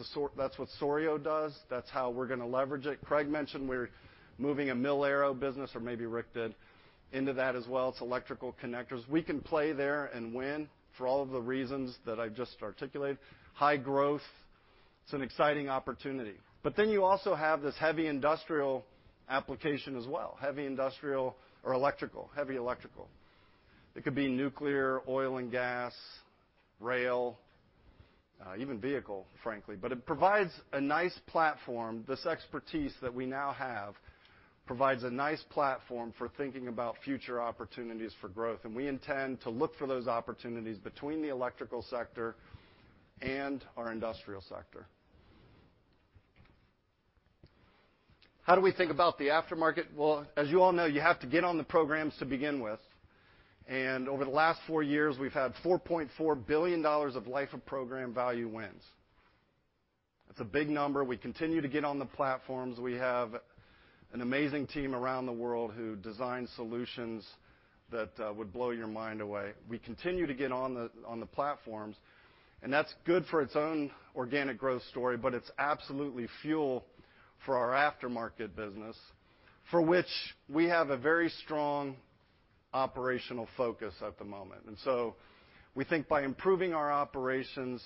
Souriau does. That's how we're going to leverage it. Craig mentioned we're moving a Mil-Aero business, or maybe Rick did, into that as well. It's electrical connectors. We can play there and win for all of the reasons that I've just articulated. High growth. It's an exciting opportunity. You also have this heavy industrial application as well, heavy industrial or electrical, heavy electrical. It could be nuclear, oil and gas, rail, even vehicle, frankly. It provides a nice platform. This expertise that we now have provides a nice platform for thinking about future opportunities for growth. We intend to look for those opportunities between the Electrical Sector and our Industrial Sector. How do we think about the aftermarket? Well, as you all know, you have to get on the programs to begin with. Over the last four years, we've had $4.4 billion of life of program value wins. It's a big number. We continue to get on the platforms. We have an amazing team around the world who design solutions that would blow your mind away. We continue to get on the platforms, that's good for its own organic growth story, but it's absolutely fuel for our aftermarket business, for which we have a very strong operational focus at the moment. We think by improving our operations,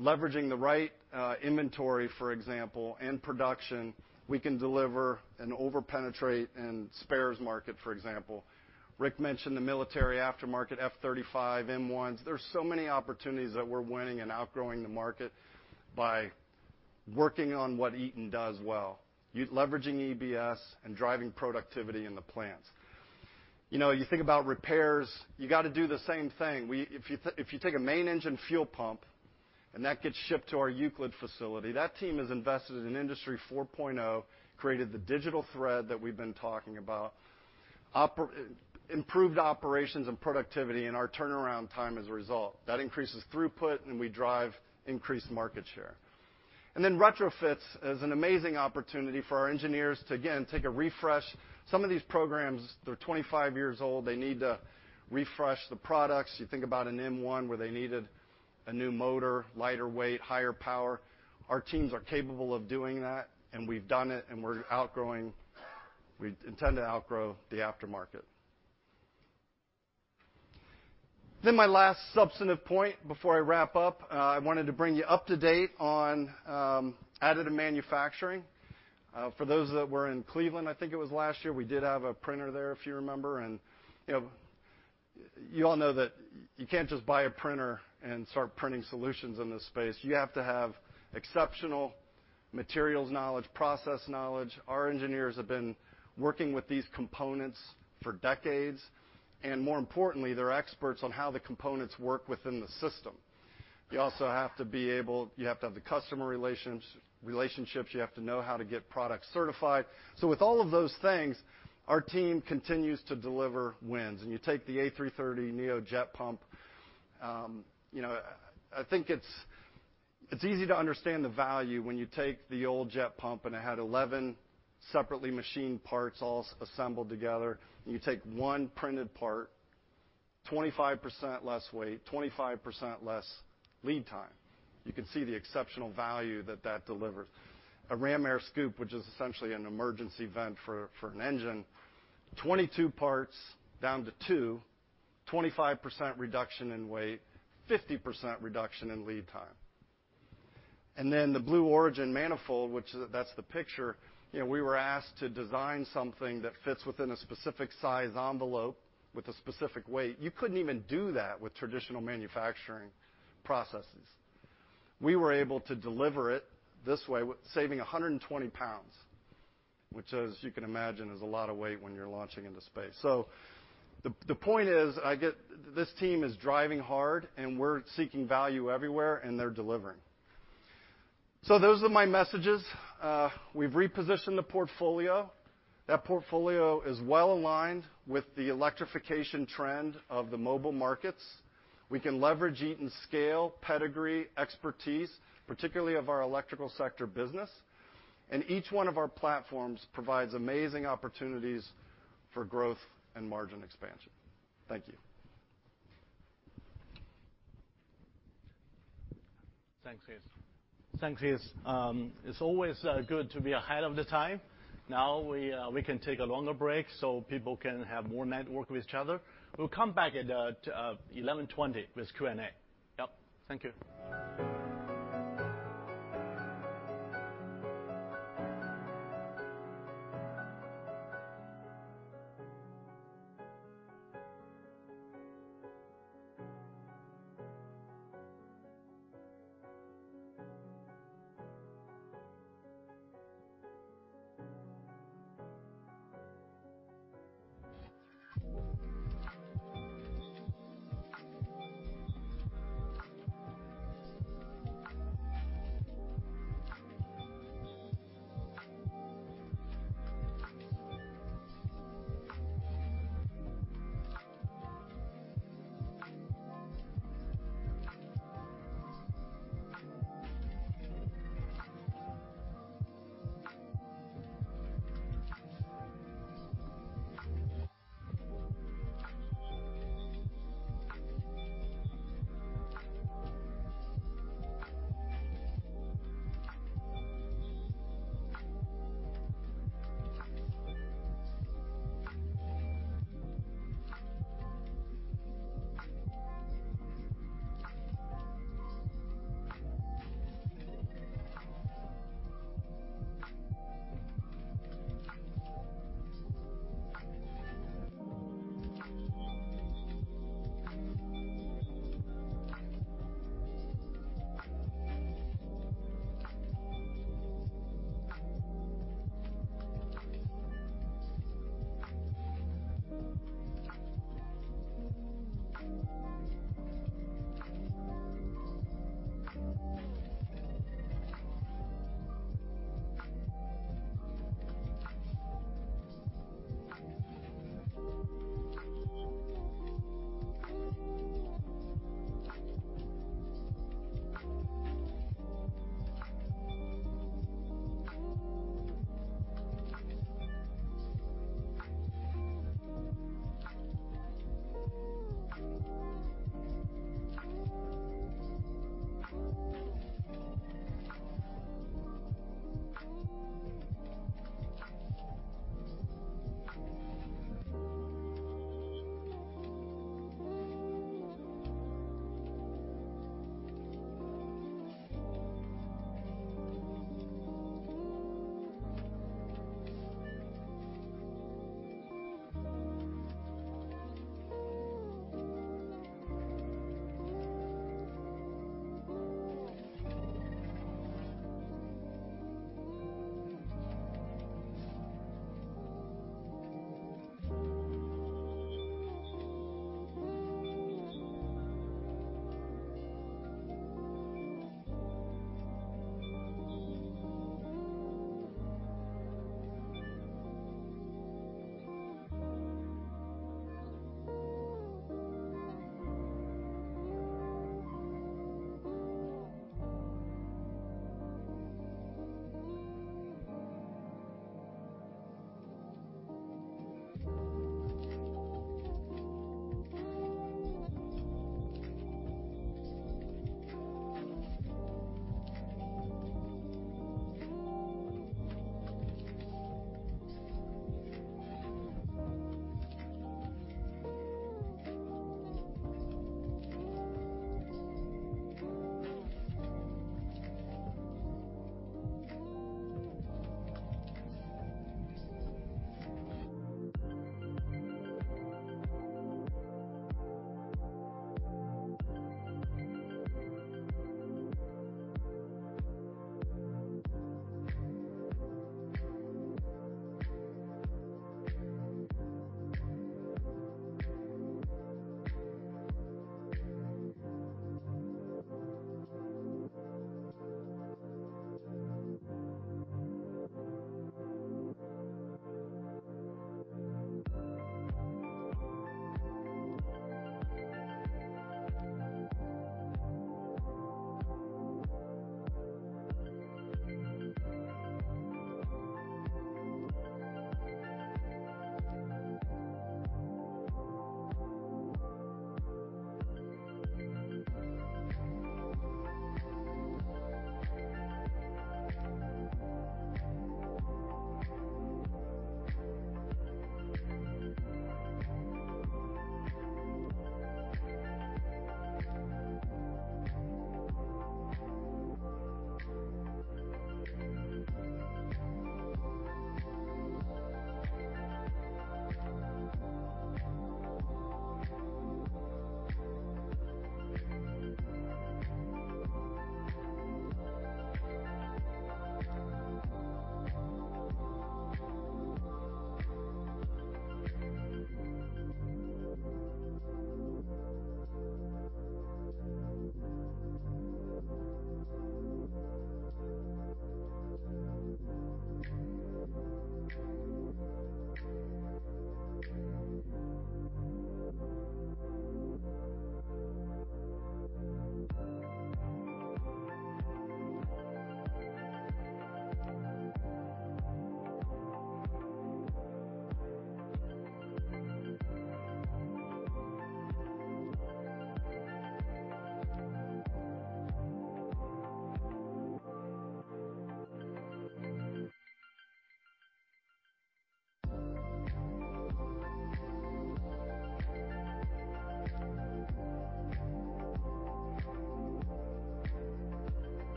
leveraging the right inventory, for example, and production, we can deliver and over-penetrate in spares market, for example. Rick mentioned the military aftermarket, F-35, M1s. There's so many opportunities that we're winning and outgrowing the market by working on what Eaton does well, leveraging EBS and driving productivity in the plants. You think about repairs, you got to do the same thing. If you take a main engine fuel pump and that gets shipped to our Euclid facility, that team has invested in Industry 4.0, created the digital thread that we've been talking about, improved operations and productivity, and our turnaround time as a result. That increases throughput, we drive increased market share. Retrofits is an amazing opportunity for our engineers to, again, take a refresh. Some of these programs, they're 25 years old. They need to refresh the products. You think about an M1 where they needed a new motor, lighter weight, higher power. Our teams are capable of doing that, and we've done it, and we intend to outgrow the aftermarket. My last substantive point before I wrap up, I wanted to bring you up to date on additive manufacturing. For those that were in Cleveland, I think it was last year, we did have a printer there, if you remember. You all know that you can't just buy a printer and start printing solutions in this space. You have to have exceptional materials knowledge, process knowledge. Our engineers have been working with these components for decades, and more importantly, they're experts on how the components work within the system. You have to have the customer relationships. You have to know how to get products certified. With all of those things, our team continues to deliver wins. You take the A330neo jet pump, I think it's easy to understand the value when you take the old jet pump, and it had 11 separately machined parts all assembled together, and you take one printed part, 25% less weight, 25% less lead time. You can see the exceptional value that that delivers. A ram air scoop, which is essentially an emergency vent for an engine, 22 parts down to two, 25% reduction in weight, 50% reduction in lead time. The Blue Origin manifold, that's the picture. We were asked to design something that fits within a specific size envelope with a specific weight. You couldn't even do that with traditional manufacturing processes. We were able to deliver it this way, saving 120 pounds, which as you can imagine, is a lot of weight when you're launching into space. The point is, this team is driving hard, and we're seeking value everywhere, and they're delivering. Those are my messages. We've repositioned the portfolio. That portfolio is well-aligned with the electrification trend of the mobile markets. We can leverage Eaton's scale, pedigree, expertise, particularly of our Electrical Sector business. Each one of our platforms provides amazing opportunities for growth and margin expansion. Thank you. Thanks, Heath. It's always good to be ahead of the time. Now we can take a longer break so people can have more network with each other. We'll come back at 11:20 A.M. with Q&A. Yep. Thank you.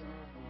[AUDIO DISTORTION] If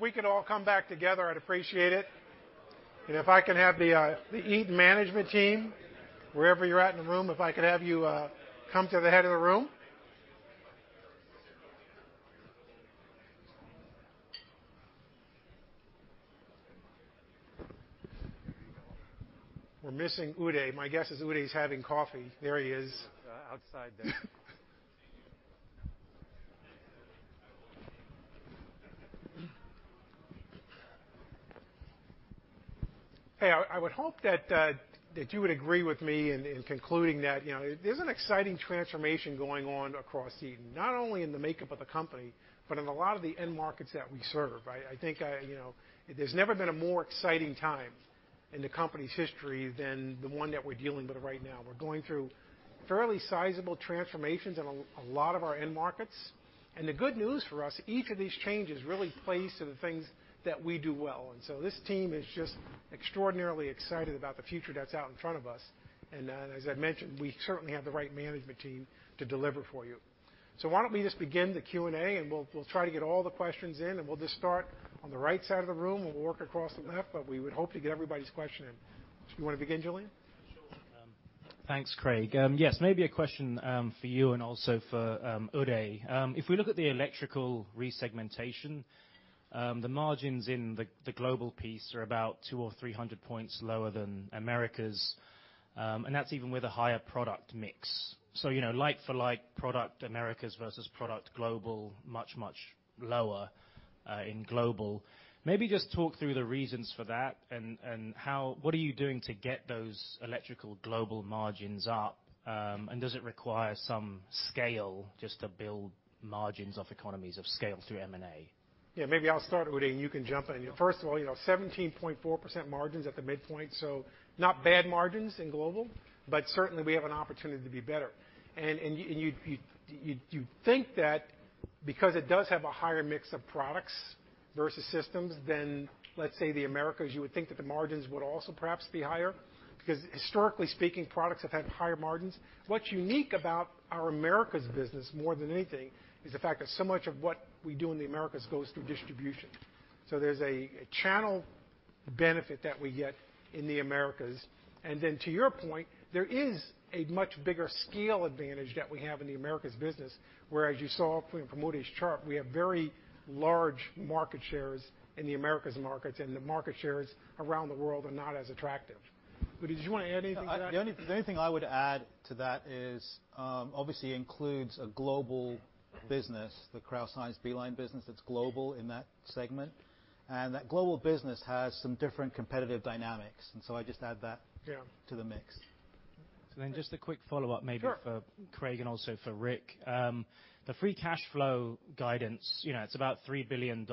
we could all come back together, I'd appreciate it. If I can have the Eaton management team, wherever you're at in the room, if I could have you come to the head of the room. We're missing Uday. My guess is Uday's having coffee. There he is. Outside there. Hey, I would hope that you would agree with me in concluding that there's an exciting transformation going on across Eaton, not only in the makeup of the company, but in a lot of the end markets that we serve. I think there's never been a more exciting time in the company's history than the one that we're dealing with right now. We're going through fairly sizable transformations in a lot of our end markets, The good news for us, each of these changes really plays to the things that we do well. This team is just extraordinarily excited about the future that's out in front of us. As I mentioned, we certainly have the right management team to deliver for you. Why don't we just begin the Q&A, and we'll try to get all the questions in, and we'll just start on the right side of the room and we'll work across the left, but we would hope to get everybody's question in. Do you want to begin, Julian? Sure. Thanks, Craig. Yes, maybe a question for you and also for Uday. If we look at the electrical resegmentation, the margins in the Global piece are about two or 300 points lower than Americas, that's even with a higher product mix. Like for like product Americas versus product Global, much lower in Global. Maybe just talk through the reasons for that and what are you doing to get those Electrical Global margins up? Does it require some scale just to build margins of economies of scale through M&A? Maybe I'll start, Uday, and you can jump in. First of all, 17.4% margins at the midpoint, so not bad margins in Global, but certainly we have an opportunity to be better. You'd think that because it does have a higher mix of products versus systems than, let's say, the Americas, you would think that the margins would also perhaps be higher, because historically speaking, products have had higher margins. What's unique about our Americas business, more than anything, is the fact that so much of what we do in the Americas goes through distribution. There's a channel benefit that we get in the Americas. Then to your point, there is a much bigger scale advantage that we have in the Americas business, where as you saw from Uday's chart, we have very large market shares in the Americas markets, and the market shares around the world are not as attractive. Uday, did you want to add anything to that? The only thing I would add to that is, obviously includes a global business, the Crouse-Hinds B-Line business that's global in that segment. That global business has some different competitive dynamics. So I just add that. Yeah to the mix. Just a quick follow-up, maybe. Sure for Craig and also for Rick. The free cash flow guidance, it's about $3 billion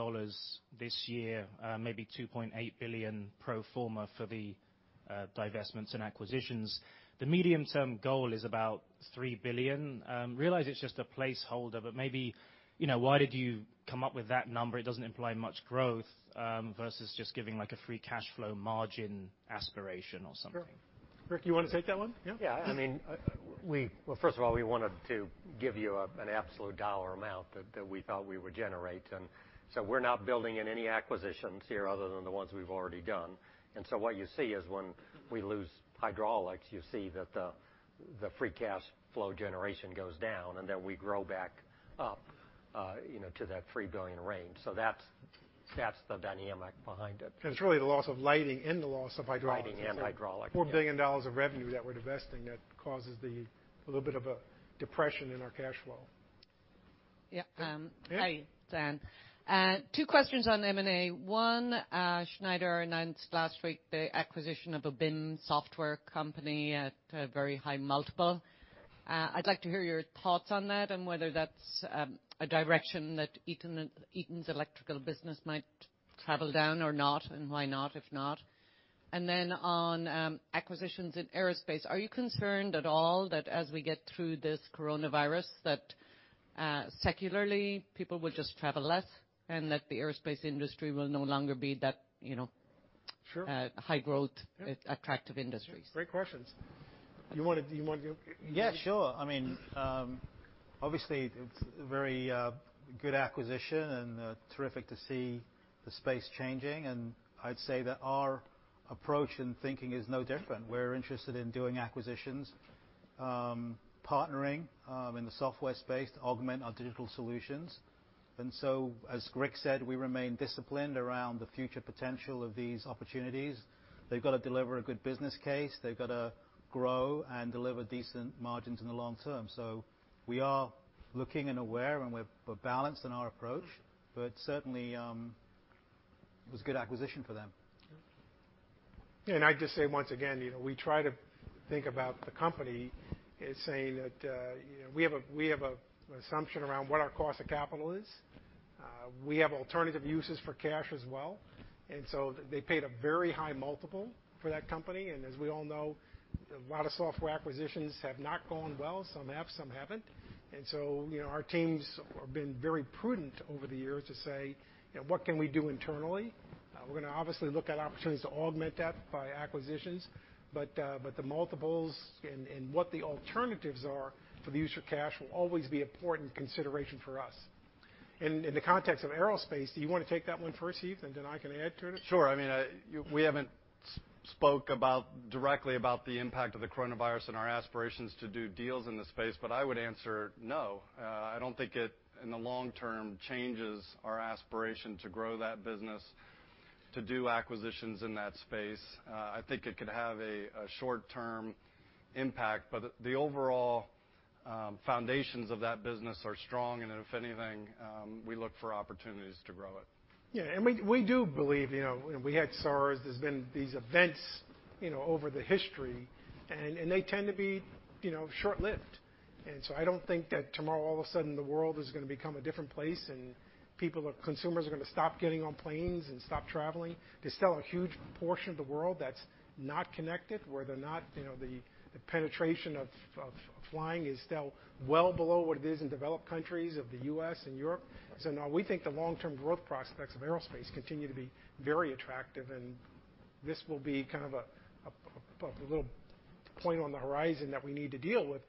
this year, maybe $2.8 billion pro forma for the divestments and acquisitions. The medium-term goal is about $3 billion. Realize it's just a placeholder, but maybe why did you come up with that number? It doesn't imply much growth, versus just giving like a free cash flow margin aspiration or something. Sure. Rick, you want to take that one? Yeah. Well, first of all, we wanted to give you an absolute dollar amount that we felt we would generate. We're not building in any acquisitions here other than the ones we've already done. What you see is when we lose hydraulics, you see that the free cash flow generation goes down, and then we grow back up to that $3 billion range. That's the dynamic behind it. It's really the loss of lighting and the loss of hydraulics. Lighting and hydraulics, yeah. $4 billion of revenue that we're divesting that causes the little bit of a depression in our cash flow. Yeah. Yeah. Hi. It's Ann. Two questions on M&A. One, Schneider announced last week the acquisition of a BIM software company at a very high multiple. I'd like to hear your thoughts on that and whether that's a direction that Eaton's electrical business might travel down or not, and why not, if not. Then on acquisitions in aerospace, are you concerned at all that as we get through this coronavirus, that secularly people will just travel less and that the aerospace industry will no longer be that. Sure high growth, attractive industry? Great questions. You want to go? Yeah, sure. Obviously, it's a very good acquisition and terrific to see the space changing. I'd say that our approach in thinking is no different. We're interested in doing acquisitions, partnering in the software space to augment our digital solutions. As Rick said, we remain disciplined around the future potential of these opportunities. They've got to deliver a good business case. They've got to grow and deliver decent margins in the long term. We are looking and aware, and we're balanced in our approach, but certainly, it was a good acquisition for them. Yeah. I'd just say once again, we try to think about the company as saying that we have an assumption around what our cost of capital is. We have alternative uses for cash as well. They paid a very high multiple for that company, and as we all know. A lot of software acquisitions have not gone well. Some have, some haven't. Our teams have been very prudent over the years to say, "What can we do internally?" We're going to obviously look at opportunities to augment that by acquisitions, the multiples and what the alternatives are for the use of cash will always be important consideration for us. In the context of aerospace, do you want to take that one first, Heath, and then I can add to it? Sure. We haven't spoke directly about the impact of the coronavirus and our aspirations to do deals in the space, but I would answer no. I don't think it, in the long term, changes our aspiration to grow that business, to do acquisitions in that space. I think it could have a short-term impact, but the overall foundations of that business are strong, and if anything, we look for opportunities to grow it. Yeah. We do believe, we had SARS, there's been these events over the history, and they tend to be short-lived. I don't think that tomorrow, all of a sudden, the world is going to become a different place, and consumers are going to stop getting on planes and stop traveling. There's still a huge portion of the world that's not connected, where the penetration of flying is still well below what it is in developed countries of the U.S. and Europe. No, we think the long-term growth prospects of aerospace continue to be very attractive, and this will be kind of a little point on the horizon that we need to deal with.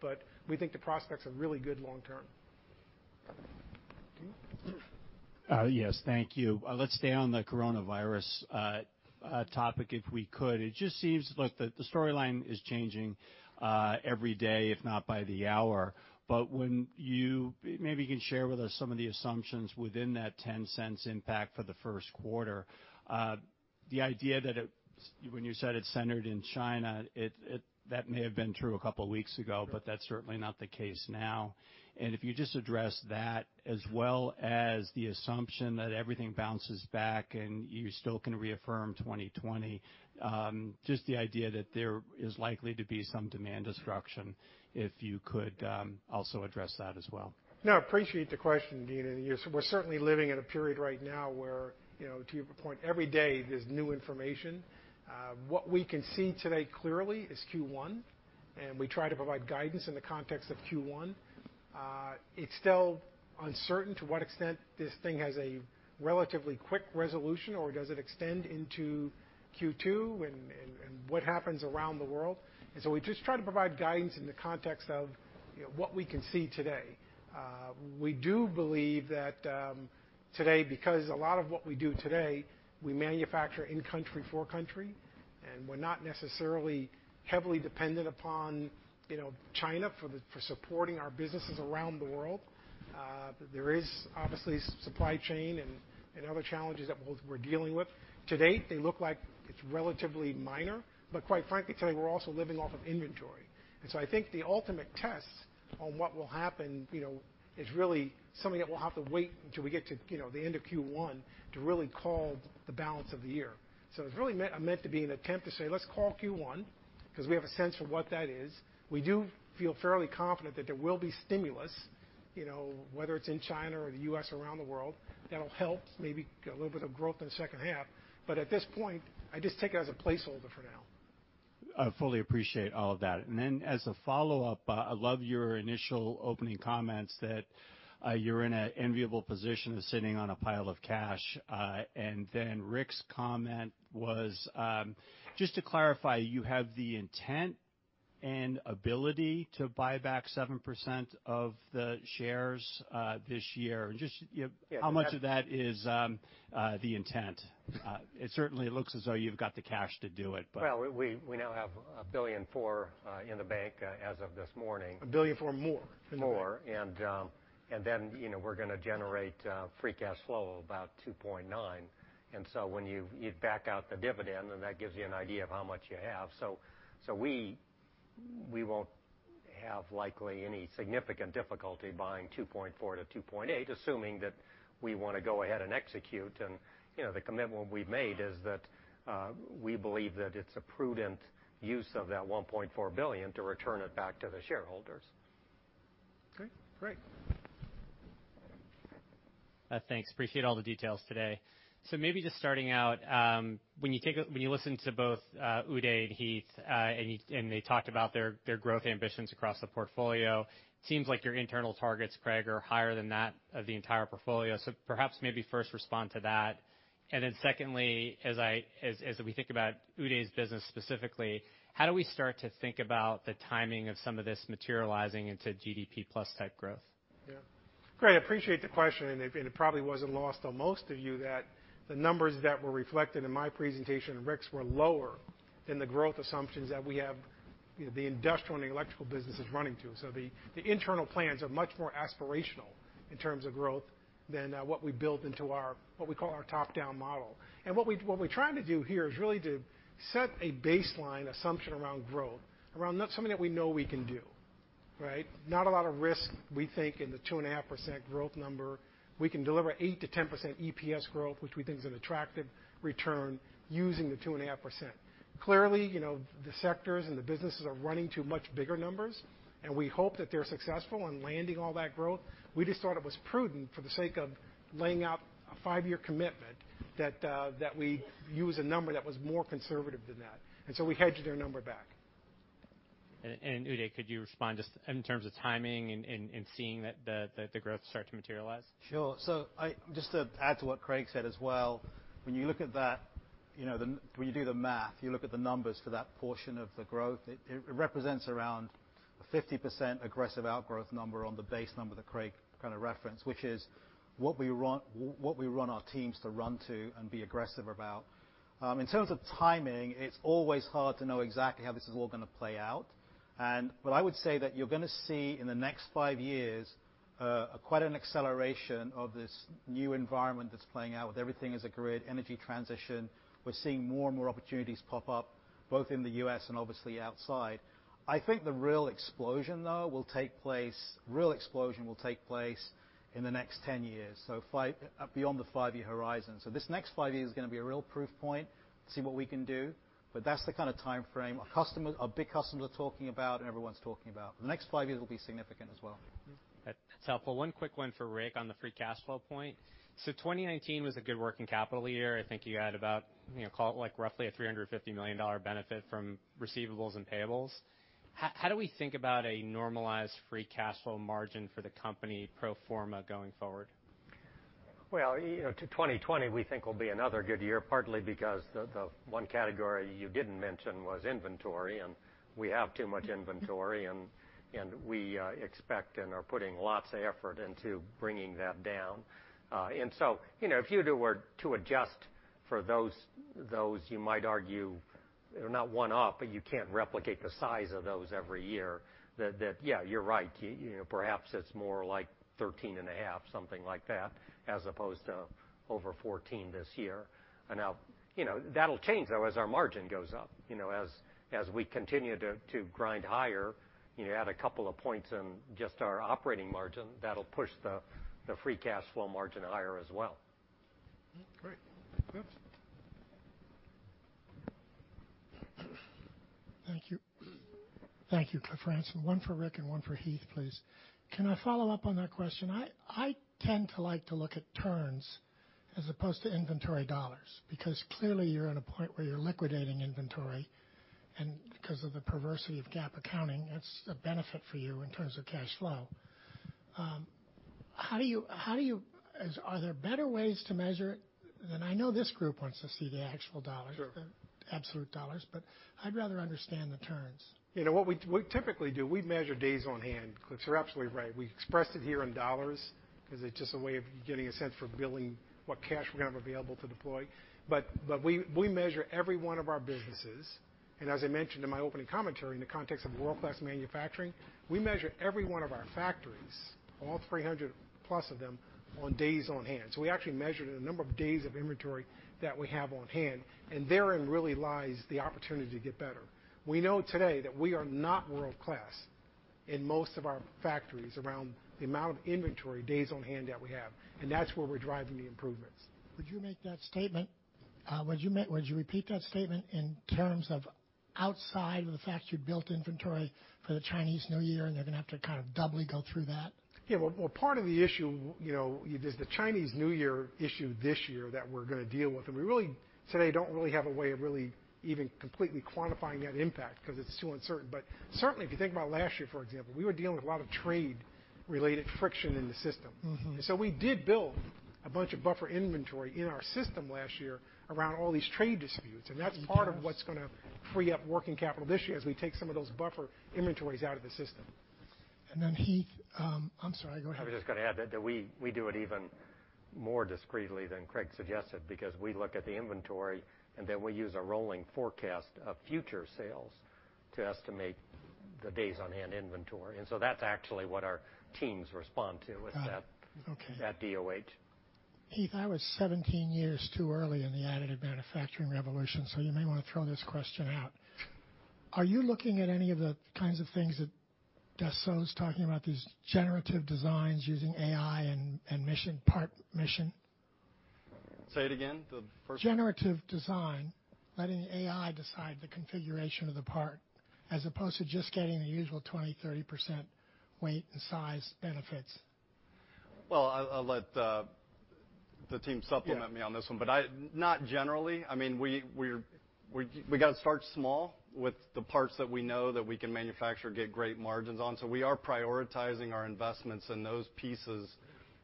We think the prospects are really good long term. Deane? Yes. Thank you. Let's stay on the coronavirus topic, if we could. It just seems like the storyline is changing every day, if not by the hour. Maybe you can share with us some of the assumptions within that $0.10 impact for the first quarter. The idea that, when you said it's centered in China, that may have been true a couple of weeks ago, but that's certainly not the case now. If you just address that, as well as the assumption that everything bounces back and you still can reaffirm 2020. Just the idea that there is likely to be some demand destruction, if you could also address that as well. No, appreciate the question, Deane. We're certainly living in a period right now where, to your point, every day there's new information. What we can see today clearly is Q1. We try to provide guidance in the context of Q1. It's still uncertain to what extent this thing has a relatively quick resolution, or does it extend into Q2, and what happens around the world. We just try to provide guidance in the context of what we can see today. We do believe that today, because a lot of what we do today, we manufacture in country for country, and we're not necessarily heavily dependent upon China for supporting our businesses around the world. There is obviously supply chain and other challenges that we're dealing with. To date, they look like it's relatively minor, but quite frankly, today, we're also living off of inventory. I think the ultimate test on what will happen is really something that we'll have to wait until we get to the end of Q1 to really call the balance of the year. It's really meant to be an attempt to say, let's call Q1, because we have a sense of what that is. We do feel fairly confident that there will be stimulus, whether it's in China or the U.S. or around the world, that'll help maybe get a little bit of growth in the second half. At this point, I just take it as a placeholder for now. I fully appreciate all of that. As a follow-up, I love your initial opening comments that you're in an enviable position of sitting on a pile of cash. Rick's comment was, just to clarify, you have the intent and ability to buy back 7% of the shares this year. Just how much of that is the intent? It certainly looks as though you've got the cash to do it. Well, we now have $1.4 billion in the bank as of this morning. $1.4 billion more. More. We're going to generate free cash flow of about $2.9. When you back out the dividend, that gives you an idea of how much you have. We won't have likely any significant difficulty buying $2.4-$2.8, assuming that we want to go ahead and execute. The commitment we've made is that we believe that it's a prudent use of that $1.4 billion to return it back to the shareholders. Great. Thanks. Appreciate all the details today. Maybe just starting out, when you listen to both Uday and Heath, and they talked about their growth ambitions across the portfolio, seems like your internal targets, Craig, are higher than that of the entire portfolio. Perhaps maybe first respond to that. Then secondly, as we think about Uday's business specifically, how do we start to think about the timing of some of this materializing into GDP plus type growth? Craig, I appreciate the question. It probably wasn't lost on most of you that the numbers that were reflected in my presentation and Rick's were lower than the growth assumptions that we have the Industrial and the Electrical businesses running to. The internal plans are much more aspirational in terms of growth than what we built into what we call our top-down model. What we're trying to do here is really to set a baseline assumption around growth, around something that we know we can do. Right? Not a lot of risk, we think, in the 2.5% growth number. We can deliver 8%-10% EPS growth, which we think is an attractive return using the 2.5%. Clearly, the sectors and the businesses are running to much bigger numbers, and we hope that they're successful in landing all that growth. We just thought it was prudent for the sake of laying out a five-year commitment that we use a number that was more conservative than that. We hedged their number back. Uday, could you respond just in terms of timing and seeing that the growth start to materialize? Sure. Just to add to what Craig said as well, when you do the math, you look at the numbers for that portion of the growth, it represents around a 50% aggressive outgrowth number on the base number that Craig kind of referenced, which is what we run our teams to run to and be aggressive about. In terms of timing, it's always hard to know exactly how this is all going to play out. I would say that you're going to see, in the next five years, quite an acceleration of this new environment that's playing out with everything as a grid, energy transition. We're seeing more and more opportunities pop up, both in the U.S. and obviously outside. I think the real explosion, though, will take place in the next 10 years, so beyond the five-year horizon. This next five years is going to be a real proof point to see what we can do. That's the kind of timeframe our big customers are talking about, and everyone's talking about. The next five years will be significant as well. That's helpful. One quick one for Rick on the free cash flow point. 2019 was a good working capital year. I think you had about roughly a $350 million benefit from receivables and payables. How do we think about a normalized free cash flow margin for the company pro forma going forward? Well, 2020, we think will be another good year, partly because the one category you didn't mention was inventory, and we have too much inventory, and we expect and are putting lots of effort into bringing that down. If you were to adjust for those, you might argue they're not one-off, but you can't replicate the size of those every year. That, yeah, you're right. Perhaps it's more like 13.5, something like that, as opposed to over 14 this year. That'll change, though, as our margin goes up. As we continue to grind higher, add a couple of points in just our operating margin, that'll push the free cash flow margin higher as well. Great. Cliff. Thank you. Thank you, Cliff. One for Rick and one for Heath, please. Can I follow up on that question? I tend to like to look at turns as opposed to inventory dollars, because clearly you're at a point where you're liquidating inventory, and because of the perversity of GAAP accounting, that's a benefit for you in terms of cash flow. Are there better ways to measure it? I know this group wants to see the actual dollars. Sure. absolute dollars, but I'd rather understand the turns. What we typically do, we measure days on hand. You're absolutely right. We expressed it here in dollars because it's just a way of getting a sense for billing what cash we have available to deploy. We measure every one of our businesses. As I mentioned in my opening commentary, in the context of world-class manufacturing, we measure every one of our factories, all 300 plus of them, on days on hand. We actually measured the number of days of inventory that we have on hand, and therein really lies the opportunity to get better. We know today that we are not world-class in most of our factories around the amount of inventory days on hand that we have, and that's where we're driving the improvements. Would you repeat that statement in terms of outside of the fact you built inventory for the Chinese New Year, and they're going to have to kind of doubly go through that? Yeah. Well, part of the issue is the Chinese New Year issue this year that we're going to deal with. We really, today, don't really have a way of really even completely quantifying that impact because it's too uncertain. Certainly, if you think about last year, for example, we were dealing with a lot of trade-related friction in the system. We did build a bunch of buffer inventory in our system last year around all these trade disputes, and that's part of what's going to free up working capital this year as we take some of those buffer inventories out of the system. Heath. I'm sorry, go ahead. I was just going to add that we do it even more discreetly than Craig suggested because we look at the inventory and then we use a rolling forecast of future sales to estimate the days on hand inventory. That's actually what our teams respond to. Got it. Okay. is that DOH. Heath, I was 17 years too early in the additive manufacturing revolution, so you may want to throw this question out. Are you looking at any of the kinds of things that Dassault is talking about, these generative designs using AI and part mission? Say it again. Generative design, letting AI decide the configuration of the part as opposed to just getting the usual 20, 30% weight and size benefits. Well, I'll let the team supplement me on this one, but not generally. We got to start small with the parts that we know that we can manufacture, get great margins on. We are prioritizing our investments in those pieces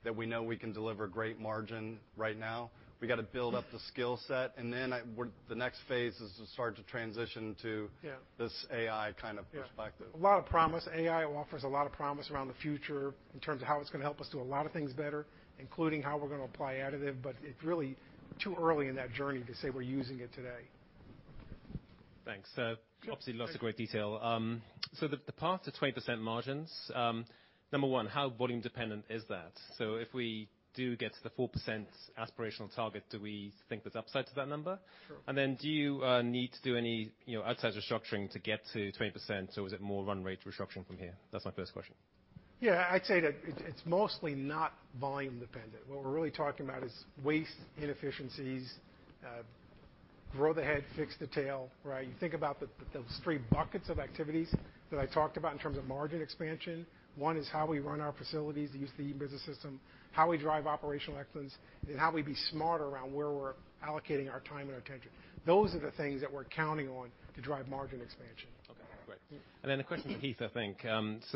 that we know we can deliver great margin right now. We got to build up the skill set, the next phase is to start to transition. Yeah this AI kind of perspective. A lot of promise. AI offers a lot of promise around the future in terms of how it's going to help us do a lot of things better, including how we're going to apply additive, but it's really too early in that journey to say we're using it today. Thanks. Obviously, lots of great detail. The path to 20% margins, number one, how volume dependent is that? If we do get to the 4% aspirational target, do we think there's upside to that number? Sure. Do you need to do any outside restructuring to get to 20%, or is it more run rate restructuring from here? That's my first question. Yeah. I'd say that it's mostly not volume dependent. What we're really talking about is waste inefficiencies, grow the head, fix the tail, right? You think about those three buckets of activities that I talked about in terms of margin expansion. One is how we run our facilities, use the e-business system, how we drive operational excellence, and how we be smarter around where we're allocating our time and our attention. Those are the things that we're counting on to drive margin expansion. Okay, great. A question for Heath, I think.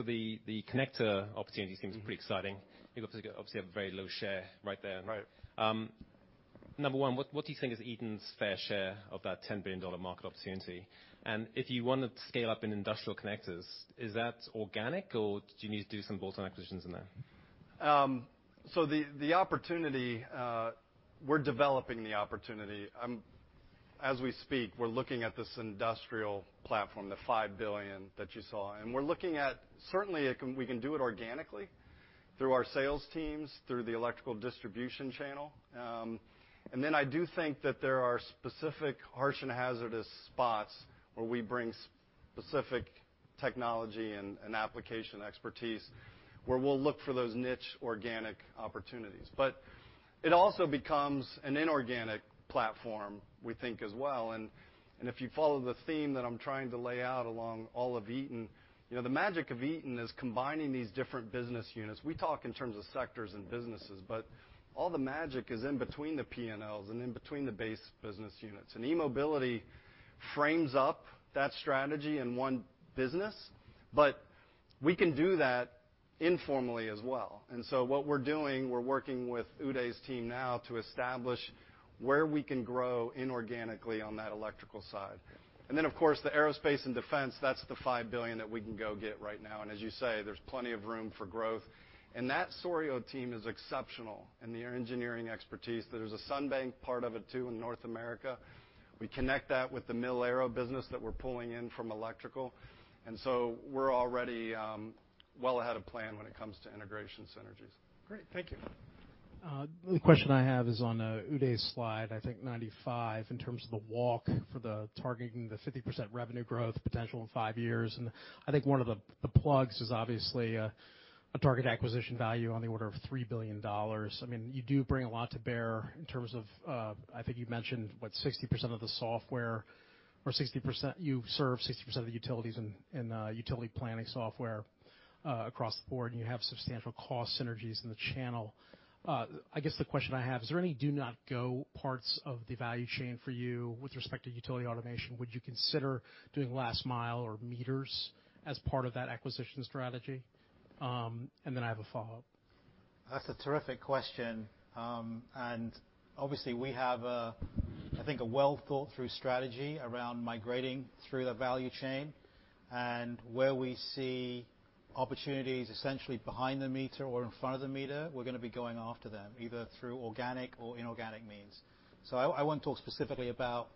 The connector opportunity seems pretty exciting. You obviously have a very low share right there. Right. Number one, what do you think is Eaton's fair share of that $10 billion market opportunity? If you wanted to scale up in industrial connectors, is that organic, or do you need to do some bolt-on acquisitions in there? The opportunity, we're developing the opportunity. As we speak, we're looking at this industrial platform, the $5 billion that you saw. We're looking at, certainly, we can do it organically through our sales teams, through the electrical distribution channel. I do think that there are specific harsh and hazardous spots where we bring specific technology and application expertise, where we'll look for those niche organic opportunities. It also becomes an inorganic platform, we think as well. If you follow the theme that I'm trying to lay out along all of Eaton, the magic of Eaton is combining these different business units. We talk in terms of sectors and businesses, but all the magic is in between the P&Ls and in between the base business units. eMobility frames up that strategy in one business, but we can do that informally as well. What we're doing, we're working with Uday's team now to establish where we can grow inorganically on that electrical side. Of course, the aerospace and defense, that's the $5 billion that we can go get right now. As you say, there's plenty of room for growth. That Souriau team is exceptional in their engineering expertise. There's a Sunbank part of it, too, in North America. We connect that with the Mil-Aero business that we're pulling in from electrical. We're already well ahead of plan when it comes to integration synergies. Great. Thank you. The question I have is on Uday's slide, I think 95, in terms of the walk for the targeting the 50% revenue growth potential in five years. I think one of the plugs is obviously a target acquisition value on the order of $3 billion. You do bring a lot to bear in terms of, I think you mentioned, what, 60% of the software, or you serve 60% of the utilities in utility planning software across the board, and you have substantial cost synergies in the channel. I guess the question I have, is there any do-not-go parts of the value chain for you with respect to utility automation? Would you consider doing last mile or meters as part of that acquisition strategy? I have a follow-up. That's a terrific question. Obviously, we have, I think, a well-thought-through strategy around migrating through the value chain. Where we see opportunities essentially behind the meter or in front of the meter, we're going to be going after them, either through organic or inorganic means. I won't talk specifically about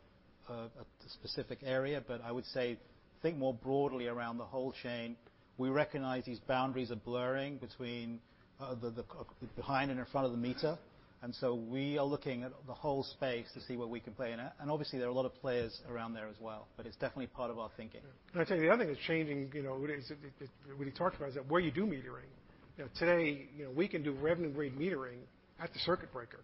a specific area, but I would say, think more broadly around the whole chain. We recognize these boundaries are blurring between behind and in front of the meter. We are looking at the whole space to see where we can play in it. Obviously, there are a lot of players around there as well, but it's definitely part of our thinking. I tell you, the other thing that's changing, Uday, is when you talked about is that where you do metering. Today we can do revenue-grade metering at the circuit breaker.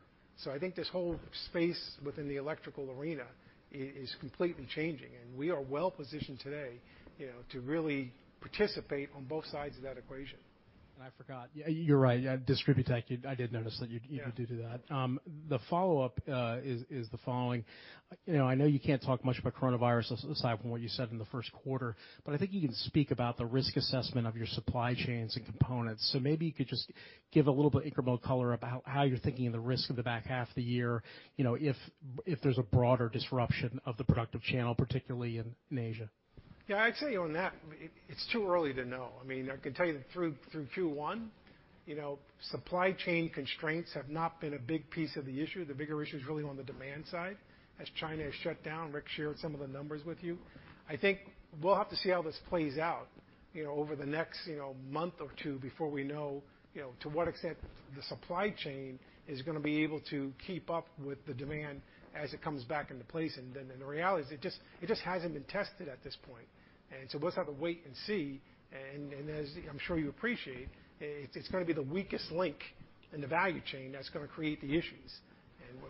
I think this whole space within the electrical arena is completely changing, and we are well-positioned today to really participate on both sides of that equation. I forgot. You are right. DistribuTECH, I did notice that you did do that. Yeah. The follow-up is the following. I know you can't talk much about coronavirus aside from what you said in the first quarter, but I think you can speak about the risk assessment of your supply chains and components. Maybe you could just give a little bit incremental color about how you're thinking of the risk of the back half of the year, if there's a broader disruption of the productive channel, particularly in Asia. Yeah. I'd say on that, it's too early to know. I can tell you that through Q1, supply chain constraints have not been a big piece of the issue. The bigger issue is really on the demand side. As China has shut down, Rick shared some of the numbers with you. I think we'll have to see how this plays out over the next month or two before we know to what extent the supply chain is going to be able to keep up with the demand as it comes back into place. The reality is it just hasn't been tested at this point. We'll just have to wait and see. As I'm sure you appreciate, it's going to be the weakest link in the value chain that's going to create the issues.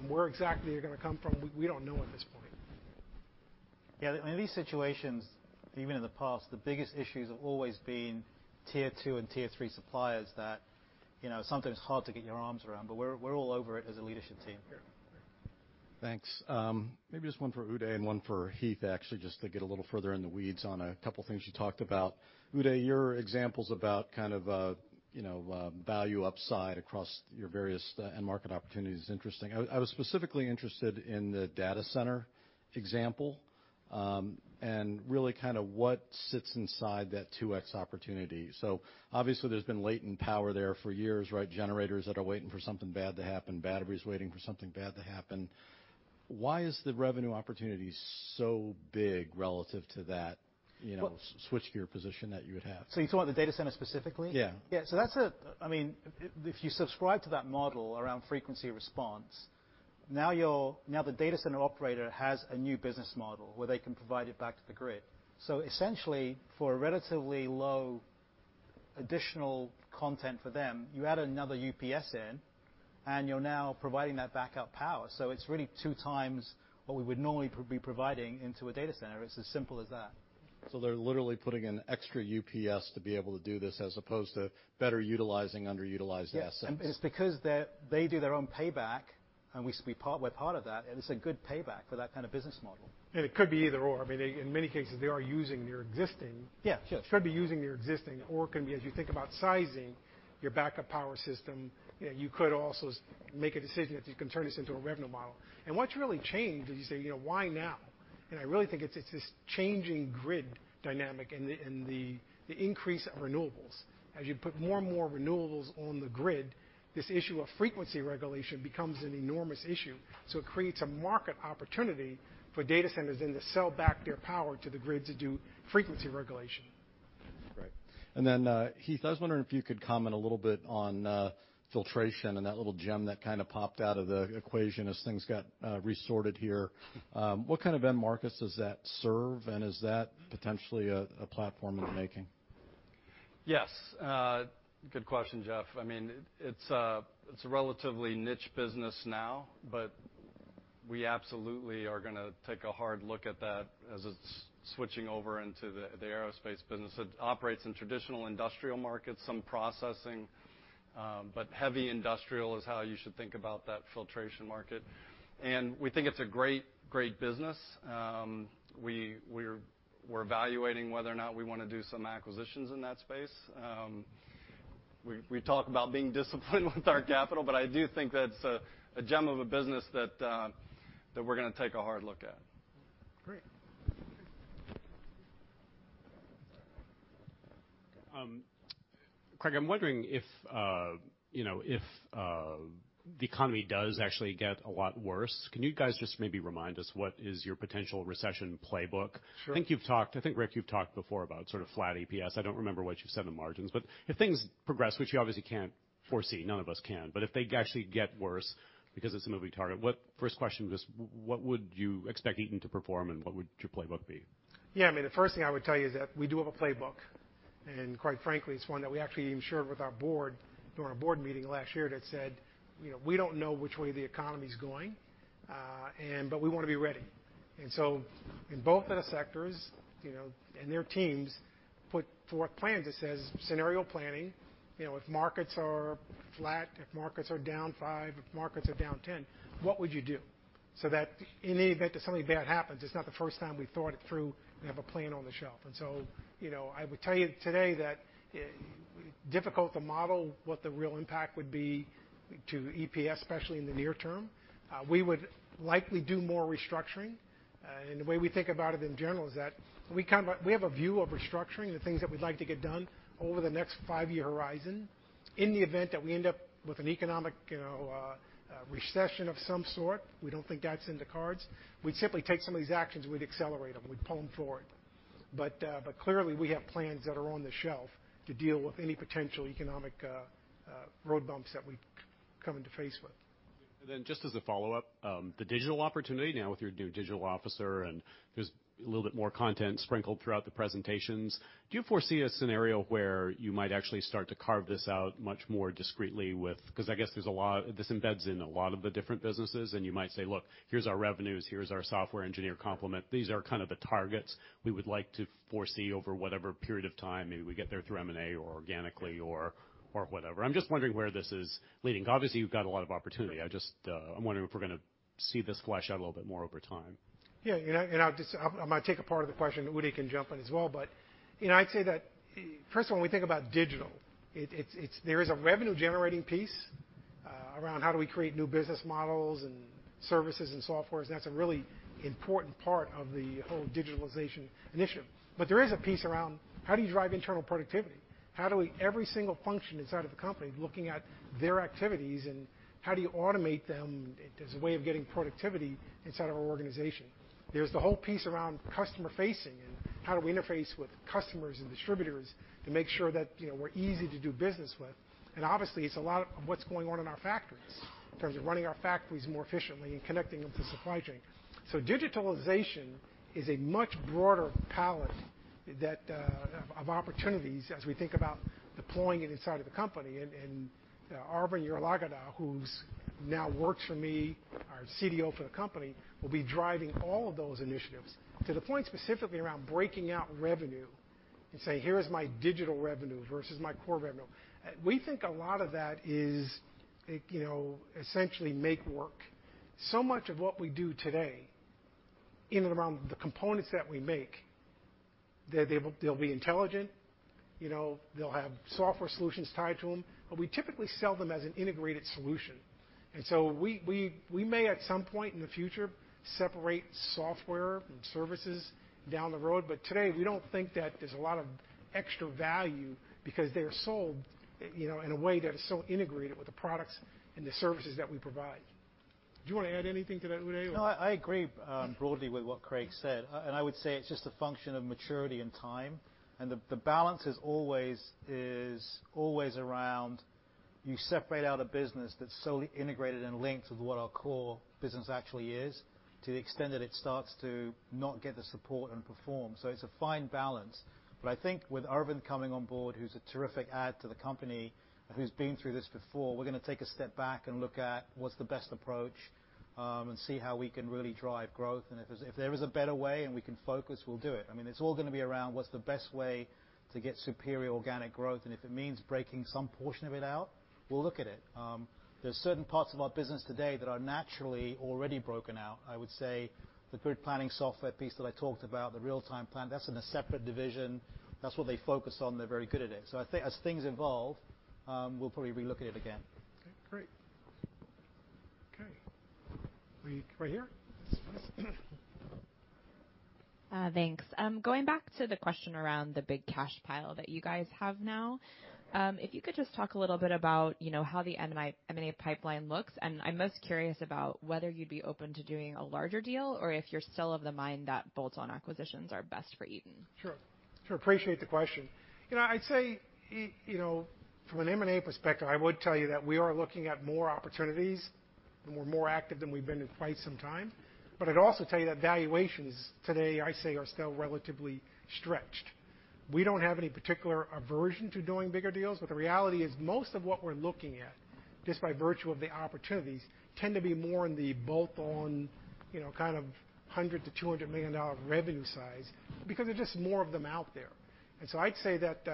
Where exactly they're going to come from, we don't know at this point. Yeah. In these situations, even in the past, the biggest issues have always been tier 2 and tier 3 suppliers that sometimes it's hard to get your arms around. We're all over it as a leadership team. Yeah. Thanks. Maybe just one for Uday and one for Heath, actually, just to get a little further in the weeds on a couple things you talked about. Uday, your examples about value upside across your various end market opportunities is interesting. I was specifically interested in the data center example, and really what sits inside that 2X opportunity. Obviously, there's been latent power there for years, right? Generators that are waiting for something bad to happen, batteries waiting for something bad to happen. Why is the revenue opportunity so big relative to that switchgear position that you would have? You're talking about the data center specifically? Yeah. Yeah. If you subscribe to that model around frequency response, now the data center operator has a new business model where they can provide it back to the grid. Essentially, for a relatively low additional content for them, you add another UPS in, and you're now providing that backup power. It's really two times what we would normally be providing into a data center. It's as simple as that. They're literally putting in extra UPS to be able to do this as opposed to better utilizing underutilized assets. Yes. It's because they do their own payback, and we're part of that, and it's a good payback for that kind of business model. It could be either/or. Yeah. Should be using their existing, or it can be, as you think about sizing your backup power system, you could also make a decision that you can turn this into a revenue model. What's really changed is you say, "Why now?" I really think it's this changing grid dynamic and the increase of renewables. As you put more and more renewables on the grid, this issue of frequency regulation becomes an enormous issue. It creates a market opportunity for data centers then to sell back their power to the grid to do frequency regulation. Right. Heath, I was wondering if you could comment a little bit on filtration and that little gem that kind of popped out of the equation as things got resorted here. What kind of end markets does that serve, and is that potentially a platform in the making? Yes. Good question, Jeff. It's a relatively niche business now, but we absolutely are going to take a hard look at that as it's switching over into the aerospace business. It operates in traditional industrial markets, some processing. Heavy industrial is how you should think about that filtration market. We think it's a great business. We're evaluating whether or not we want to do some acquisitions in that space. We talk about being disciplined with our capital, but I do think that's a gem of a business that we're going to take a hard look at. Great. Craig, I'm wondering if the economy does actually get a lot worse, can you guys just maybe remind us what is your potential recession playbook? Sure. I think, Rick, you've talked before about sort of flat EPS. I don't remember what you said on margins. If things progress, which you obviously can't foresee, none of us can, but if they actually get worse because it's a moving target, first question, just what would you expect Eaton to perform, and what would your playbook be? Yeah, the first thing I would tell you is that we do have a playbook. Quite frankly, it's one that we actually even shared with our board during a board meeting last year that said, we don't know which way the economy's going. We want to be ready. In both of the sectors, and their teams put forth plans. It says, scenario planning. If markets are flat, if markets are down five, if markets are down 10, what would you do? That in the event that something bad happens, it's not the first time we've thought it through. We have a plan on the shelf. I would tell you today that difficult to model what the real impact would be to EPS, especially in the near term. We would likely do more restructuring. The way we think about it in general is that we have a view of restructuring, the things that we'd like to get done over the next five-year horizon. In the event that we end up with an economic recession of some sort, we don't think that's in the cards, we'd simply take some of these actions, we'd accelerate them, we'd pull them forward. Clearly, we have plans that are on the shelf to deal with any potential economic road bumps that we come into face with. Just as a follow-up, the digital opportunity now with your new digital officer. There's a little bit more content sprinkled throughout the presentations. Do you foresee a scenario where you might actually start to carve this out much more discreetly, because I guess this embeds in a lot of the different businesses, and you might say, "Look, here's our revenues, here's our software engineer complement. These are kind of the targets we would like to foresee over whatever period of time. Maybe we get there through M&A or organically or whatever." I'm just wondering where this is leading. Obviously, you've got a lot of opportunity. I'm wondering if we're going to see this flesh out a little bit more over time. Yeah. I'm going to take a part of the question that Uday can jump in as well. I'd say that, first of all, when we think about digital, there is a revenue-generating piece around how do we create new business models and services and softwares, and that's a really important part of the whole digitalization initiative. There is a piece around how do you drive internal productivity? How do every single function inside of the company looking at their activities, and how do you automate them as a way of getting productivity inside of our organization? There's the whole piece around customer facing, and how do we interface with customers and distributors to make sure that we're easy to do business with. Obviously, it's a lot of what's going on in our factories in terms of running our factories more efficiently and connecting them to the supply chain. Digitalization is a much broader palette of opportunities as we think about deploying it inside of the company. Aravind Yarlagadda, who now works for me, our CDO for the company, will be driving all of those initiatives. To the point specifically around breaking out revenue and saying, "Here is my digital revenue versus my core revenue." We think a lot of that is essentially make work. Much of what we do today in and around the components that we make, they'll be intelligent, they'll have software solutions tied to them, but we typically sell them as an integrated solution. We may, at some point in the future, separate software and services down the road. Today, we don't think that there's a lot of extra value because they are sold in a way that is so integrated with the products and the services that we provide. Do you want to add anything to that, Uday? No, I agree broadly with what Craig said. I would say it's just a function of maturity and time. The balance is always around. You separate out a business that's solely integrated and linked with what our core business actually is, to the extent that it starts to not get the support and perform. It's a fine balance. I think with Aravind Yarlagaddacoming on board, who's a terrific add to the company, and who's been through this before, we're going to take a step back and look at what's the best approach, and see how we can really drive growth. If there is a better way and we can focus, we'll do it. It's all going to be around what's the best way to get superior organic growth, and if it means breaking some portion of it out, we'll look at it. There's certain parts of our business today that are naturally already broken out. I would say the grid planning software piece that I talked about, the real-time plan, that's in a separate division. That's what they focus on. They're very good at it. I think as things evolve, we'll probably re-look at it again. Okay, great. Okay. Right here. Thanks. Going back to the question around the big cash pile that you guys have now, if you could just talk a little bit about how the M&A pipeline looks, and I'm most curious about whether you'd be open to doing a larger deal or if you're still of the mind that bolt-on acquisitions are best for Eaton. Sure. Appreciate the question. I'd say, from an M&A perspective, I would tell you that we are looking at more opportunities, and we're more active than we've been in quite some time. I'd also tell you that valuations today, I'd say, are still relatively stretched. We don't have any particular aversion to doing bigger deals, but the reality is most of what we're looking at, just by virtue of the opportunities, tend to be more in the bolt-on, kind of $100 million-$200 million revenue size, because there are just more of them out there. I'd say that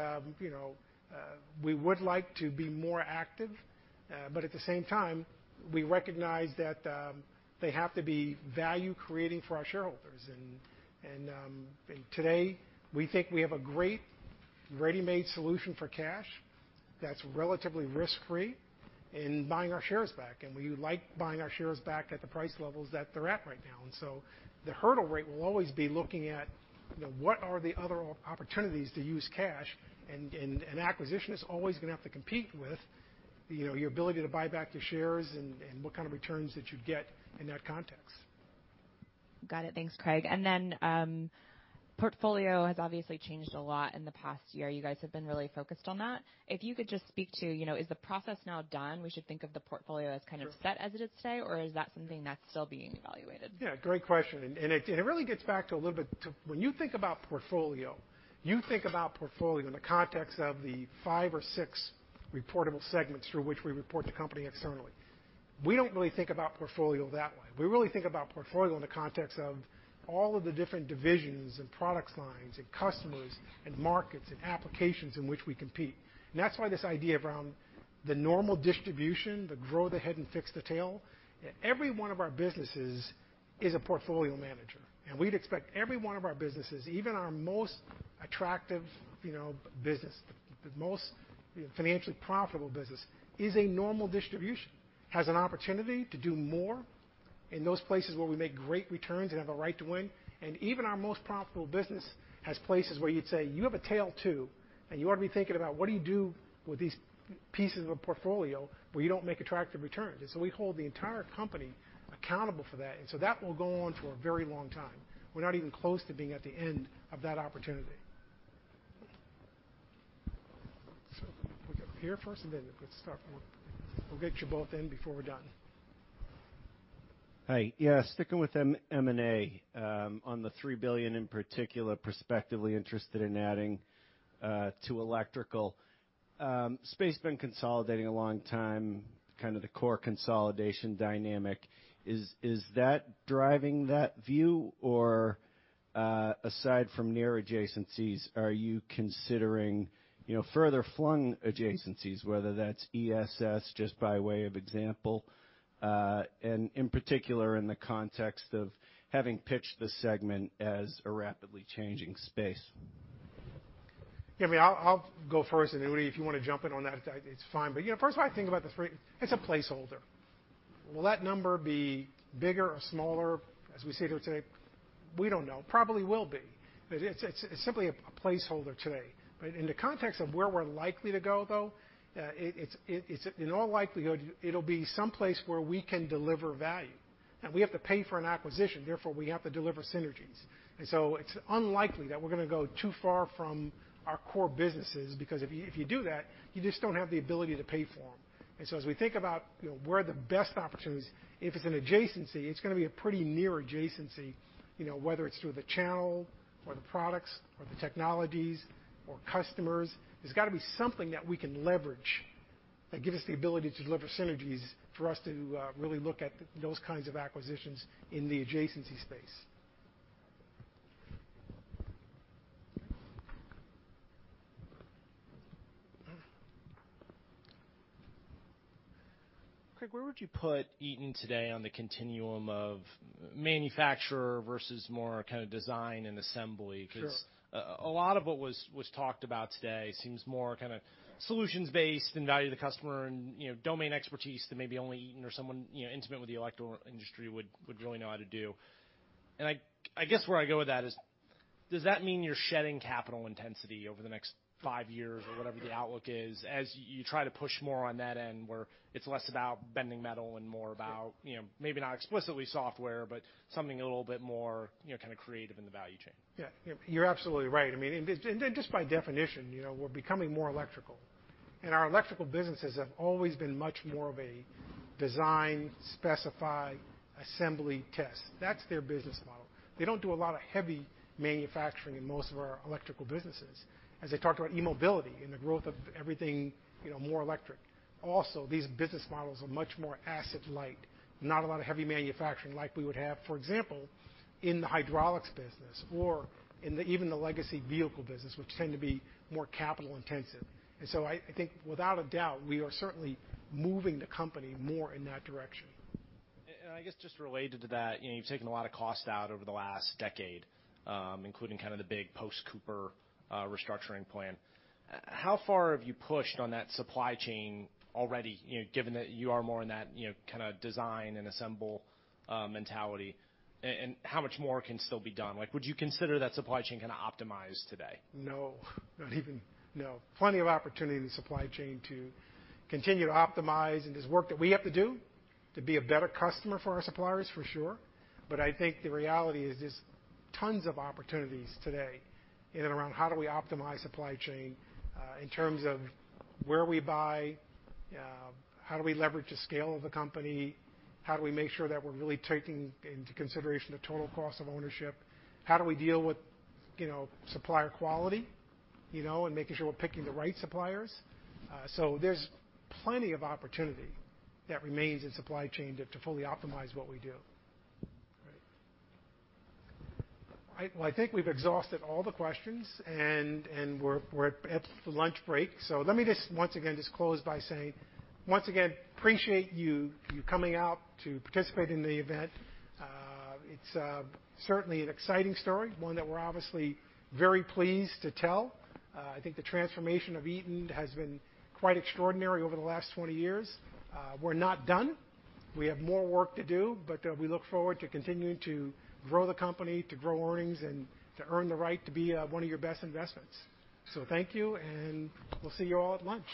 we would like to be more active, but at the same time, we recognize that they have to be value-creating for our shareholders. Today, we think we have a great ready-made solution for cash that's relatively risk-free in buying our shares back, and we like buying our shares back at the price levels that they're at right now. The hurdle rate will always be looking at what are the other opportunities to use cash, and acquisition is always going to have to compete with your ability to buy back the shares and what kind of returns that you'd get in that context. Got it. Thanks, Craig. Portfolio has obviously changed a lot in the past year. You guys have been really focused on that. If you could just speak to, is the process now done? We should think of the portfolio as kind of set as it is today, or is that something that's still being evaluated? Yeah, great question. It really gets back to a little bit, when you think about portfolio, you think about portfolio in the context of the five or six reportable segments through which we report the company externally. We don't really think about portfolio that way. We really think about portfolio in the context of all of the different divisions and product lines and customers and markets and applications in which we compete. That's why this idea around the normal distribution, the grow the head and fix the tail, every one of our businesses is a portfolio manager. We'd expect every one of our businesses, even our most attractive business, the most financially profitable business, is a normal distribution, has an opportunity to do more in those places where we make great returns and have a right to win. Even our most profitable business has places where you'd say, you have a tail, too, and you ought to be thinking about what do you do with these pieces of a portfolio where you don't make attractive returns. We hold the entire company accountable for that, and so that will go on for a very long time. We're not even close to being at the end of that opportunity. We'll go up here first, and then we'll start. We'll get you both in before we're done. Hi. Yeah, sticking with M&A, on the $3 billion in particular prospectively interested in adding to Electrical. Space been consolidating a long time, kind of the core consolidation dynamic. Is that driving that view? aside from near adjacencies, are you considering further flung adjacencies, whether that's ESS, just by way of example, and in particular in the context of having pitched the segment as a rapidly changing space? Yeah, I'll go first and Uday, if you want to jump in on that, it's fine. First, when I think about the three, it's a placeholder. Will that number be bigger or smaller as we sit here today? We don't know. Probably will be. It's simply a placeholder today. In the context of where we're likely to go, though, in all likelihood, it'll be someplace where we can deliver value. Now we have to pay for an acquisition, therefore, we have to deliver synergies. It's unlikely that we're going to go too far from our core businesses, because if you do that, you just don't have the ability to pay for them. As we think about where are the best opportunities, if it's an adjacency, it's going to be a pretty near adjacency, whether it's through the channel or the products or the technologies or customers. There's got to be something that we can leverage that give us the ability to deliver synergies for us to really look at those kinds of acquisitions in the adjacency space. Craig, where would you put Eaton today on the continuum of manufacturer versus more kind of design and assembly? Sure. A lot of what was talked about today seems more kind of solutions based and value to the customer and domain expertise that maybe only Eaton or someone intimate with the electrical industry would really know how to do. I guess where I go with that is, does that mean you're shedding capital intensity over the next five years or whatever the outlook is as you try to push more on that end where it's less about bending metal and more about maybe not explicitly software, but something a little bit more kind of creative in the value chain? Yeah. You're absolutely right. Just by definition, we're becoming more electrical. Our electrical businesses have always been much more of a design, specify, assembly, test. That's their business model. They don't do a lot of heavy manufacturing in most of our electrical businesses. As I talked about e-mobility and the growth of everything more electric, also, these business models are much more asset light, not a lot of heavy manufacturing like we would have, for example, in the hydraulics business or in even the legacy vehicle business, which tend to be more capital intensive. I think without a doubt, we are certainly moving the company more in that direction. I guess just related to that, you've taken a lot of cost out over the last decade, including kind of the big post-Cooper restructuring plan. How far have you pushed on that supply chain already, given that you are more in that kind of design and assemble mentality? How much more can still be done? Would you consider that supply chain kind of optimized today? No. Not even. No. Plenty of opportunity in the supply chain to continue to optimize. There's work that we have to do to be a better customer for our suppliers, for sure. I think the reality is there's tons of opportunities today in and around how do we optimize supply chain, in terms of where we buy, how do we leverage the scale of the company, how do we make sure that we're really taking into consideration the total cost of ownership. How do we deal with supplier quality, and making sure we're picking the right suppliers. There's plenty of opportunity that remains in supply chain to fully optimize what we do. All right. Well, I think we've exhausted all the questions, and we're at the lunch break. Let me just once again just close by saying, once again, appreciate you coming out to participate in the event. It's certainly an exciting story, one that we're obviously very pleased to tell. I think the transformation of Eaton has been quite extraordinary over the last 20 years. We're not done. We have more work to do, but we look forward to continuing to grow the company, to grow earnings, and to earn the right to be one of your best investments. Thank you, and we'll see you all at lunch.